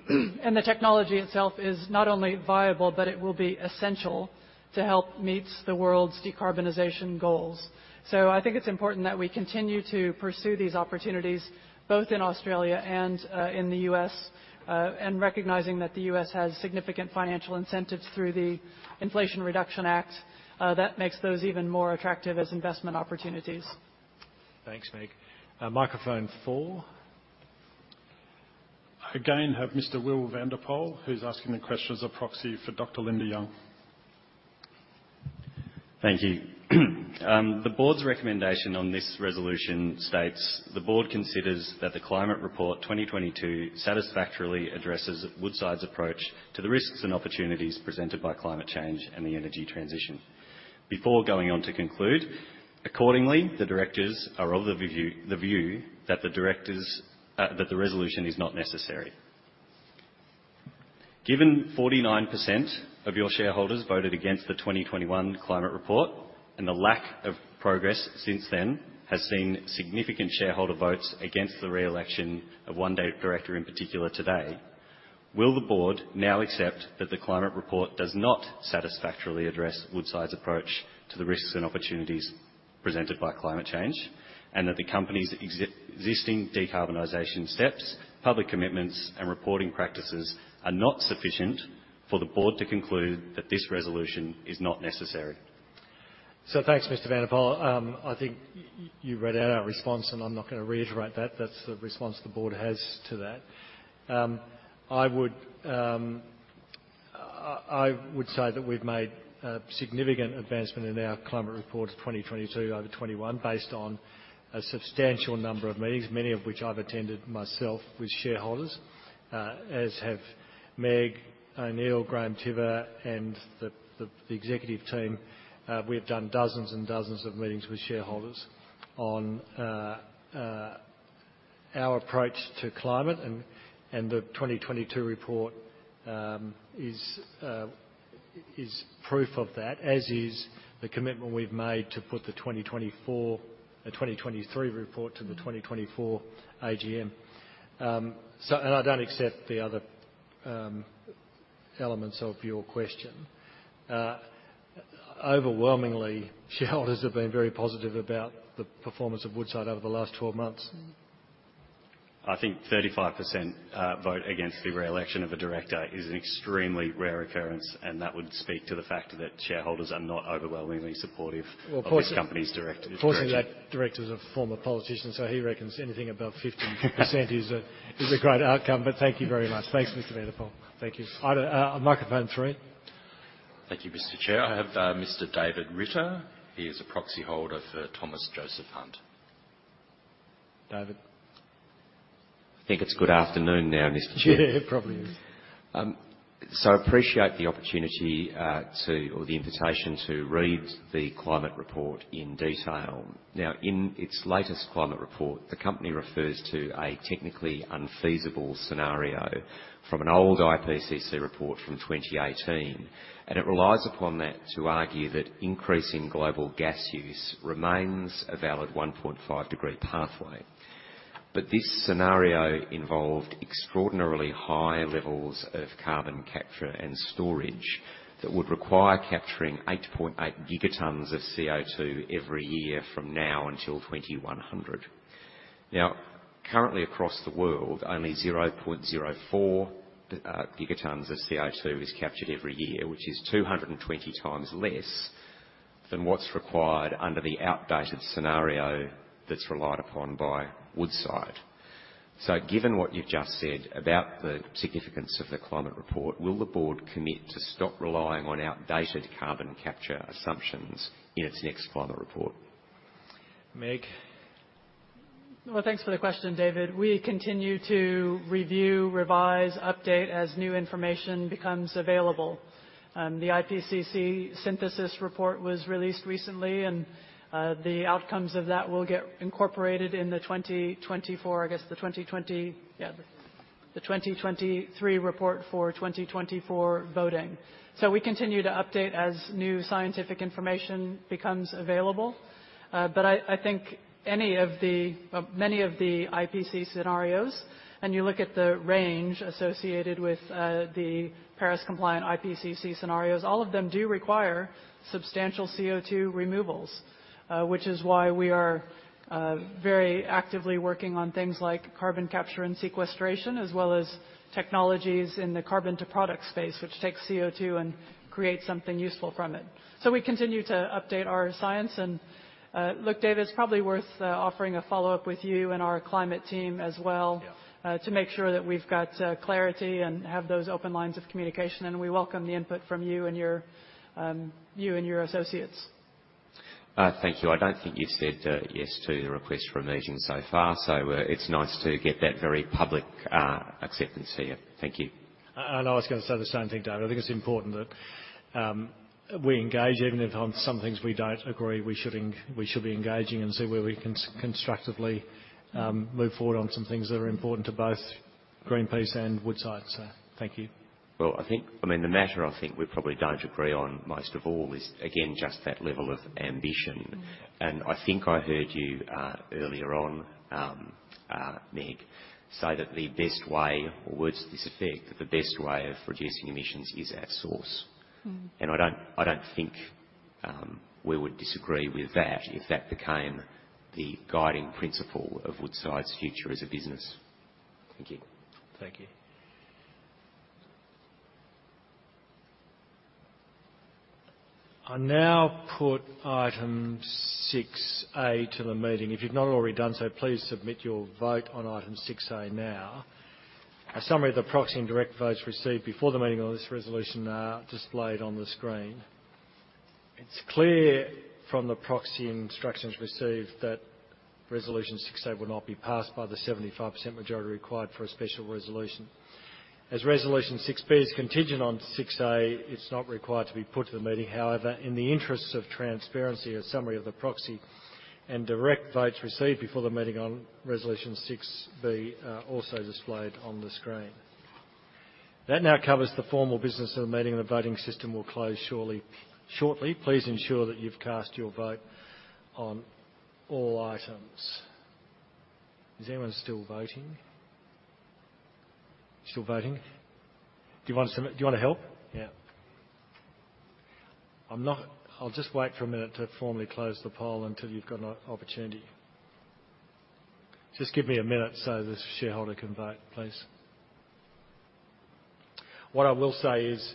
The technology itself is not only viable, but it will be essential to help meet the world's decarbonization goals. I think it's important that we continue to pursue these opportunities both in Australia and in the U.S. Recognizing that the U.S. has significant financial incentives through the Inflation Reduction Act, that makes those even more attractive as investment opportunities. Thanks, Meg. Microphone four. I again have Mr. Will van de Pol, who's asking the question as a proxy for Dr. Linda Young. Thank you. The board's recommendation on this resolution states, "The board considers that the Climate Report 2022 satisfactorily addresses Woodside's approach to the risks and opportunities presented by climate change and the energy transition." Before going on to conclude, accordingly, the directors are of the view that the resolution is not necessary. Given 49% of your shareholders voted against the 2021 Climate Report, and the lack of progress since then has seen significant shareholder votes against the re-election of one director in particular today, will the board now accept that the Climate Report does not satisfactorily address Woodside's approach to the risks and opportunities presented by climate change? That the company's existing decarbonization steps, public commitments, and reporting practices are not sufficient for the board to conclude that this resolution is not necessary. Thanks, Mr. van de Pol. I think you read out our response, and I'm not gonna reiterate that. That's the response the board has to that. I would say that we've made a significant advancement in our Climate Report of 2022 over 2021 based on a substantial number of meetings, many of which I've attended myself with shareholders, as have Meg O'Neill, Graeme Tibber, and the executive team. We have done dozens of meetings with shareholders on our approach to climate and the 2022 report is proof of that, as is the commitment we've made to put a 2023 report to the 2024 AGM. I don't accept the other elements of your question. Overwhelmingly, shareholders have been very positive about the performance of Woodside over the last 12 months. Mm. I think 35% vote against the re-election of a director is an extremely rare occurrence, and that would speak to the fact that shareholders are not overwhelmingly supportive- Well, of course. of this company's directive, direction. Of course, that director's a former politician, so he reckons anything above 50% is a great outcome. Thank you very much. Thanks, Mr. van de Pol. Thank you. I, microphone three. Thank you, Mr. Chair. I have Mr. David Ritter. He is a proxy holder for Thomas Joseph Hunt. David. I think it's good afternoon now, Mr. Chair. Yeah, it probably is. Appreciate the invitation to read the climate report in detail. In its latest climate report, the company refers to a technically unfeasible scenario from an old IPCC report from 2018, and it relies upon that to argue that increasing global gas use remains a valid 1.5 degree pathway. This scenario involved extraordinarily high levels of carbon capture and storage that would require capturing 8.8 gigatons of CO2 every year from now until 2100. Currently across the world, only 0.04 gigatons of CO2 is captured every year, which is 220 times less than what's required under the outdated scenario that's relied upon by Woodside. Given what you've just said about the significance of the climate report, will the board commit to stop relying on outdated carbon capture assumptions in its next climate report? Meg. Well, thanks for the question, David. We continue to review, revise, update as new information becomes available. The IPCC synthesis report was released recently, the outcomes of that will get incorporated in the 2024, the 2023 report for 2024 voting. We continue to update as new scientific information becomes available. I think any of the many of the IPCC scenarios, you look at the range associated with the Paris compliant IPCC scenarios, all of them do require substantial CO2 removals. Which is why we are very actively working on things like carbon capture and sequestration, as well as technologies in the carbon to product space, which takes CO2 and creates something useful from it. We continue to update our science and, look, David, it's probably worth offering a follow-up with you and our climate team as well. Yeah. To make sure that we've got clarity and have those open lines of communication. We welcome the input from you and your associates. Thank you. I don't think you've said, yes to the request for a meeting so far, so, it's nice to get that very public, acceptance here. Thank you. I was gonna say the same thing, David. I think it's important that, we engage, even if on some things we don't agree, we should be engaging and see where we can constructively, move forward on some things that are important to both Greenpeace and Woodside. Thank you. Well, I think, I mean, the matter I think we probably don't agree on most of all is again, just that level of ambition. Mm-hmm. I think I heard you earlier on, Meg, say that the best way or words to this effect, the best way of reducing emissions is at source. Mm-hmm. I don't think we would disagree with that if that became the guiding principle of Woodside's future as a business. Thank you. Thank you. I now put Item six A to the meeting. If you've not already done so, please submit your vote on Item six A now. A summary of the proxy and direct votes received before the meeting on this resolution are displayed on the screen. It's clear from the proxy instructions received that Resolution 6A will not be passed by the 75% majority required for a special resolution. As Resolution 6B is contingent on 6A, it's not required to be put to the meeting. However, in the interests of transparency, a summary of the proxy and direct votes received before the meeting on Resolution 6B are also displayed on the screen. That now covers the formal business of the meeting and the voting system will close shortly. Please ensure that you've cast your vote on all items. Is anyone still voting? Still voting? Do you want to help? Yeah. I'll just wait for a minute to formally close the poll until you've got an opportunity. Just give me a minute so this shareholder can vote, please. What I will say is,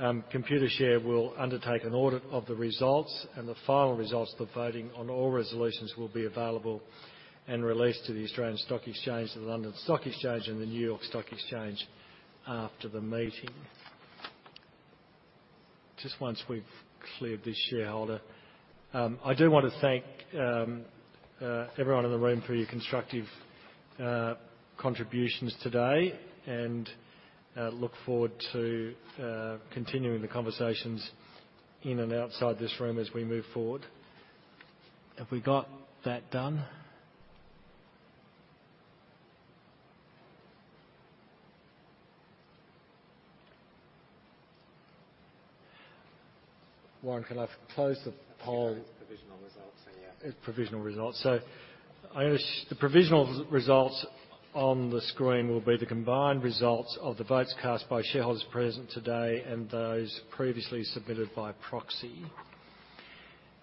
Computershare will undertake an audit of the results, and the final results of the voting on all resolutions will be available and released to the Australian Stock Exchange, the London Stock Exchange, and the New York Stock Exchange after the meeting. Just once we've cleared this shareholder. I do want to thank everyone in the room for your constructive contributions today, and look forward to continuing the conversations in and outside this room as we move forward. Have we got that done? Warren, can I close the poll? Provisional results, so yeah. Provisional results. The provisional results on the screen will be the combined results of the votes cast by shareholders present today and those previously submitted by proxy.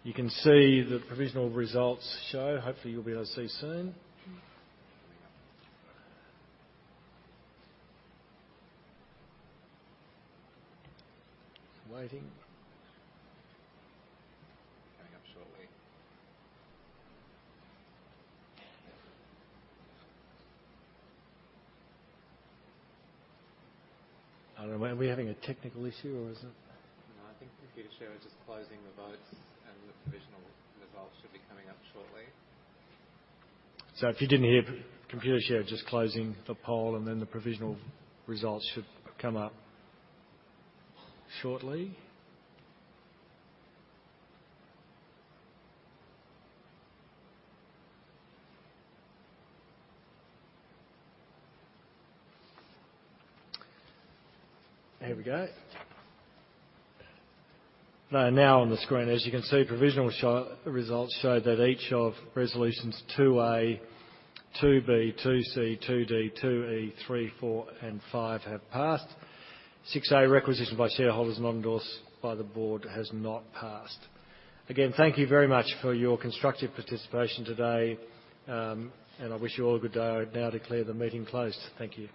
You can see the provisional results show. Hopefully, you'll be able to see soon. Coming up. Waiting. Coming up shortly. Are we having a technical issue or is it? No, I think Computershare is just closing the votes and the provisional results should be coming up shortly. If you didn't hear, Computershare just closing the poll, the provisional results should come up shortly. Here we go. They are now on the screen. As you can see, provisional results show that each of Resolutions 2A, 2B, 2C, 2D, 2E, 3, 4, and 5 have passed. 6A, requisition by shareholders not endorsed by the board has not passed. Again, thank you very much for your constructive participation today. I wish you all a good day. I would now declare the meeting closed. Thank you.